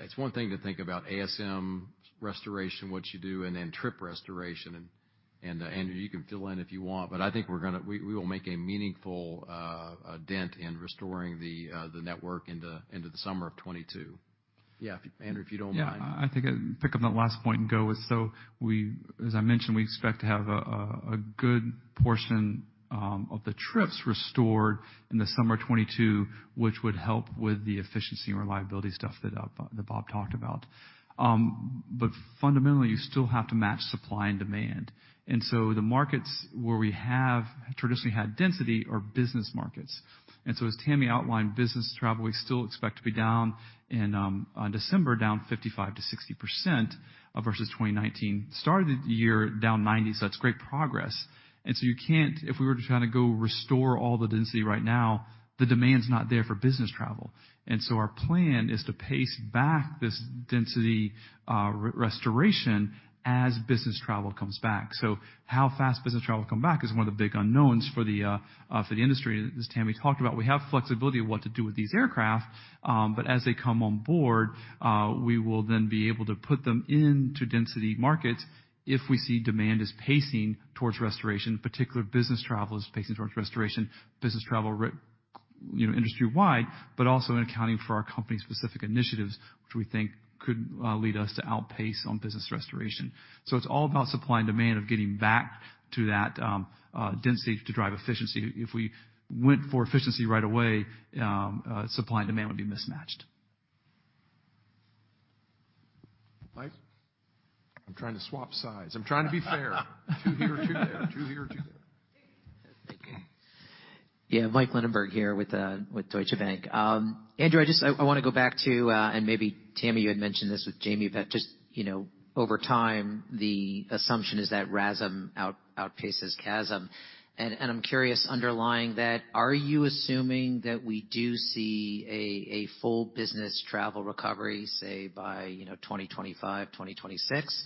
it's one thing to think about ASM restoration, what you do, and then trip restoration. Andrew, you can fill in if you want, but I think we will make a meaningful dent in restoring the network into the summer of 2022. Yeah, Andrew, if you don't mind. I think I'd pick up that last point and go with, as I mentioned, we expect to have a good portion of the trips restored in the summer 2022, which would help with the efficiency and reliability stuff that Bob talked about. Fundamentally, you still have to match supply and demand. The markets where we have traditionally had density are business markets. As Tammy outlined, business travel we still expect to be down 55%-60% in December versus 2019. Started the year down 90%, so that's great progress. You can't. If we were to try to go restore all the density right now, the demand's not there for business travel. Our plan is to pace back this density restoration as business travel comes back. How fast business travel will come back is one of the big unknowns for the industry, as Tammy talked about. We have flexibility of what to do with these aircraft, but as they come on board, we will then be able to put them into density markets if we see demand is pacing towards restoration, particular business travel is pacing towards restoration, you know, industry-wide, but also in accounting for our company-specific initiatives, which we think could lead us to outpace on business restoration. It's all about supply and demand, of getting back to that density to drive efficiency. If we went for efficiency right away, supply and demand would be mismatched. Mike? I'm trying to swap sides. I'm trying to be fair. Two here, two there. Two here, two there. Yeah. Mike Linenberg here with Deutsche Bank. Andrew, I just wanna go back to and maybe Tammy, you had mentioned this with Jamie, but just, you know, over time, the assumption is that RASM outpaces CASM. I'm curious, underlying that, are you assuming that we do see a full business travel recovery, say, by, you know, 2025, 2026?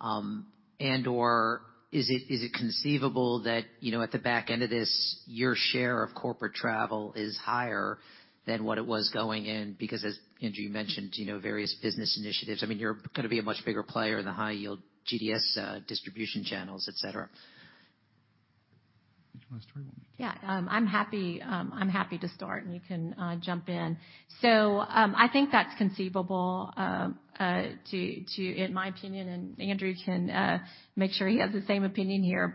And/or is it conceivable that, you know, at the back end of this, your share of corporate travel is higher than what it was going in? Because, as Andrew, you mentioned, you know, various business initiatives. I mean, you're gonna be a much bigger player in the high yield GDS distribution channels, et cetera. Do you wanna start? Yeah. I'm happy to start, and you can jump in. I think that's conceivable in my opinion, and Andrew can make sure he has the same opinion here.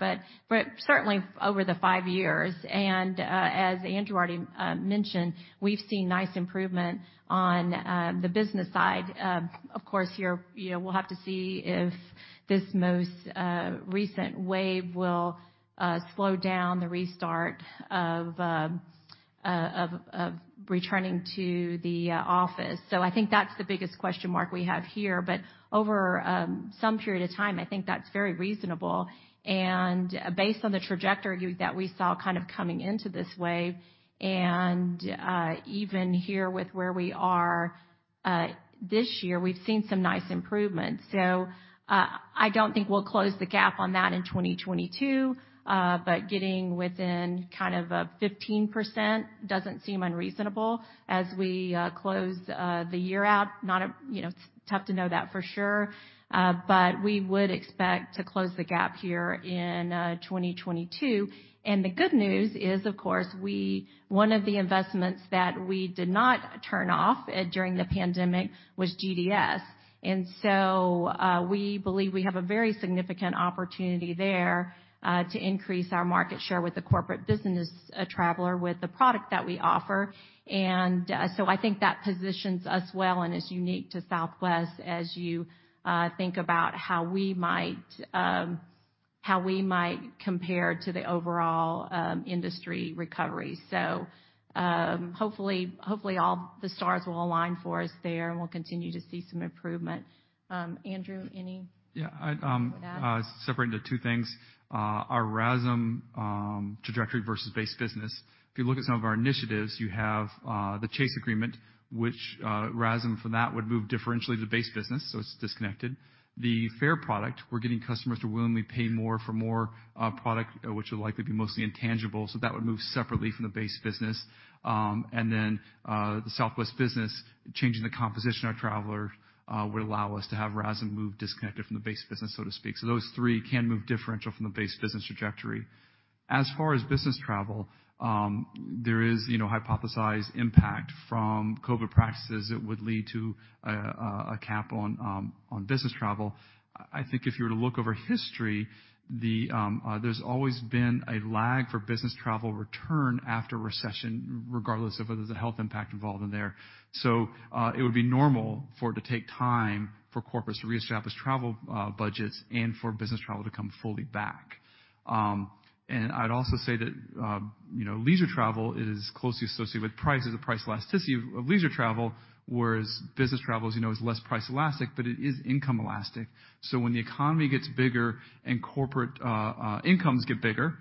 Certainly over the five years, as Andrew already mentioned, we've seen nice improvement on the business side. Of course, here, you know, we'll have to see if this most recent wave will slow down the restart of returning to the office. I think that's the biggest question mark we have here. Over some period of time, I think that's very reasonable. Based on the trajectory that we saw kind of coming into this wave, even here with where we are this year, we've seen some nice improvements. I don't think we'll close the gap on that in 2022, but getting within kind of 15% doesn't seem unreasonable as we close the year out. You know, it's tough to know that for sure, but we would expect to close the gap here in 2022. The good news is, of course, one of the investments that we did not turn off during the pandemic was GDS. We believe we have a very significant opportunity there to increase our market share with the corporate business traveler with the product that we offer. I think that positions us well and is unique to Southwest as you think about how we might compare to the overall industry recovery. Hopefully, all the stars will align for us there, and we'll continue to see some improvement. Andrew, any- Yeah. I To add? Separating the two things. Our RASM trajectory versus base business. If you look at some of our initiatives, you have the Chase agreement, which RASM for that would move differentially to base business, so it's disconnected. The fare product, we're getting customers to willingly pay more for more product, which will likely be mostly intangible, so that would move separately from the base business. The Southwest Business, changing the composition of traveler would allow us to have RASM move disconnected from the base business, so to speak. Those three can move differential from the base business trajectory. As far as business travel, there is, you know, hypothesized impact from COVID practices that would lead to a cap on business travel. I think if you were to look over history, there's always been a lag for business travel return after recession, regardless of whether there's a health impact involved in there. It would be normal for it to take time for corporates to reestablish travel budgets and for business travel to come fully back. I'd also say that, you know, leisure travel is closely associated with price as the price elasticity of leisure travel, whereas business travel, as you know, is less price elastic, but it is income elastic. When the economy gets bigger and corporate incomes get bigger,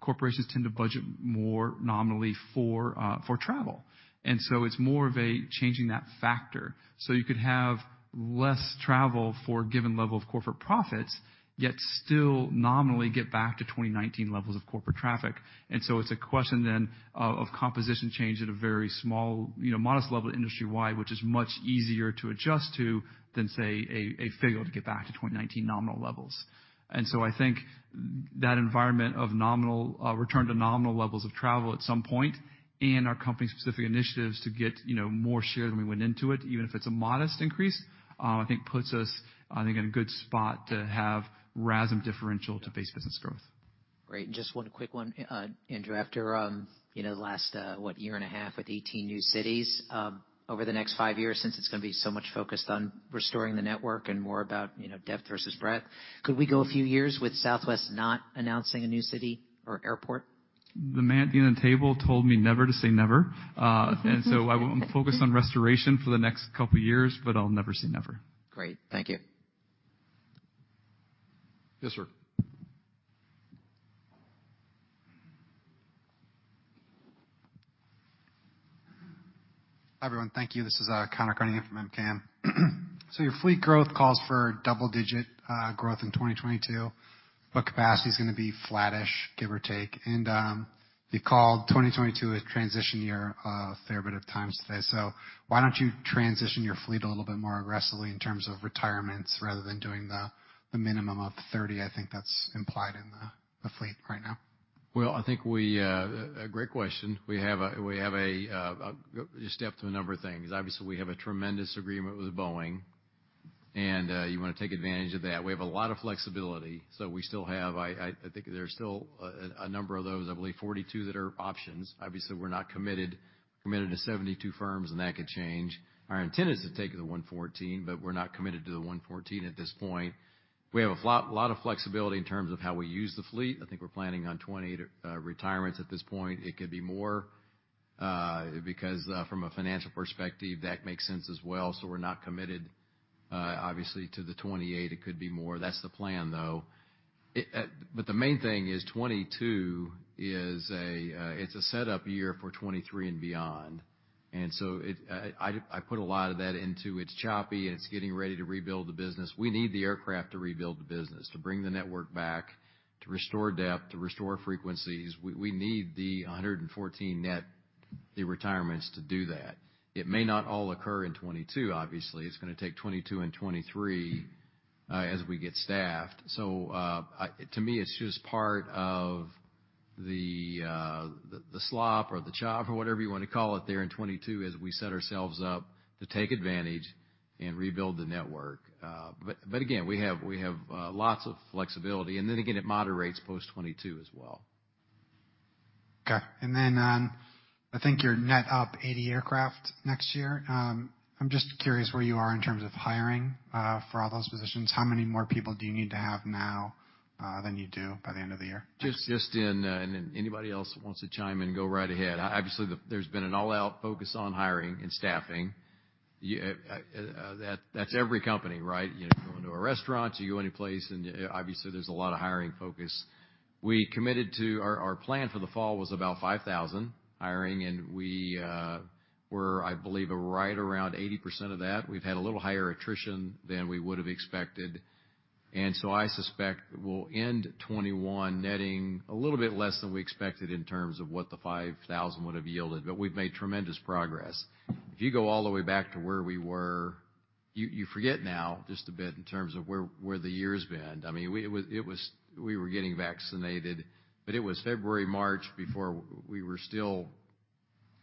corporations tend to budget more nominally for travel. It's more of a changing that factor. You could have less travel for a given level of corporate profits, yet still nominally get back to 2019 levels of corporate traffic. It's a question then of composition change at a very small, you know, modest level industry-wide, which is much easier to adjust to than, say, a failure to get back to 2019 nominal levels. I think that environment of nominal return to nominal levels of travel at some point and our company-specific initiatives to get, you know, more share than we went into it, even if it's a modest increase, I think puts us in a good spot to have RASM differential to base business growth. Great. Just one quick one, Andrew. After you know, the last year and a half with 18 new cities, over the next 5 years, since it's gonna be so much focused on restoring the network and more about, you know, depth versus breadth, could we go a few years with Southwest not announcing a new city or airport? The man at the end of the table told me never to say never. I will focus on restoration for the next couple of years, but I'll never say never. Great. Thank you. Yes, sir. Hi, everyone. Thank you. This is Conor Cunningham from MKM Partners. Your fleet growth calls for double-digit growth in 2022, but capacity is gonna be flattish, give or take. You called 2022 a transition year a fair bit of times today. Why don't you transition your fleet a little bit more aggressively in terms of retirements rather than doing the minimum of 30? I think that's implied in the fleet right now. Well, I think we... Great question. We have a just to add to a number of things. Obviously, we have a tremendous agreement with Boeing, and you wanna take advantage of that. We have a lot of flexibility, so we still have, I think there's still a number of those, I believe 42 that are options. Obviously, we're not committed to 72 firm, and that could change. Our intent is to take the 114, but we're not committed to the 114 at this point. We have a lot of flexibility in terms of how we use the fleet. I think we're planning on 20 retirements at this point. It could be more, because from a financial perspective, that makes sense as well. We're not committed, obviously, to the 28. It could be more. That's the plan, though. The main thing is 2022 is a set-up year for 2023 and beyond. I put a lot of that into it's choppy and it's getting ready to rebuild the business. We need the aircraft to rebuild the business, to bring the network back, to restore depth, to restore frequencies. We need the 114 net, the retirements to do that. It may not all occur in 2022, obviously. It's gonna take 2022 and 2023 as we get staffed. To me, it's just part of the slop or the chop or whatever you wanna call it there in 2022 as we set ourselves up to take advantage and rebuild the network. Again, we have lots of flexibility. It moderates post-2022 as well. Okay. Then, I think you're net up 80 aircraft next year. I'm just curious where you are in terms of hiring, for all those positions. How many more people do you need to have now, than you do by the end of the year? Just in, and then anybody else wants to chime in, go right ahead. Obviously, there's been an all-out focus on hiring and staffing. That's every company, right? You know, you go into a restaurant, you go any place, and obviously, there's a lot of hiring focus. We committed to our plan for the fall was about 5,000 hiring, and we were, I believe, right around 80% of that. We've had a little higher attrition than we would have expected. I suspect we'll end 2021 netting a little bit less than we expected in terms of what the 5,000 would have yielded. We've made tremendous progress. If you go all the way back to where we were, you forget now just a bit in terms of where the year's been. I mean, it was, we were getting vaccinated, but it was February, March before we were still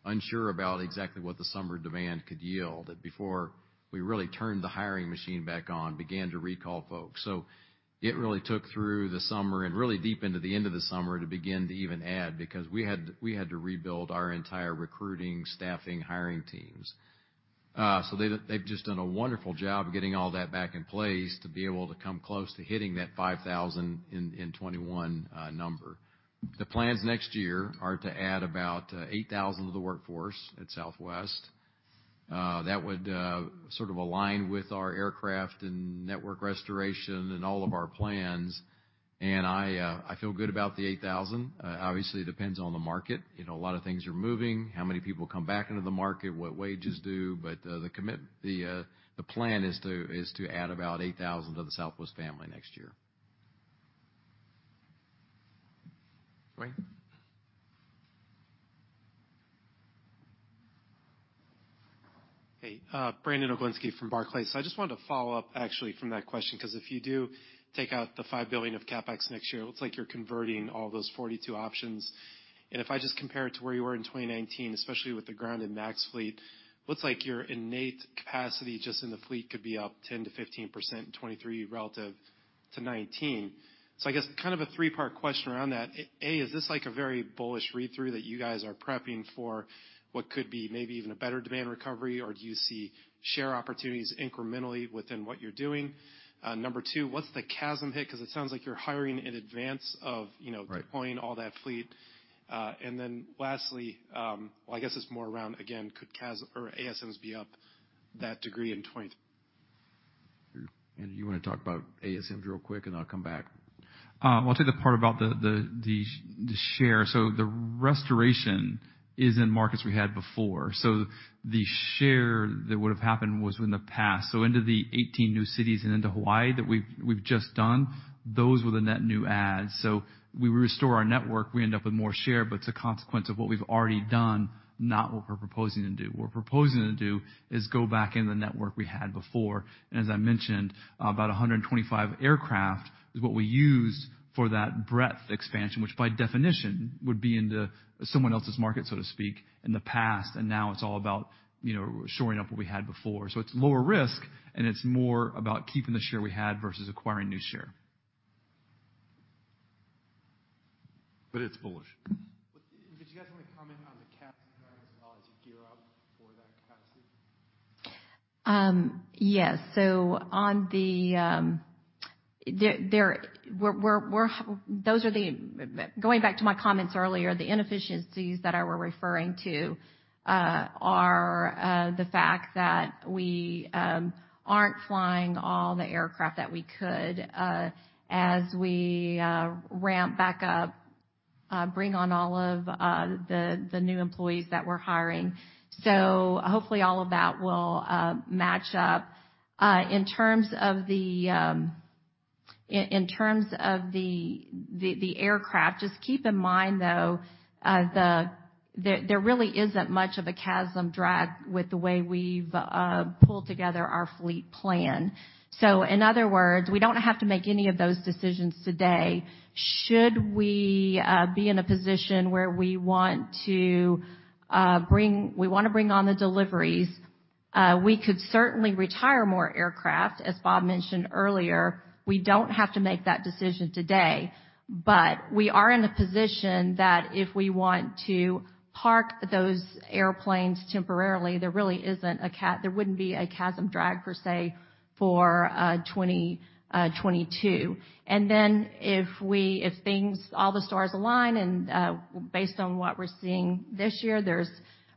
unsure about exactly what the summer demand could yield, before we really turned the hiring machine back on, began to recall folks. It really took through the summer and really deep into the end of the summer to begin to even add, because we had to rebuild our entire recruiting, staffing, hiring teams. So they've just done a wonderful job getting all that back in place to be able to come close to hitting that 5,000 in 2021 number. The plans next year are to add about 8,000 to the workforce at Southwest. That would sort of align with our aircraft and network restoration and all of our plans. I feel good about the 8,000. Obviously, it depends on the market. You know, a lot of things are moving, how many people come back into the market, what wages do. The plan is to add about 8,000 to the Southwest family next year. Wayne? Hey, Brandon Oglenski from Barclays. I just wanted to follow up actually from that question, because if you do take out the $5 billion of CapEx next year, it looks like you're converting all those 42 options. If I just compare it to where you were in 2019, especially with the grounded MAX fleet, it looks like your net capacity just in the fleet could be up 10%-15% in 2023 relative to 2019. I guess kind of a 3-part question around that. A, is this like a very bullish read-through that you guys are prepping for what could be maybe even a better demand recovery, or do you see share opportunities incrementally within what you're doing? Number two, what's the CASM hit? Because it sounds like you're hiring in advance of, you know- Right. -deploying all that fleet. Lastly, I guess it's more around again, could CASM or ASMs be up that degree in twenty- You wanna talk about ASMs real quick, and I'll come back. I'll take the part about the share. The restoration is in markets we had before. The share that would have happened was in the past. Into the 18 new cities and into Hawaii that we've just done, those were the net new adds. We restore our network, we end up with more share, but it's a consequence of what we've already done, not what we're proposing to do. What we're proposing to do is go back in the network we had before. As I mentioned, about 125 aircraft is what we use for that breadth expansion, which by definition would be into someone else's market, so to speak, in the past, and now it's all about, you know, shoring up what we had before. It's lower risk, and it's more about keeping the share we had versus acquiring new share. It's bullish. Mm-hmm. Did you guys wanna comment on the CASM drag as well as you gear up for that capacity? Going back to my comments earlier, the inefficiencies that I were referring to are the fact that we aren't flying all the aircraft that we could as we ramp back up, bring on all of the new employees that we're hiring. Hopefully, all of that will match up. In terms of the aircraft, just keep in mind, though, there really isn't much of a CASM drag with the way we've pulled together our fleet plan. In other words, we don't have to make any of those decisions today. Should we be in a position where we want to bring on the deliveries, we could certainly retire more aircraft. As Bob mentioned earlier, we don't have to make that decision today. We are in a position that if we want to park those airplanes temporarily, there wouldn't be a CASM drag, per se, for 2022. If all the stars align and based on what we're seeing this year, there's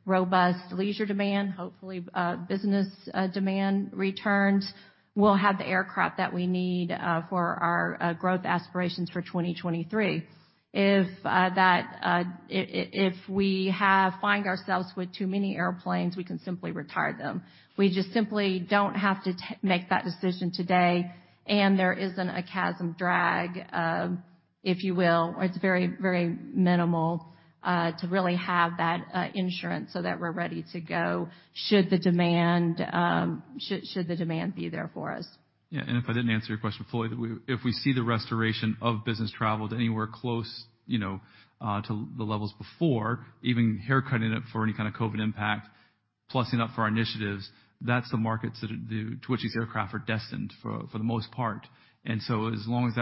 robust leisure demand, hopefully business demand returns, we'll have the aircraft that we need for our growth aspirations for 2023. If we find ourselves with too many airplanes, we can simply retire them. We just simply don't have to make that decision today, and there isn't a CASM drag, if you will. It's very, very minimal to really have that insurance so that we're ready to go should the demand be there for us. Yeah, if I didn't answer your question fully, if we see the restoration of business travel to anywhere close, you know, to the levels before, even haircutting it for any kind of COVID impact, plussing up for our initiatives, that's the markets to which these aircraft are destined for the most part. As long as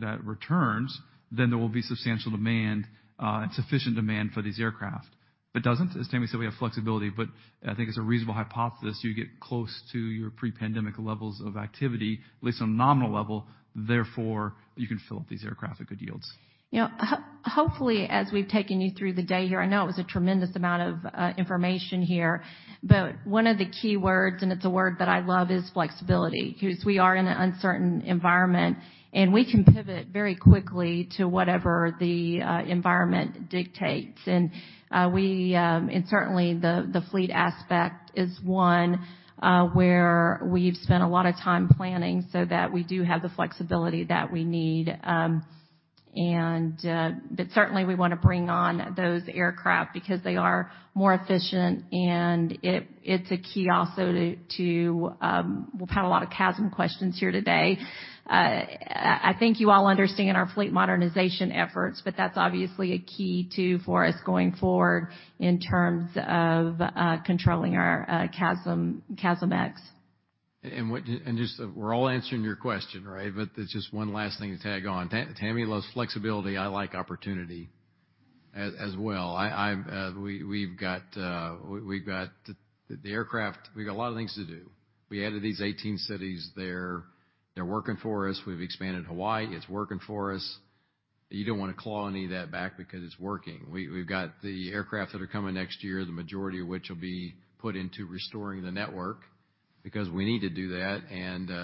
that returns, then there will be substantial demand and sufficient demand for these aircraft. If it doesn't, as Tammy said, we have flexibility, but I think it's a reasonable hypothesis, you get close to your pre-pandemic levels of activity, at least on a nominal level, therefore, you can fill up these aircraft at good yields. You know, hopefully, as we've taken you through the day here, I know it was a tremendous amount of information here, but one of the key words, and it's a word that I love, is flexibility. 'Cause we are in an uncertain environment, and we can pivot very quickly to whatever the environment dictates. Certainly, the fleet aspect is one where we've spent a lot of time planning so that we do have the flexibility that we need. Certainly, we wanna bring on those aircraft because they are more efficient and it's a key also. We've had a lot of CASM questions here today. I think you all understand our fleet modernization efforts, but that's obviously a key, too, for us going forward in terms of controlling our CASM-ex. Just, we're all answering your question, right? There's just one last thing to tag on. Tammy loves flexibility, I like opportunity as well. We've got the aircraft. We got a lot of things to do. We added these 18 cities. They're working for us. We've expanded Hawaii, it's working for us. You don't wanna claw any of that back because it's working. We've got the aircraft that are coming next year, the majority of which will be put into restoring the network because we need to do that.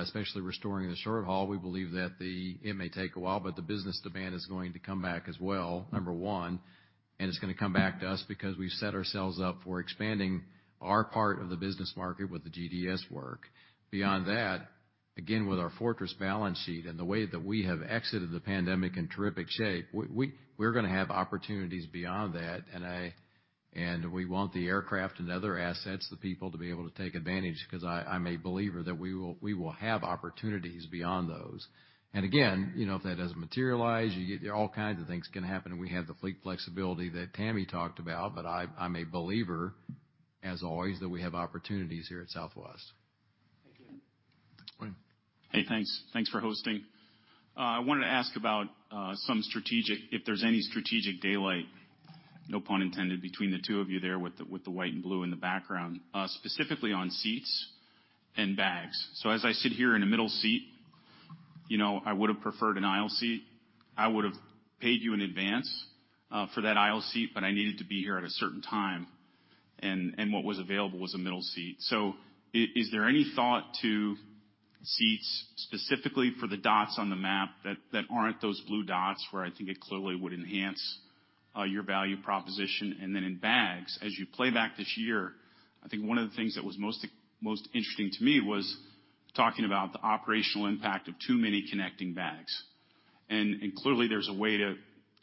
Especially restoring the short haul, we believe that it may take a while, but the business demand is going to come back as well, number one, and it's gonna come back to us because we've set ourselves up for expanding our part of the business market with the GDS work. Beyond that. Again, with our fortress balance sheet and the way that we have exited the pandemic in terrific shape, we're gonna have opportunities beyond that. We want the aircraft and other assets, the people to be able to take advantage, 'cause I'm a believer that we will have opportunities beyond those. Again, you know, if that doesn't materialize, you get all kinds of things can happen, and we have the fleet flexibility that Tammy talked about. I'm a believer, as always, that we have opportunities here at Southwest. Thank you. Wayne. Hey, thanks. Thanks for hosting. I wanted to ask about if there's any strategic daylight, no pun intended, between the two of you there with the white and blue in the background, specifically on seats and bags. As I sit here in a middle seat, you know, I would have preferred an aisle seat. I would have paid you in advance for that aisle seat, but I needed to be here at a certain time, and what was available was a middle seat. Is there any thought to seats specifically for the dots on the map that aren't those blue dots where I think it clearly would enhance your value proposition? Then in bags, as you play back this year, I think one of the things that was most interesting to me was talking about the operational impact of too many connecting bags. Clearly there's a way to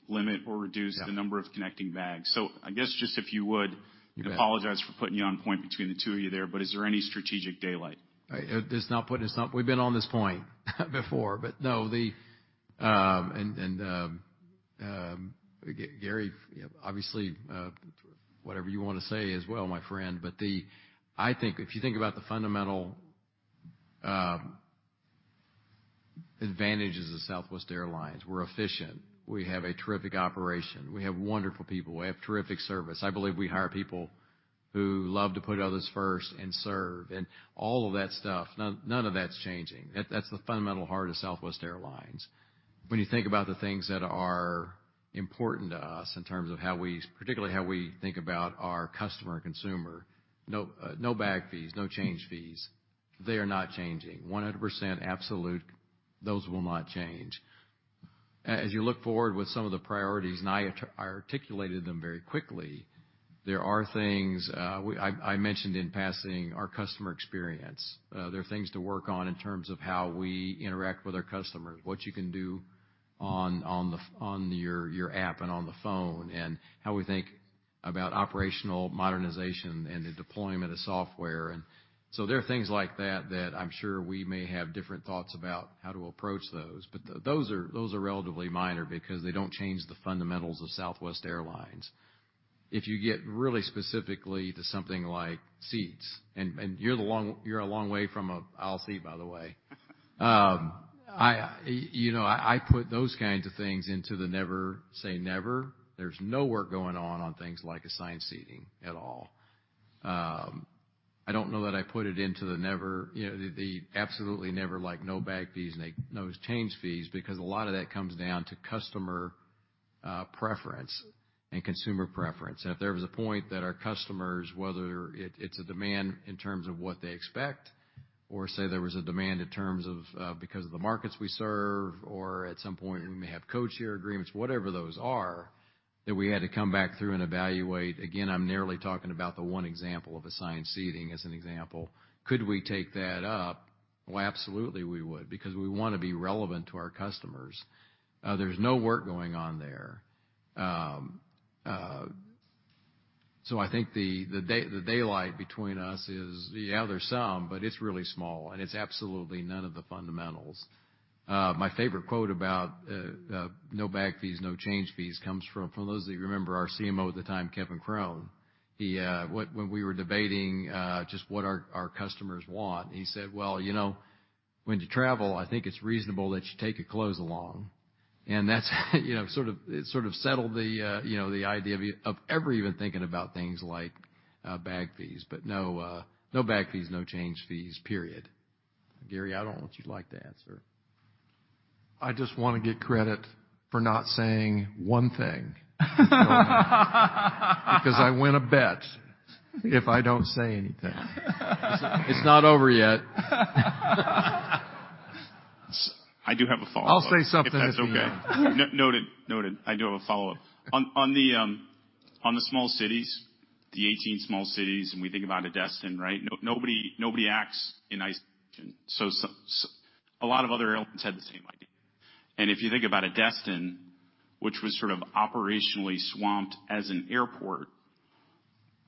limit or reduce- Yeah. the number of connecting bags. I guess just if you would. Yeah. apologize for putting you on the spot between the two of you there, but is there any strategic daylight? It's not putting us on. We've been on this point before. No, Gary, obviously, whatever you wanna say as well, my friend. I think if you think about the fundamental advantages of Southwest Airlines, we're efficient. We have a terrific operation. We have wonderful people. We have terrific service. I believe we hire people who love to put others first and serve, and all of that stuff. None of that's changing. That's the fundamental heart of Southwest Airlines. When you think about the things that are important to us in terms of how we, particularly how we think about our customer and consumer, no bag fees, no change fees, they are not changing. 100% absolute, those will not change. As you look forward with some of the priorities, and I articulated them very quickly, there are things, I mentioned in passing our customer experience. There are things to work on in terms of how we interact with our customers, what you can do on the, on your app and on the phone, and how we think about operational modernization and the deployment of software. There are things like that I'm sure we may have different thoughts about how to approach those. Those are relatively minor because they don't change the fundamentals of Southwest Airlines. If you get really specifically to something like seats, and you're a long way from an aisle seat, by the way. You know, I put those kinds of things into the never say never. There's no work going on things like assigned seating at all. I don't know that I put it into the never, you know, the absolutely never, like no bag fees, and those change fees, because a lot of that comes down to customer, preference and consumer preference. If there was a point that our customers, whether it's a demand in terms of what they expect or say there was a demand in terms of, because of the markets we serve, or at some point we may have code share agreements, whatever those are, that we had to come back through and evaluate. Again, I'm narrowly talking about the one example of assigned seating as an example. Could we take that up? Well, absolutely we would, because we wanna be relevant to our customers. There's no work going on there. I think the daylight between us is, yeah, there's some, but it's really small, and it's absolutely none of the fundamentals. My favorite quote about no bag fees, no change fees comes from, for those of you who remember our CMO at the time, Kevin Krone. He. When we were debating just what our customers want, and he said, "Well, you know, when you travel, I think it's reasonable that you take your clothes along." That's you know, sort of, it sort of settled the you know, the idea of ever even thinking about things like bag fees. No bag fees, no change fees, period. Gary, I don't know what you'd like to answer. I just wanna get credit for not saying one thing. Because I win a bet if I don't say anything. It's not over yet. I do have a follow-up. I'll say something if you want. If that's okay. Noted. I do have a follow-up. On the small cities, the 18 small cities, and we think about Destin, right? Nobody acts in isolation. A lot of other airlines had the same idea. If you think about Destin, which was sort of operationally swamped as an airport,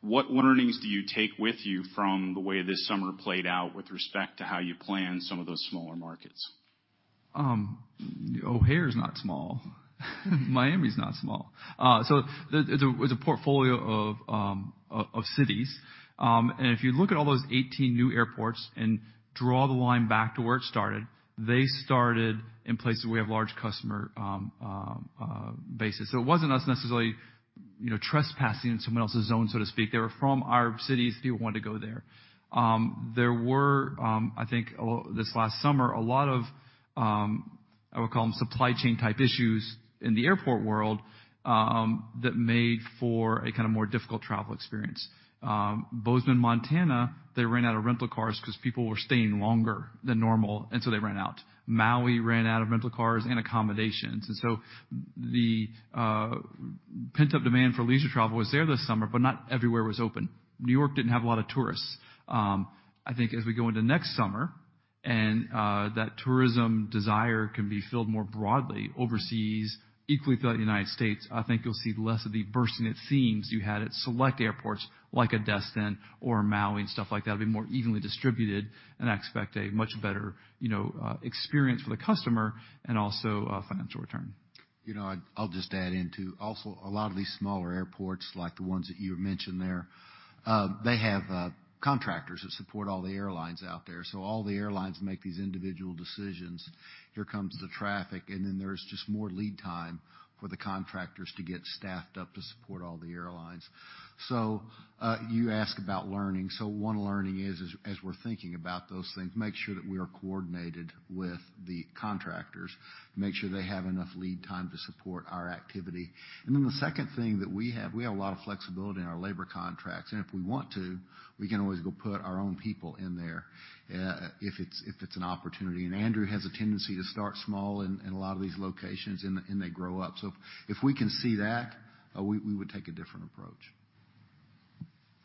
what learnings do you take with you from the way this summer played out with respect to how you plan some of those smaller markets? O'Hare's not small. Miami's not small. So it's a portfolio of cities. If you look at all those 18 new airports and draw the line back to where it started, they started in places where we have large customer bases. It wasn't us necessarily, you know, trespassing in someone else's zone, so to speak. They were from our cities. People wanted to go there. There were, I think this last summer, a lot of supply chain type issues in the airport world that made for a kind of more difficult travel experience. Bozeman, Montana, they ran out of rental cars 'cause people were staying longer than normal, and so they ran out. Maui ran out of rental cars and accommodations. The pent-up demand for leisure travel was there this summer, but not everywhere was open. New York didn't have a lot of tourists. I think as we go into next summer. that tourism desire can be filled more broadly overseas, equally throughout the United States. I think you'll see less of the bursting at seams you had at select airports, like a Destin or a Maui and stuff like that. It'll be more evenly distributed, and I expect a much better, you know, experience for the customer and also, financial return. You know, I'll just add in, too. Also, a lot of these smaller airports, like the ones that you had mentioned there, they have contractors who support all the airlines out there. All the airlines make these individual decisions. Here comes the traffic, and then there's just more lead time for the contractors to get staffed up to support all the airlines. You ask about learning. One learning is, as we're thinking about those things, make sure that we are coordinated with the contractors. Make sure they have enough lead time to support our activity. Then the second thing that we have, a lot of flexibility in our labor contracts, and if we want to, we can always go put our own people in there, if it's an opportunity. Andrew has a tendency to start small in a lot of these locations, and they grow up. If we can see that, we would take a different approach.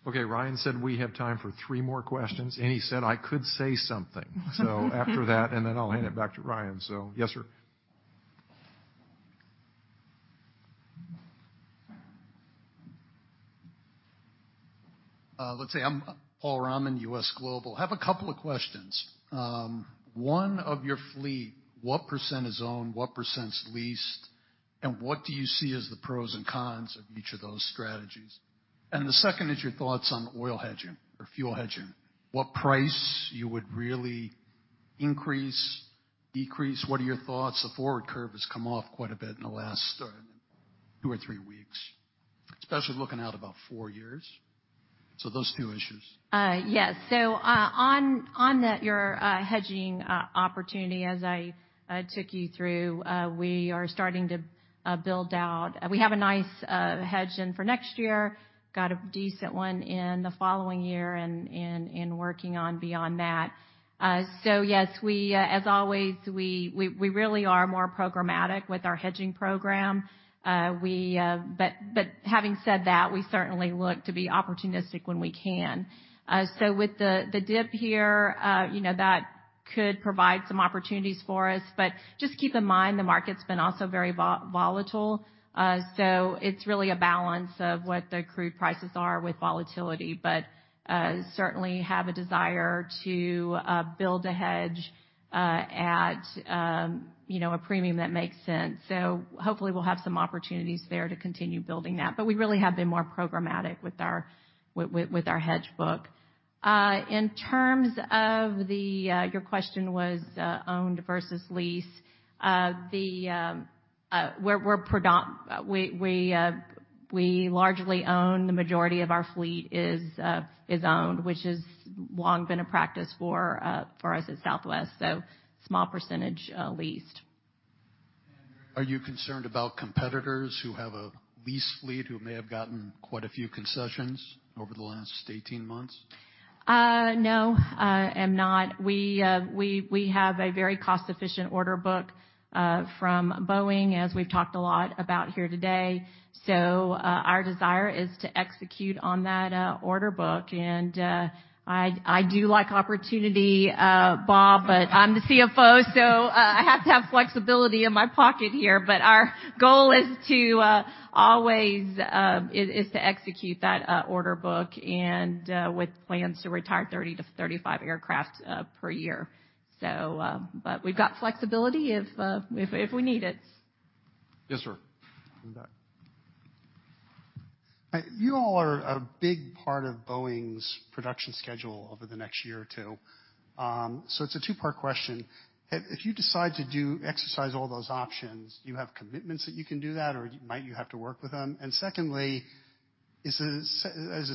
Okay, Ryan said we have time for three more questions, and he said I could say something. After that, and then I'll hand it back to Ryan. Yes, sir. Let's see. I'm Paul Raman, U.S. Global. I have a couple of questions. One of your fleet, what percent is owned, what percent's leased, and what do you see as the pros and cons of each of those strategies? The second is your thoughts on oil hedging or fuel hedging. What price you would really increase, decrease? What are your thoughts? The forward curve has come off quite a bit in the last two or three weeks, especially looking out about four years. Those two issues. Yes. So on your hedging opportunity, as I took you through, we are starting to build out. We have a nice hedge in for next year, got a decent one in the following year and working on beyond that. So yes, as always, we really are more programmatic with our hedging program. Having said that, we certainly look to be opportunistic when we can. So with the dip here, you know, that could provide some opportunities for us. Just keep in mind, the market's been also very volatile. It's really a balance of what the crude prices are with volatility. We certainly have a desire to build a hedge at, you know, a premium that makes sense. Hopefully we'll have some opportunities there to continue building that. We really have been more programmatic with our hedge book. In terms of your question, owned versus leased. We largely own the majority of our fleet, which is owned, which has long been a practice for us at Southwest, so small percentage leased. Are you concerned about competitors who have a lease fleet who may have gotten quite a few concessions over the last 18 months? No, I am not. We have a very cost-efficient order book from Boeing, as we've talked a lot about here today. Our desire is to execute on that order book. I do like opportunity, Bob, but I'm the CFO, so I have to have flexibility in my pocket here. Our goal is to always execute that order book with plans to retire 30-35 aircraft per year. We've got flexibility if we need it. Yes, sir. In the back. You all are a big part of Boeing's production schedule over the next year or two. It's a two-part question. If you decide to exercise all those options, do you have commitments that you can do that or might you have to work with them? Secondly, is the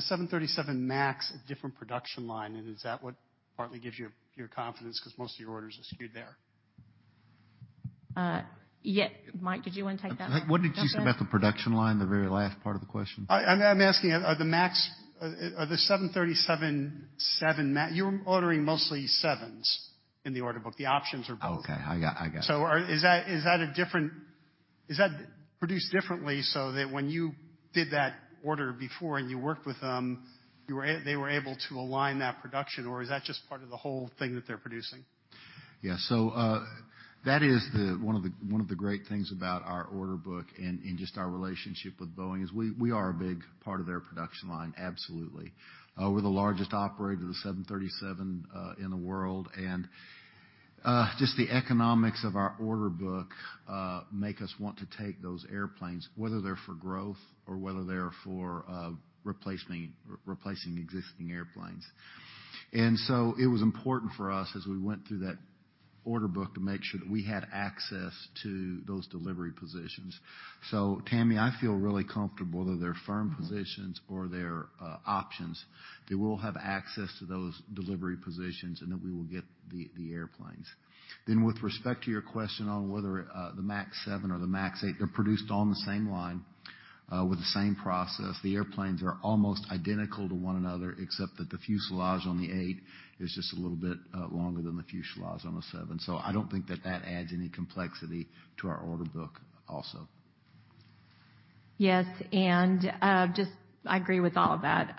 737 MAX a different production line, and is that what partly gives your confidence? 'Cause most of your orders are skewed there. Yeah. Mike, did you wanna take that? What did you say about the production line, the very last part of the question? I'm asking, are the MAX? Are the 737 MAX? You're ordering mostly 7s in the order book. The options are both. Okay. I got it. Is that produced differently so that when you did that order before and you worked with them, they were able to align that production, or is that just part of the whole thing that they're producing? Yeah. That is one of the great things about our order book and just our relationship with Boeing we are a big part of their production line, absolutely. We're the largest operator of the 737 in the world, and just the economics of our order book make us want to take those airplanes, whether they're for growth or whether they're for replacing existing airplanes. It was important for us as we went through that order book to make sure that we had access to those delivery positions. Tammy, I feel really comfortable that they're firm positions or they're options, that we'll have access to those delivery positions and that we will get the airplanes. With respect to your question on whether the MAX 7 or the MAX 8 are produced on the same line with the same process. The airplanes are almost identical to one another, except that the fuselage on the 8 is just a little bit longer than the fuselage on the 7. I don't think that adds any complexity to our order book also. Yes, I agree with all of that,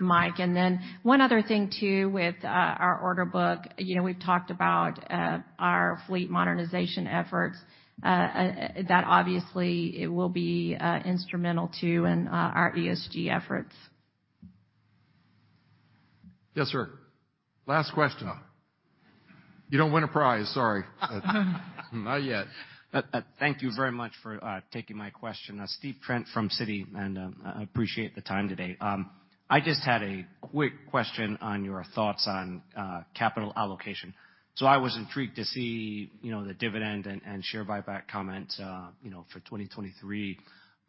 Mike. Then one other thing too with our order book, you know, we've talked about our fleet modernization efforts, that obviously it will be instrumental too in our ESG efforts. Yes, sir. Last question. You don't win a prize, sorry. Not yet. Thank you very much for taking my question. Stephen Trent from Citi, and I appreciate the time today. I just had a quick question on your thoughts on capital allocation. I was intrigued to see, you know, the dividend and share buyback comment, you know, for 2023.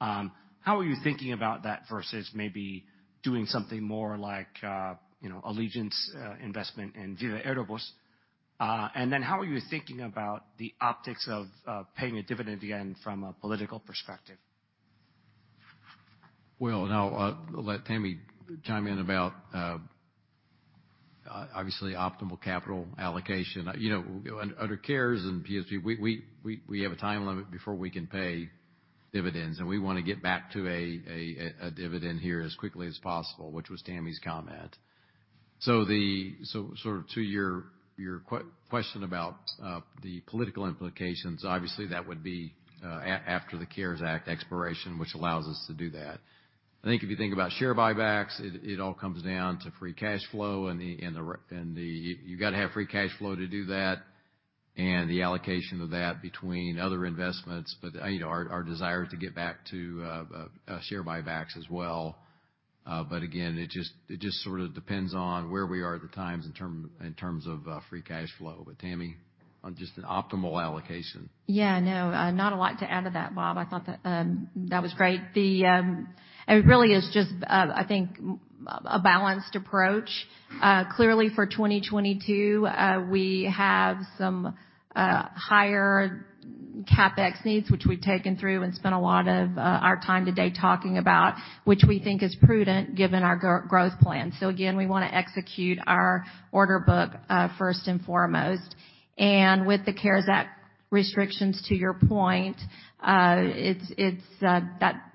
How are you thinking about that versus maybe doing something more like, you know, Allegiant's investment in Viva Aerobus? And then how are you thinking about the optics of paying a dividend again from a political perspective? Well, now I'll let Tammy chime in about obviously optimal capital allocation. You know, under CARES and PSP, we have a time limit before we can pay dividends, and we wanna get back to a dividend here as quickly as possible, which was Tammy's comment. Sort of to your question about the political implications, obviously that would be after the CARES Act expiration, which allows us to do that. I think if you think about share buybacks, it all comes down to free cash flow. You gotta have free cash flow to do that and the allocation of that between other investments. But you know, our desire to get back to share buybacks as well. Again, it just sort of depends on where we are at the time in terms of free cash flow. Tammy, on just an optimal allocation. Yeah, no, not a lot to add to that, Bob. I thought that was great. It really is just, I think, a balanced approach. Clearly for 2022, we have some higher CapEx needs, which we've taken through and spent a lot of our time today talking about, which we think is prudent given our growth plan. Again, we want to execute our order book first and foremost. With the CARES Act restrictions, to your point, it's that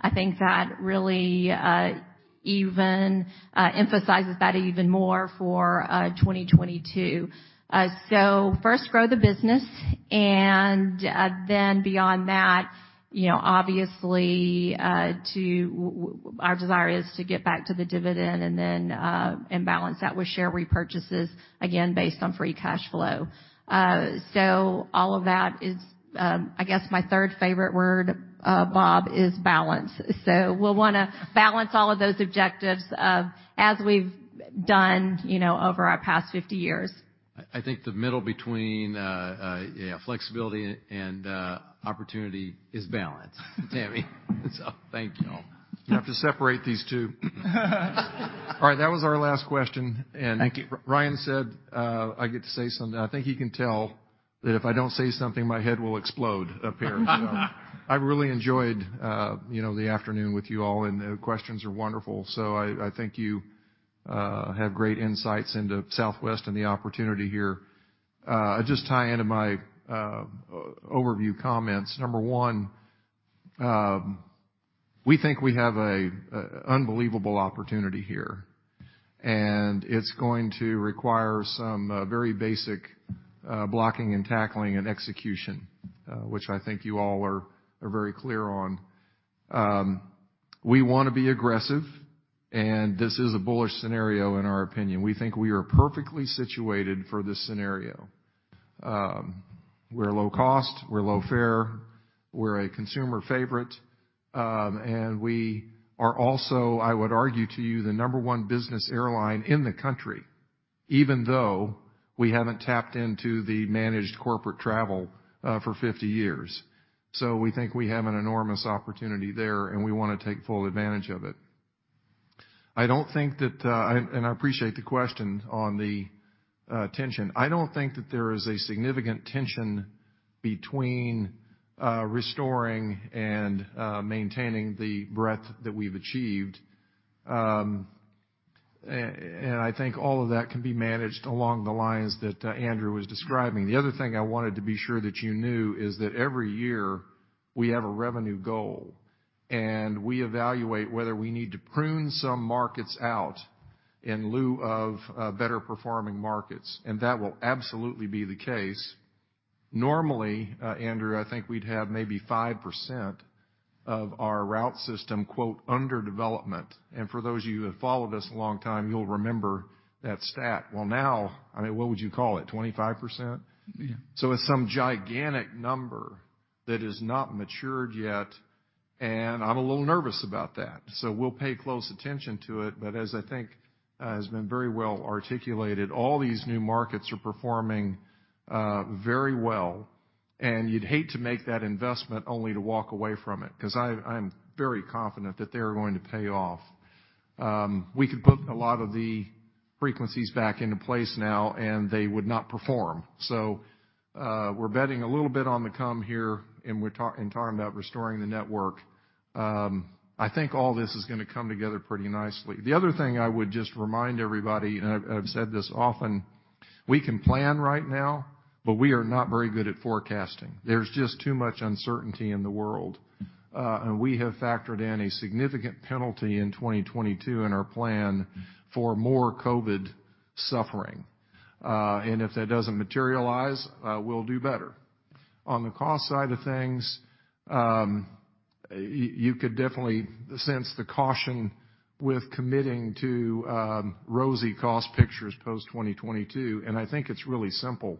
I think that really emphasizes that even more for 2022. First grow the business, and then beyond that, you know, obviously, our desire is to get back to the dividend and then balance that with share repurchases, again, based on free cash flow. All of that is, I guess, my third favorite word, Bob, is balance. We'll wanna balance all of those objectives, as we've done over our past 50 years. I think the middle between flexibility and opportunity is balance, Tammy. Thank you. You have to separate these two. All right, that was our last question. Thank you. Ryan said, I get to say something. I think he can tell that if I don't say something, my head will explode up here. I really enjoyed, you know, the afternoon with you all, and the questions are wonderful. I think you have great insights into Southwest and the opportunity here. Just tie into my overview comments. Number one, we think we have an unbelievable opportunity here, and it's going to require some very basic blocking and tackling and execution, which I think you all are very clear on. We wanna be aggressive, and this is a bullish scenario in our opinion. We think we are perfectly situated for this scenario. We're low cost, we're low fare, we're a consumer favorite, and we are also, I would argue to you, the number one business airline in the country, even though we haven't tapped into the managed corporate travel for 50 years. We think we have an enormous opportunity there, and we wanna take full advantage of it. I don't think that. I appreciate the question on the tension. I don't think that there is a significant tension between restoring and maintaining the breadth that we've achieved. I think all of that can be managed along the lines that Andrew was describing. The other thing I wanted to be sure that you knew is that every year we have a revenue goal, and we evaluate whether we need to prune some markets out in lieu of better performing markets, and that will absolutely be the case. Normally, Andrew, I think we'd have maybe 5% of our route system, quote, under development. For those of you who have followed us a long time, you'll remember that stat. Well, now, I mean, what would you call it? 25%? Yeah. It's some gigantic number that has not matured yet, and I'm a little nervous about that. We'll pay close attention to it. As I think has been very well articulated, all these new markets are performing very well, and you'd hate to make that investment only to walk away from it, 'cause I'm very confident that they are going to pay off. We could put a lot of the frequencies back into place now, and they would not perform. We're betting a little bit on the come here, and we're talking in terms about restoring the network. I think all this is gonna come together pretty nicely. The other thing I would just remind everybody, and I've said this often. We can plan right now, but we are not very good at forecasting. There's just too much uncertainty in the world. We have factored in a significant penalty in 2022 in our plan for more COVID suffering. If that doesn't materialize, we'll do better. On the cost side of things, you could definitely sense the caution with committing to rosy cost pictures post-2022, and I think it's really simple.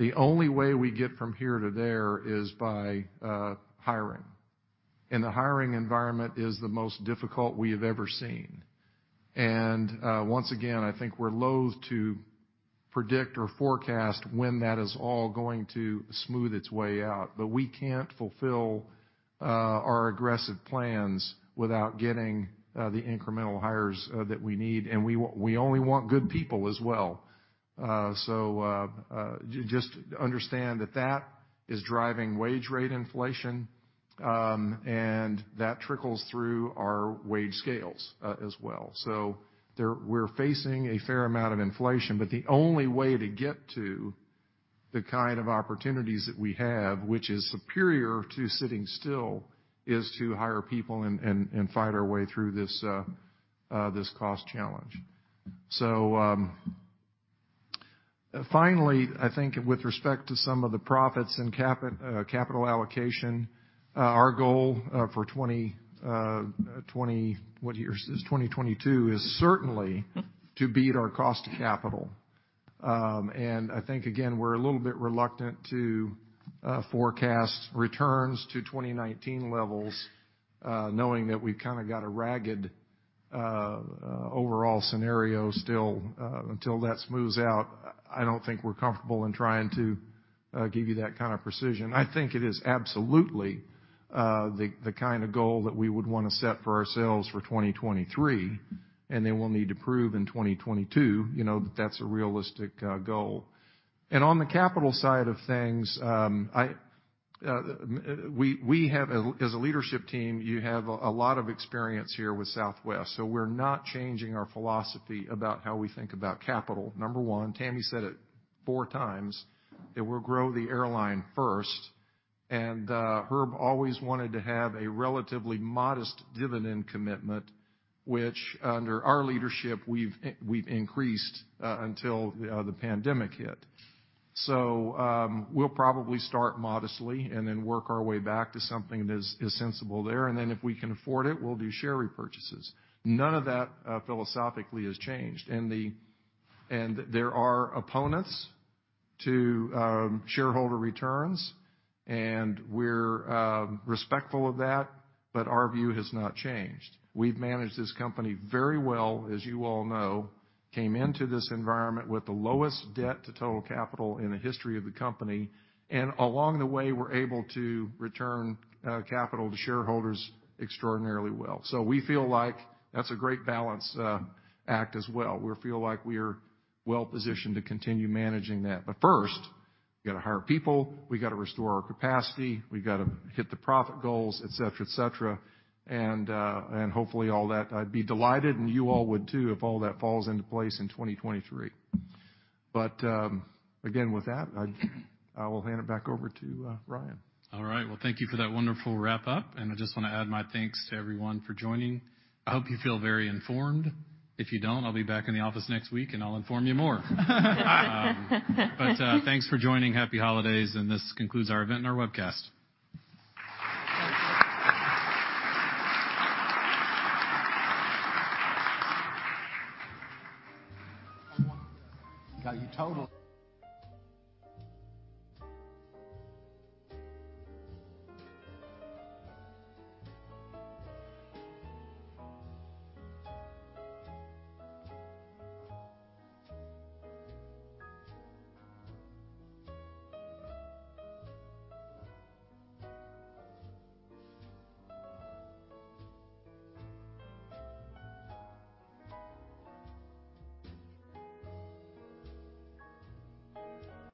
The only way we get from here to there is by hiring. The hiring environment is the most difficult we have ever seen. Once again, I think we're loathe to predict or forecast when that is all going to smooth its way out. We can't fulfill our aggressive plans without getting the incremental hires that we need, and we only want good people as well. Just understand that is driving wage rate inflation, and that trickles through our wage scales as well. We're facing a fair amount of inflation, but the only way to get to the kind of opportunities that we have, which is superior to sitting still, is to hire people and fight our way through this cost challenge. Finally, I think with respect to some of the profits and capital allocation, our goal for 2022 is certainly to beat our cost of capital. I think, again, we're a little bit reluctant to forecast returns to 2019 levels, knowing that we've got a ragged overall scenario still. Until that smooths out, I don't think we're comfortable in trying to give you that kind of precision. I think it is absolutely the kind of goal that we would wanna set for ourselves for 2023, and then we'll need to prove in 2022, you know, that that's a realistic goal. On the capital side of things, we, as a leadership team, have a lot of experience here with Southwest, so we're not changing our philosophy about how we think about capital. Number one, Tammy said it four times, that we'll grow the airline first. Herb always wanted to have a relatively modest dividend commitment, which under our leadership, we've increased until, you know, the pandemic hit. We'll probably start modestly and then work our way back to something that is sensible there. If we can afford it, we'll do share repurchases. None of that philosophically has changed. There are opponents to shareholder returns, and we're respectful of that, but our view has not changed. We've managed this company very well, as you all know, we came into this environment with the lowest debt to total capital in the history of the company, and along the way, we're able to return capital to shareholders extraordinarily well. We feel like that's a great balance act as well. We feel like we're well positioned to continue managing that. First, we gotta hire people, we gotta restore our capacity, we gotta hit the profit goals, et cetera, et cetera. Hopefully all that, I'd be delighted, and you all would too, if all that falls into place in 2023. Again, with that, I will hand it back over to Ryan. All right. Well, thank you for that wonderful wrap-up. I just wanna add my thanks to everyone for joining. I hope you feel very informed. If you don't, I'll be back in the office next week, and I'll inform you more. Thanks for joining. Happy holidays. This concludes our event and our webcast. Got you total-